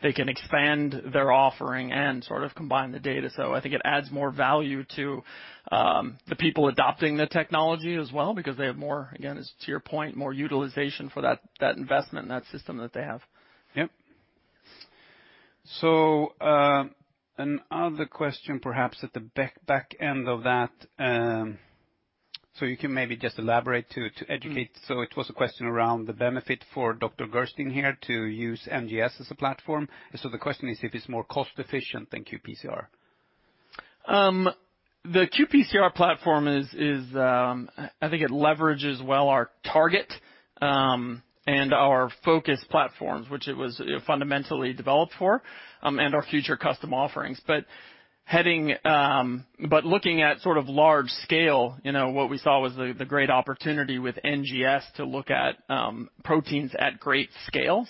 They can expand their offering and sort of combine the data. I think it adds more value to the people adopting the technology as well because they have more, again, as to your point, more utilization for that investment and that system that they have. Yep. Another question perhaps at the back end of that, so you can maybe just elaborate to educate. It was a question around the benefit for Dr. Gerszten here to use NGS as a platform. The question is if it's more cost efficient than qPCR. The qPCR platform is, I think it leverages well our Target and our Focus platforms, which was fundamentally developed for, and our future custom offerings. Looking at sort of large scale, you know, what we saw was the great opportunity with NGS to look at proteins at great scale.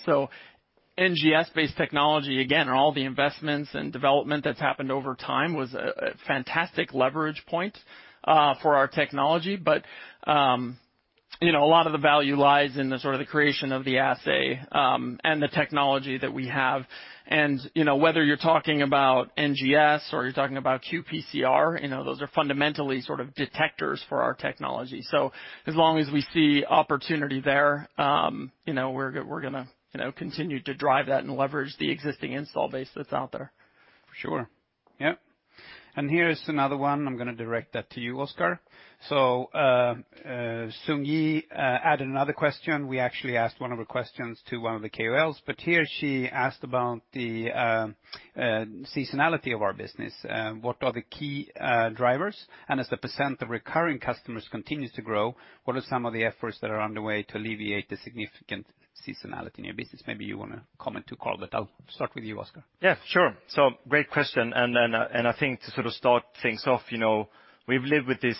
NGS-based technology, again, all the investments and development that's happened over time was a fantastic leverage point for our technology. You know, a lot of the value lies in the sort of the creation of the assay, and the technology that we have. You know, whether you're talking about NGS or you're talking about qPCR, you know, those are fundamentally sort of detectors for our technology. As long as we see opportunity there, you know, we're gonna, you know, continue to drive that and leverage the existing install base that's out there. Sure. Yep. Here is another one. I'm gonna direct that to you, Oskar. Sung Ji Nam added another question. We actually asked one of the questions to one of the KOLs. Here she asked about the seasonality of our business. What are the key drivers, and as the percent of recurring customers continues to grow, what are some of the efforts that are on the way to alleviate the significant seasonality in your business? Maybe you wanna comment too, Carl, but I'll start with you, Oskar. Yeah, sure. Great question. I think to sort of start things off, you know, we've lived with this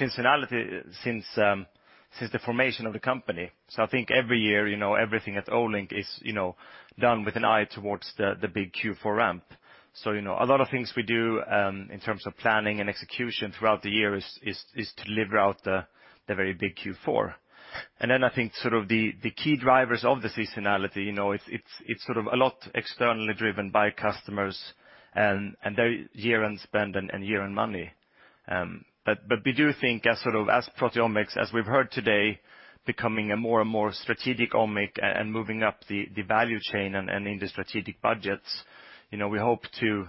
seasonality since the formation of the company. I think every year, you know, everything at Olink is, you know, done with an eye towards the big Q4 ramp. You know, a lot of things we do in terms of planning and execution throughout the year is to lever out the very big Q4. Then I think sort of the key drivers of the seasonality, you know, it's sort of a lot externally driven by customers and their year-end spend and year-end money. We do think as sort of proteomics, as we've heard today, becoming a more and more strategic omic and moving up the value chain and in the strategic budgets. You know, we hope to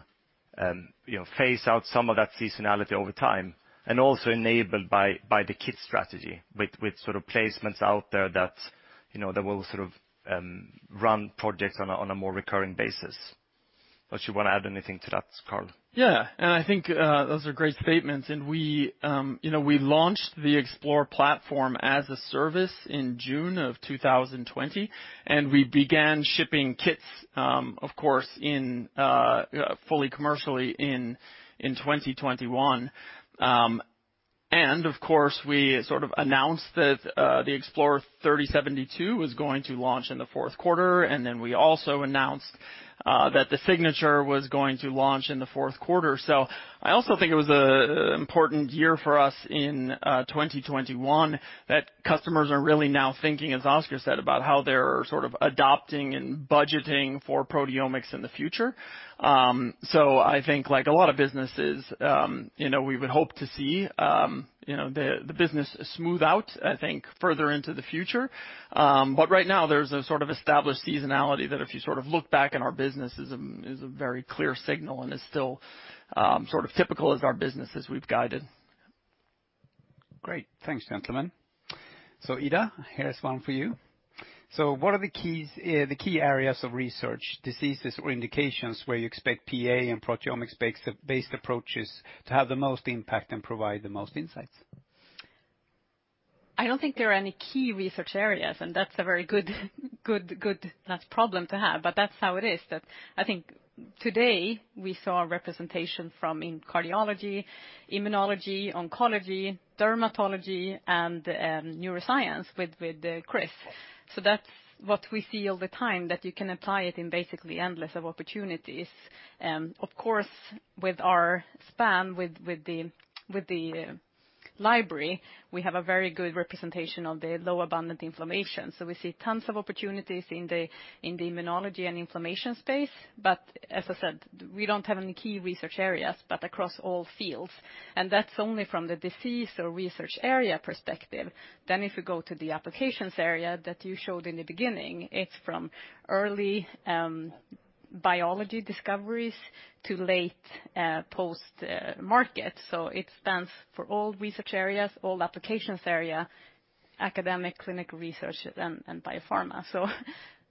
phase out some of that seasonality over time and also enabled by the kit strategy with sort of placements out there that you know that will sort of run projects on a more recurring basis. Unless you wanna add anything to that, Carl. Yeah. I think those are great statements. We, you know, we launched the Explore platform as a service in June of 2020, and we began shipping kits, of course, fully commercially in 2021. We sort of announced that the Explore 3072 was going to launch in the fourth quarter, and then we also announced that the Signature was going to launch in the fourth quarter. I also think it was an important year for us in 2021 that customers are really now thinking, as Oskar said, about how they're sort of adopting and budgeting for proteomics in the future. I think like a lot of businesses, you know, we would hope to see, you know, the business smooth out, I think, further into the future. Right now, there's a sort of established seasonality that if you sort of look back in our business is a very clear signal and is still, sort of typical as our business as we've guided. Great. Thanks, gentlemen. Ida, here's one for you. What are the keys, the key areas of research, diseases or indications where you expect PEA and proteomics-based approaches to have the most impact and provide the most insights? I don't think there are any key research areas, and that's a very good problem to have. That's how it is that I think today we saw representation from cardiology, immunology, oncology, dermatology and neuroscience with Chris. That's what we see all the time, that you can apply it in basically endless opportunities. Of course, with the span of the library, we have a very good representation of the low abundant inflammation. We see tons of opportunities in the immunology and inflammation space. As I said, we don't have any key research areas, but across all fields. That's only from the disease or research area perspective. If you go to the applications area that you showed in the beginning, it's from early biology discoveries to late post market. It spans for all research areas, all applications area, academic, clinical research and biopharma.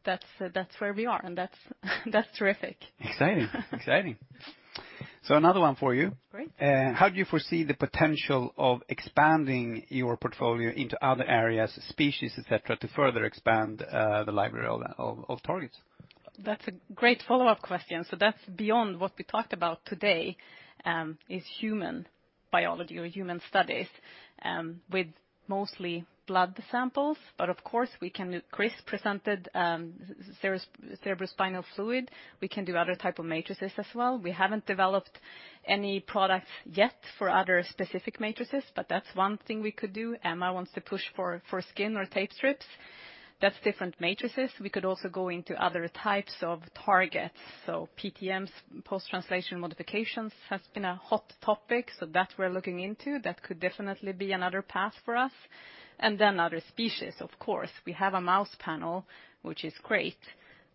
That's where we are, and that's terrific. Exciting. Another one for you. Great. How do you foresee the potential of expanding your portfolio into other areas, species, et cetera, to further expand the library of targets? That's a great follow-up question. That's beyond what we talked about today, is human biology or human studies, with mostly blood samples. Of course, we can do. Chris presented, cerebrospinal fluid. We can do other type of matrices as well. We haven't developed any products yet for other specific matrices, but that's one thing we could do. Emma wants to push for skin or tape strips. That's different matrices. We could also go into other types of targets. PTMs, post-translational modifications, has been a hot topic, so that we're looking into. That could definitely be another path for us. Then other species, of course. We have a mouse panel, which is great,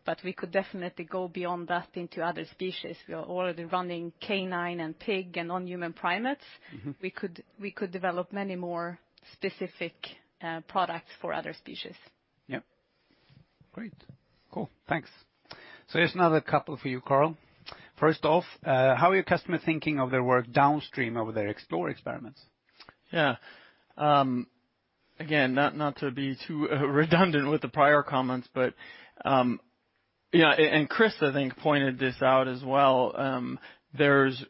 but we could definitely go beyond that into other species. We are already running canine and pig and non-human primates. Mm-hmm. We could develop many more specific products for other species. Yep. Great. Cool. Thanks. Here's another couple for you, Carl. First off, how are your customers thinking of their work downstream over their Explore experiments? Again, not to be too redundant with the prior comments, but yeah, and Chris, I think, pointed this out as well. There's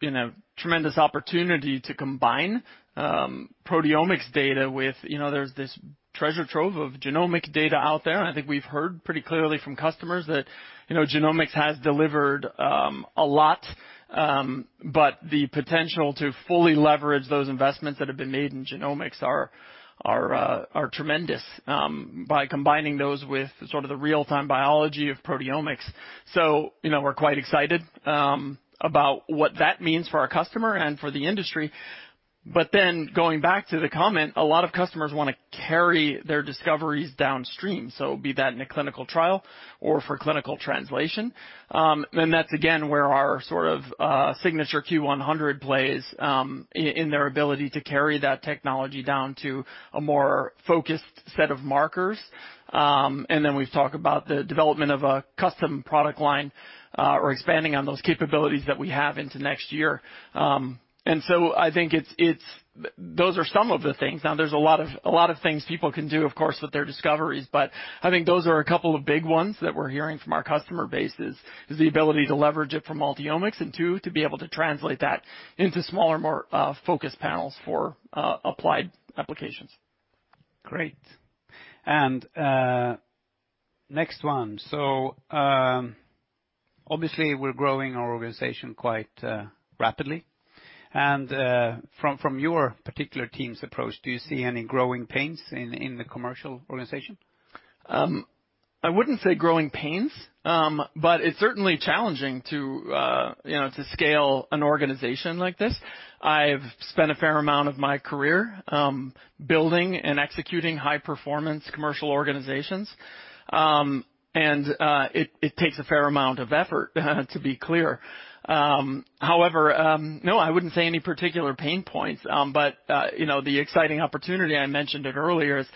been a tremendous opportunity to combine proteomics data with, you know, there's this treasure trove of genomic data out there, and I think we've heard pretty clearly from customers that, you know, genomics has delivered a lot. But the potential to fully leverage those investments that have been made in genomics are tremendous by combining those with sort of the real-time biology of proteomics. You know, we're quite excited about what that means for our customer and for the industry. Going back to the comment, a lot of customers wanna carry their discoveries downstream, so be that in a clinical trial or for clinical translation. That's again where our sort of signature Q100 plays in their ability to carry that technology down to a more focused set of markers. We've talked about the development of a custom product line or expanding on those capabilities that we have into next year. I think those are some of the things. Now, there's a lot of things people can do, of course, with their discoveries, but I think those are a couple of big ones that we're hearing from our customer base is the ability to leverage it from multi-omics, and two, to be able to translate that into smaller, more focused panels for applied applications. Great. Next one. Obviously we're growing our organization quite rapidly. From your particular team's approach, do you see any growing pains in the commercial organization? I wouldn't say growing pains, but it's certainly challenging to, you know, to scale an organization like this. I've spent a fair amount of my career, building and executing high-performance commercial organizations. It takes a fair amount of effort, to be clear. However, no, I wouldn't say any particular pain points. You know, the exciting opportunity, I mentioned it earlier, is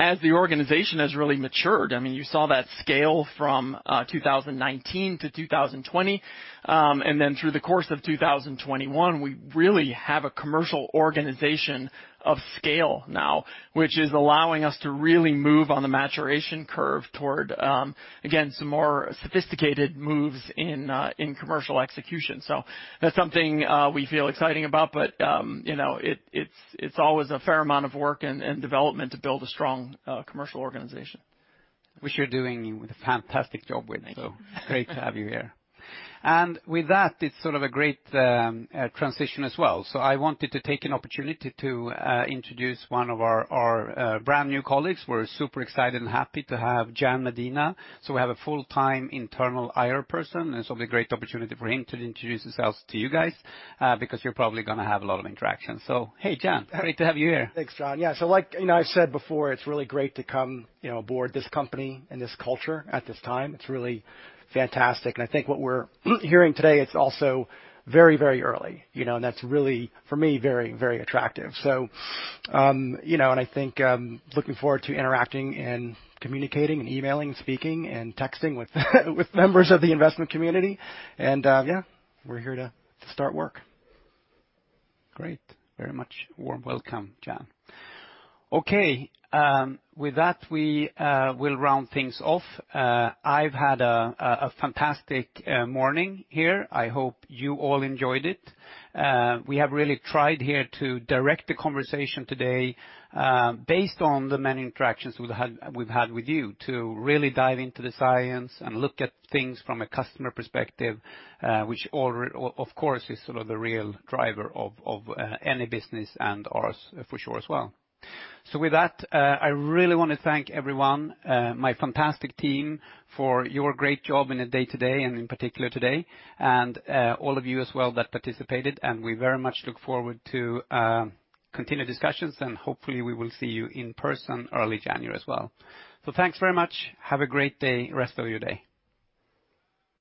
as the organization has really matured, I mean, you saw that scale from 2019 to 2020, and then through the course of 2021, we really have a commercial organization of scale now, which is allowing us to really move on the maturation curve toward, again, some more sophisticated moves in commercial execution. That's something we feel exciting about, but you know, it's always a fair amount of work and development to build a strong commercial organization. Which you're doing a fantastic job with. Thank you. Great to have you here. With that, it's sort of a great transition as well. I wanted to take an opportunity to introduce one of our brand-new colleagues. We're super excited and happy to have Jan Medina, so we have a full-time internal IR person, and it's sort of a great opportunity for him to introduce himself to you guys because you're probably gonna have a lot of interaction. Hey, Jan, great to have you here. Thanks, Jon. Yeah, like, you know, I said before, it's really great to come, you know, aboard this company and this culture at this time. It's really fantastic, and I think what we're hearing today, it's also very, very early, you know. That's really, for me, very, very attractive. You know, I think I'm looking forward to interacting and communicating and emailing, speaking and texting with members of the investment community.oYeah, we're here to start work. Great. Very much warm welcome, Jan. Okay, with that, we will round things off. I've had a fantastic morning here. I hope you all enjoyed it. We have really tried here to direct the conversation today, based on the many interactions we've had with you to really dive into the science and look at things from a customer perspective, which all, of course, is sort of the real driver of any business and ours for sure as well. With that, I really wanna thank everyone, my fantastic team for your great job in the day to day and in particular today, and all of you as well that participated, and we very much look forward to continued discussions. Hopefully, we will see you in person early January as well. Thanks very much. Have a great day, rest of your day.